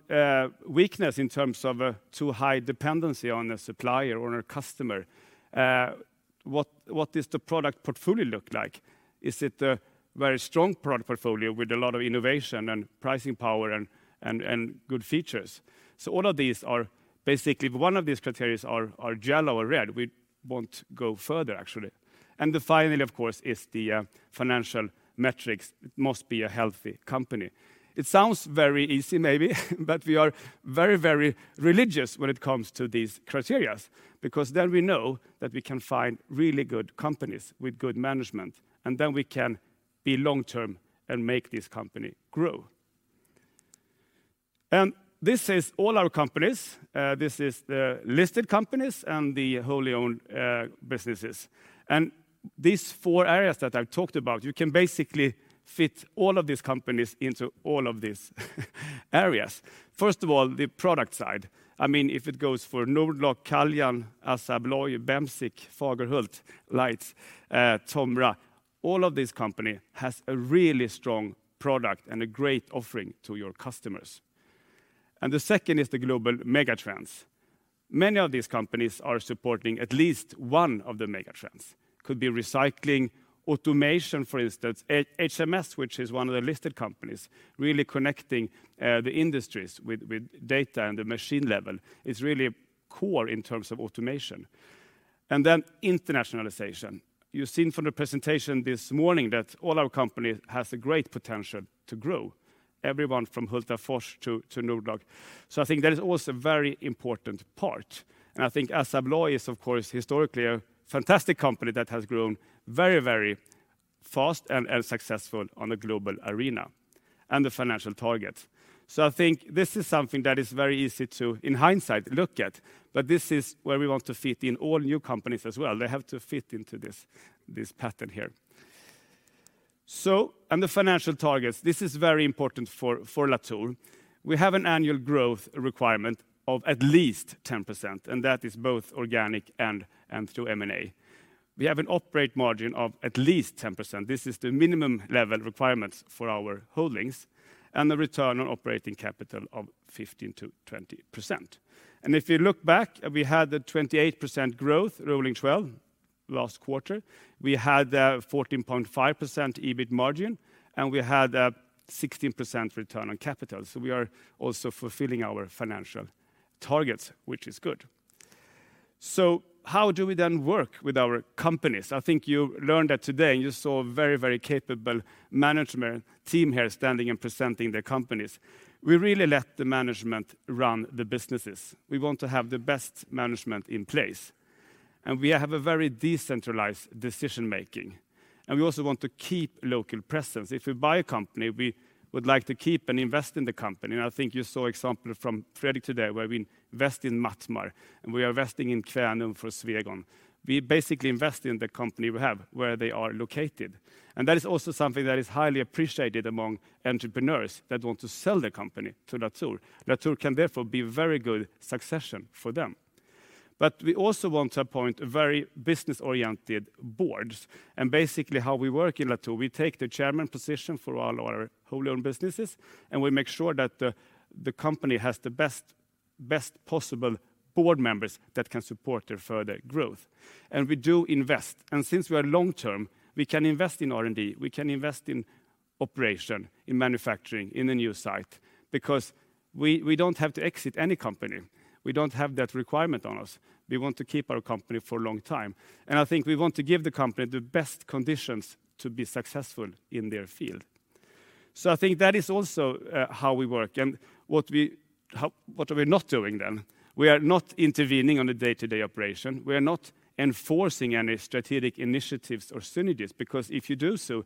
weakness in terms of a too high dependency on a supplier or a customer? What does the product portfolio look like? Is it a very strong product portfolio with a lot of innovation and pricing power and good features? All of these are basically. If one of these criterias are yellow or red, we won't go further, actually. The final, of course, is the financial metrics. It must be a healthy company. It sounds very easy maybe, but we are very, very religious when it comes to these criterias because then we know that we can find really good companies with good management, and then we can be long-term and make this company grow. This is all our companies. This is the listed companies and the wholly owned businesses. These four areas that I've talked about, you can basically fit all of these companies into all of these areas. First of all, the product side. I mean, if it goes for Nord-Lock, Caljan, Assa Abloy, Bemsiq, Fagerhult, TOMRA, all of these company has a really strong product and a great offering to your customers. The second is the global megatrends. Many of these companies are supporting at least one of the megatrends. Could be recycling, automation, for instance. HMS, which is one of the listed companies, really connecting the industries with data and the machine level is really core in terms of automation. Internationalization. You've seen from the presentation this morning that all our company has a great potential to grow, everyone from Hultafors to Nord-Lock. I think that is also a very important part. I think Assa Abloy is, of course, historically a fantastic company that has grown very, very fast and successful on a global arena and the financial targets. I think this is something that is very easy to, in hindsight, look at, but this is where we want to fit in all new companies as well. They have to fit into this pattern here. The financial targets, this is very important for Latour. We have an annual growth requirement of at least 10%, and that is both organic and through M&A. We have an operating margin of at least 10%. This is the minimum level requirements for our holdings, and the return on operating capital of 15%-20%. If you look back, we had the 28% growth rolling twelve last quarter. We had 14.5% EBIT margin, and we had a 16% return on capital. We are also fulfilling our financial targets, which is good. How do we then work with our companies? I think you learned that today, and you saw a very, very capable management team here standing and presenting their companies. We really let the management run the businesses. We want to have the best management in place. We have a very decentralized decision-making. We also want to keep local presence. If we buy a company, we would like to keep and invest in the company. I think you saw example from Fredrik today, where we invest in Mattmar, and we are investing in Kvänum for Swegon. We basically invest in the company we have where they are located. That is also something that is highly appreciated among entrepreneurs that want to sell their company to Latour. Latour can therefore be very good solution for them. We also want to appoint very business-oriented boards. Basically how we work in Latour, we take the chairman position for all our wholly owned businesses, and we make sure that the company has the best possible Board members that can support their further growth. We do invest. Since we are long-term, we can invest in R&D. We can invest in operation, in manufacturing, in a new site, because we don't have to exit any company. We don't have that requirement on us. We want to keep our company for a long time. I think we want to give the company the best conditions to be successful in their field. I think that is also how we work. What are we not doing then? We are not intervening on a day-to-day operation. We are not enforcing any strategic initiatives or synergies, because if you do so,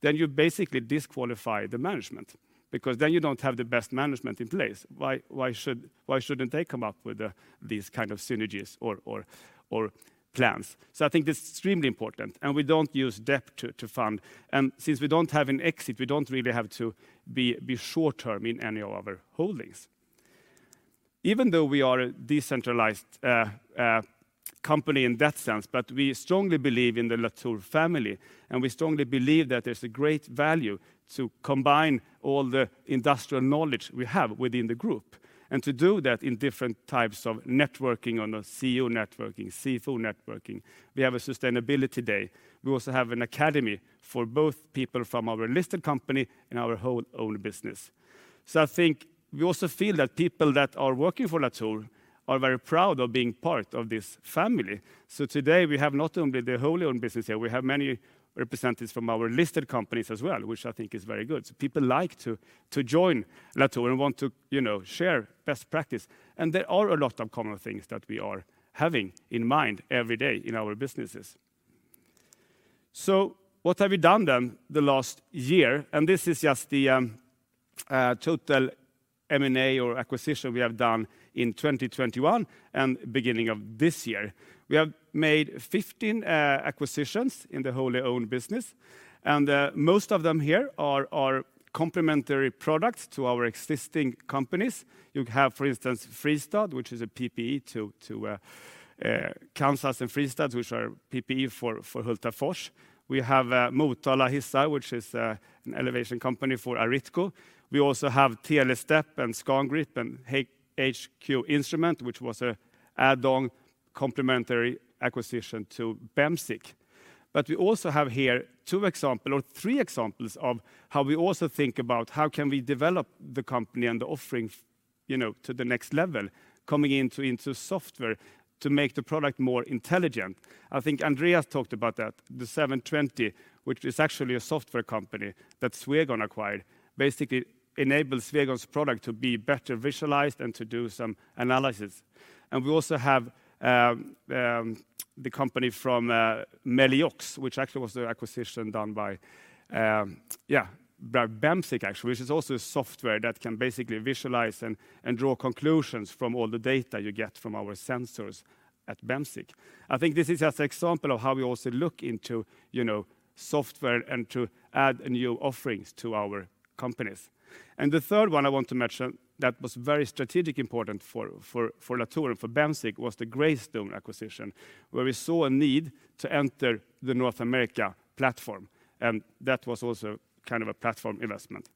then you basically disqualify the management, because then you don't have the best management in place. Why shouldn't they come up with these kind of synergies or plans? I think that's extremely important. We don't use debt to fund. Since we don't have an exit, we don't really have to be short-term in any of our holdings. Even though we are a decentralized company in that sense, but we strongly believe in the Latour family, and we strongly believe that there's a great value to combine all the industrial knowledge we have within the group, and to do that in different types of networking on a CEO networking, CFO networking. We have a sustainability day. We also have an academy for both people from our listed company and our wholly owned business. I think we also feel that people that are working for Latour are very proud of being part of this family. Today we have not only the wholly owned business here, we have many representatives from our listed companies as well, which I think is very good. People like to join Latour and want to, you know, share best practice. There are a lot of common things that we are having in mind every day in our businesses. What have we done then the last year? This is just the total M&A or acquisition we have done in 2021 and beginning of this year. We have made 15 acquisitions in the wholly owned business, and most of them here are complementary products to our existing companies. You have, for instance, Fristads, which is a PPE to Kansas and Fristads, which are PPE for Hultafors. We have Motala Hissar, which is an elevation company for Aritco. We also have Telesteps, and Scangrip, and HK Instruments, which was a add-on complementary acquisition to Bemsiq. We also have here two examples or three examples of how we also think about how can we develop the company and the offering you know, to the next level, coming into software to make the product more intelligent. I think Andreas talked about that, the 720, which is actually a software company that Swegon acquired, basically enables Swegon's product to be better visualized and to do some analysis. We also have the company from Meliox, which actually was the acquisition done by Bemsiq actually, which is also software that can basically visualize and draw conclusions from all the data you get from our sensors at Bemsiq. I think this is just an example of how we also look into you know, software and to add new offerings to our companies. The third one I want to mention that was very strategic important for Latour and for Bemsiq was the Greystone acquisition, where we saw a need to enter the North America platform, and that was also kind of a platform investment.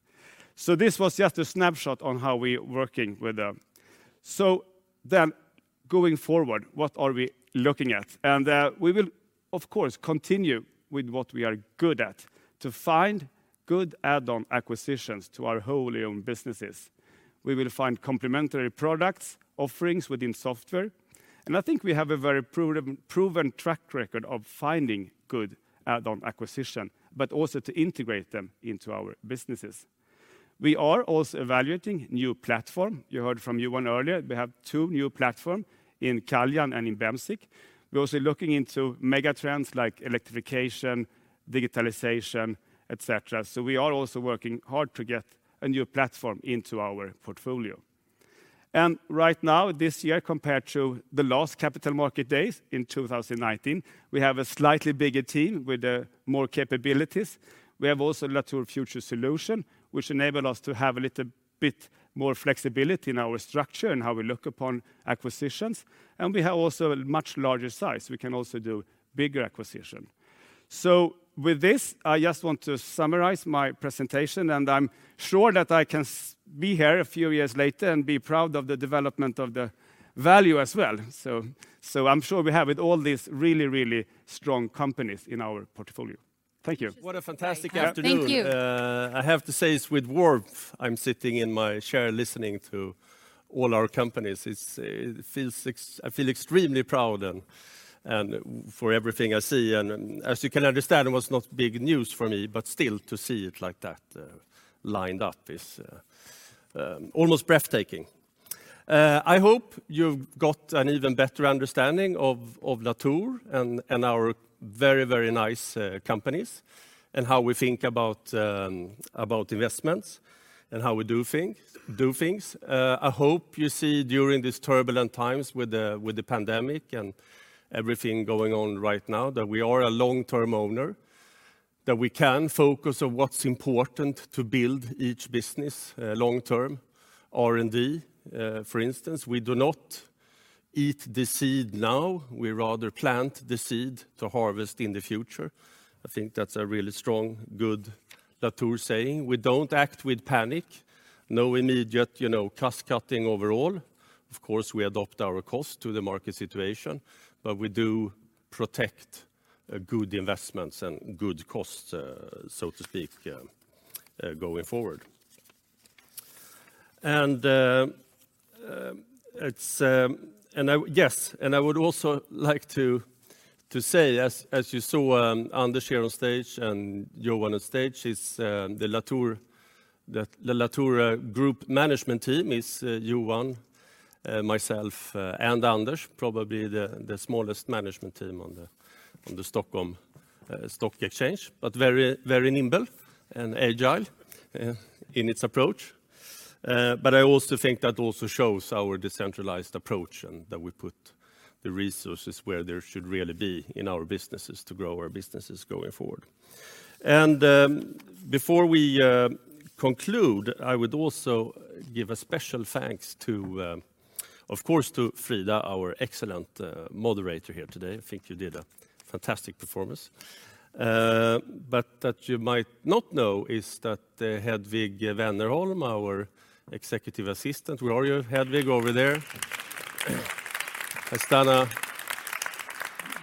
This was just a snapshot on how we're working with them. Going forward, what are we looking at? We will of course continue with what we are good at to find good add-on acquisitions to our wholly owned businesses. We will find complementary products, offerings within software. I think we have a very proven track record of finding good add-on acquisition, but also to integrate them into our businesses. We are also evaluating new platform. You heard from Johan earlier, we have two new platform in Caljan and in Bemsiq. We're also looking into mega trends like electrification, digitalization, et cetera. We are also working hard to get a new platform into our portfolio. Right now, this year compared to the last Capital Markets Day in 2019, we have a slightly bigger team with more capabilities. We have also Latour Future Solutions, which enable us to have a little bit more flexibility in our structure and how we look upon acquisitions. We have also a much larger size. We can also do bigger acquisition. With this, I just want to summarize my presentation, and I'm sure that I can be here a few years later and be proud of the development of the value as well. I'm sure we have with all these really strong companies in our portfolio. Thank you. What a fantastic afternoon. Thank you. I have to say it's with warmth, I'm sitting in my chair listening to all our companies. It's, I feel extremely proud and for everything I see. As you can understand, it was not big news for me, but still to see it like that, lined up is almost breathtaking. I hope you've got an even better understanding of Latour and our very nice companies, and how we think about investments and how we do things. I hope you see during these turbulent times with the pandemic and everything going on right now that we are a long-term owner, that we can focus on what's important to build each business, long-term, R&D, for instance. We do not eat the seed now, we rather plant the seed to harvest in the future. I think that's a really strong, good Latour saying. We don't act with panic. No immediate, you know, cost-cutting overall. Of course, we adapt our cost to the market situation, but we do protect good investments and good costs so to speak going forward. Yes, I would also like to say, as you saw, Andreas here on stage and Johan on stage, the Latour group management team is Johan, myself, and Andreas, probably the smallest management team on the Stockholm Stock Exchange, but very, very nimble and agile in its approach. I also think that also shows our decentralized approach and that we put the resources where there should really be in our businesses to grow our businesses going forward. Before we conclude, I would also give a special thanks to, of course, to Frida, our excellent moderator here today. I think you did a fantastic performance. That you might not know is that Hedvig Wennerholm, our executive assistant, where are you Hedvig? Over there. Has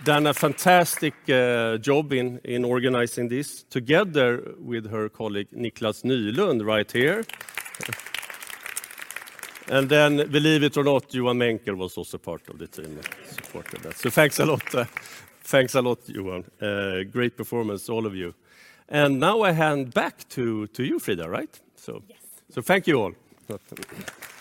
done a fantastic job in organizing this together with her colleague, Niclas Nylund, right here. Then believe it or not, Johan Menckel was also part of the team that supported that. Thanks a lot, Johan. Great performance, all of you. Now I hand back to you, Frida, right? Yes. Thank you all.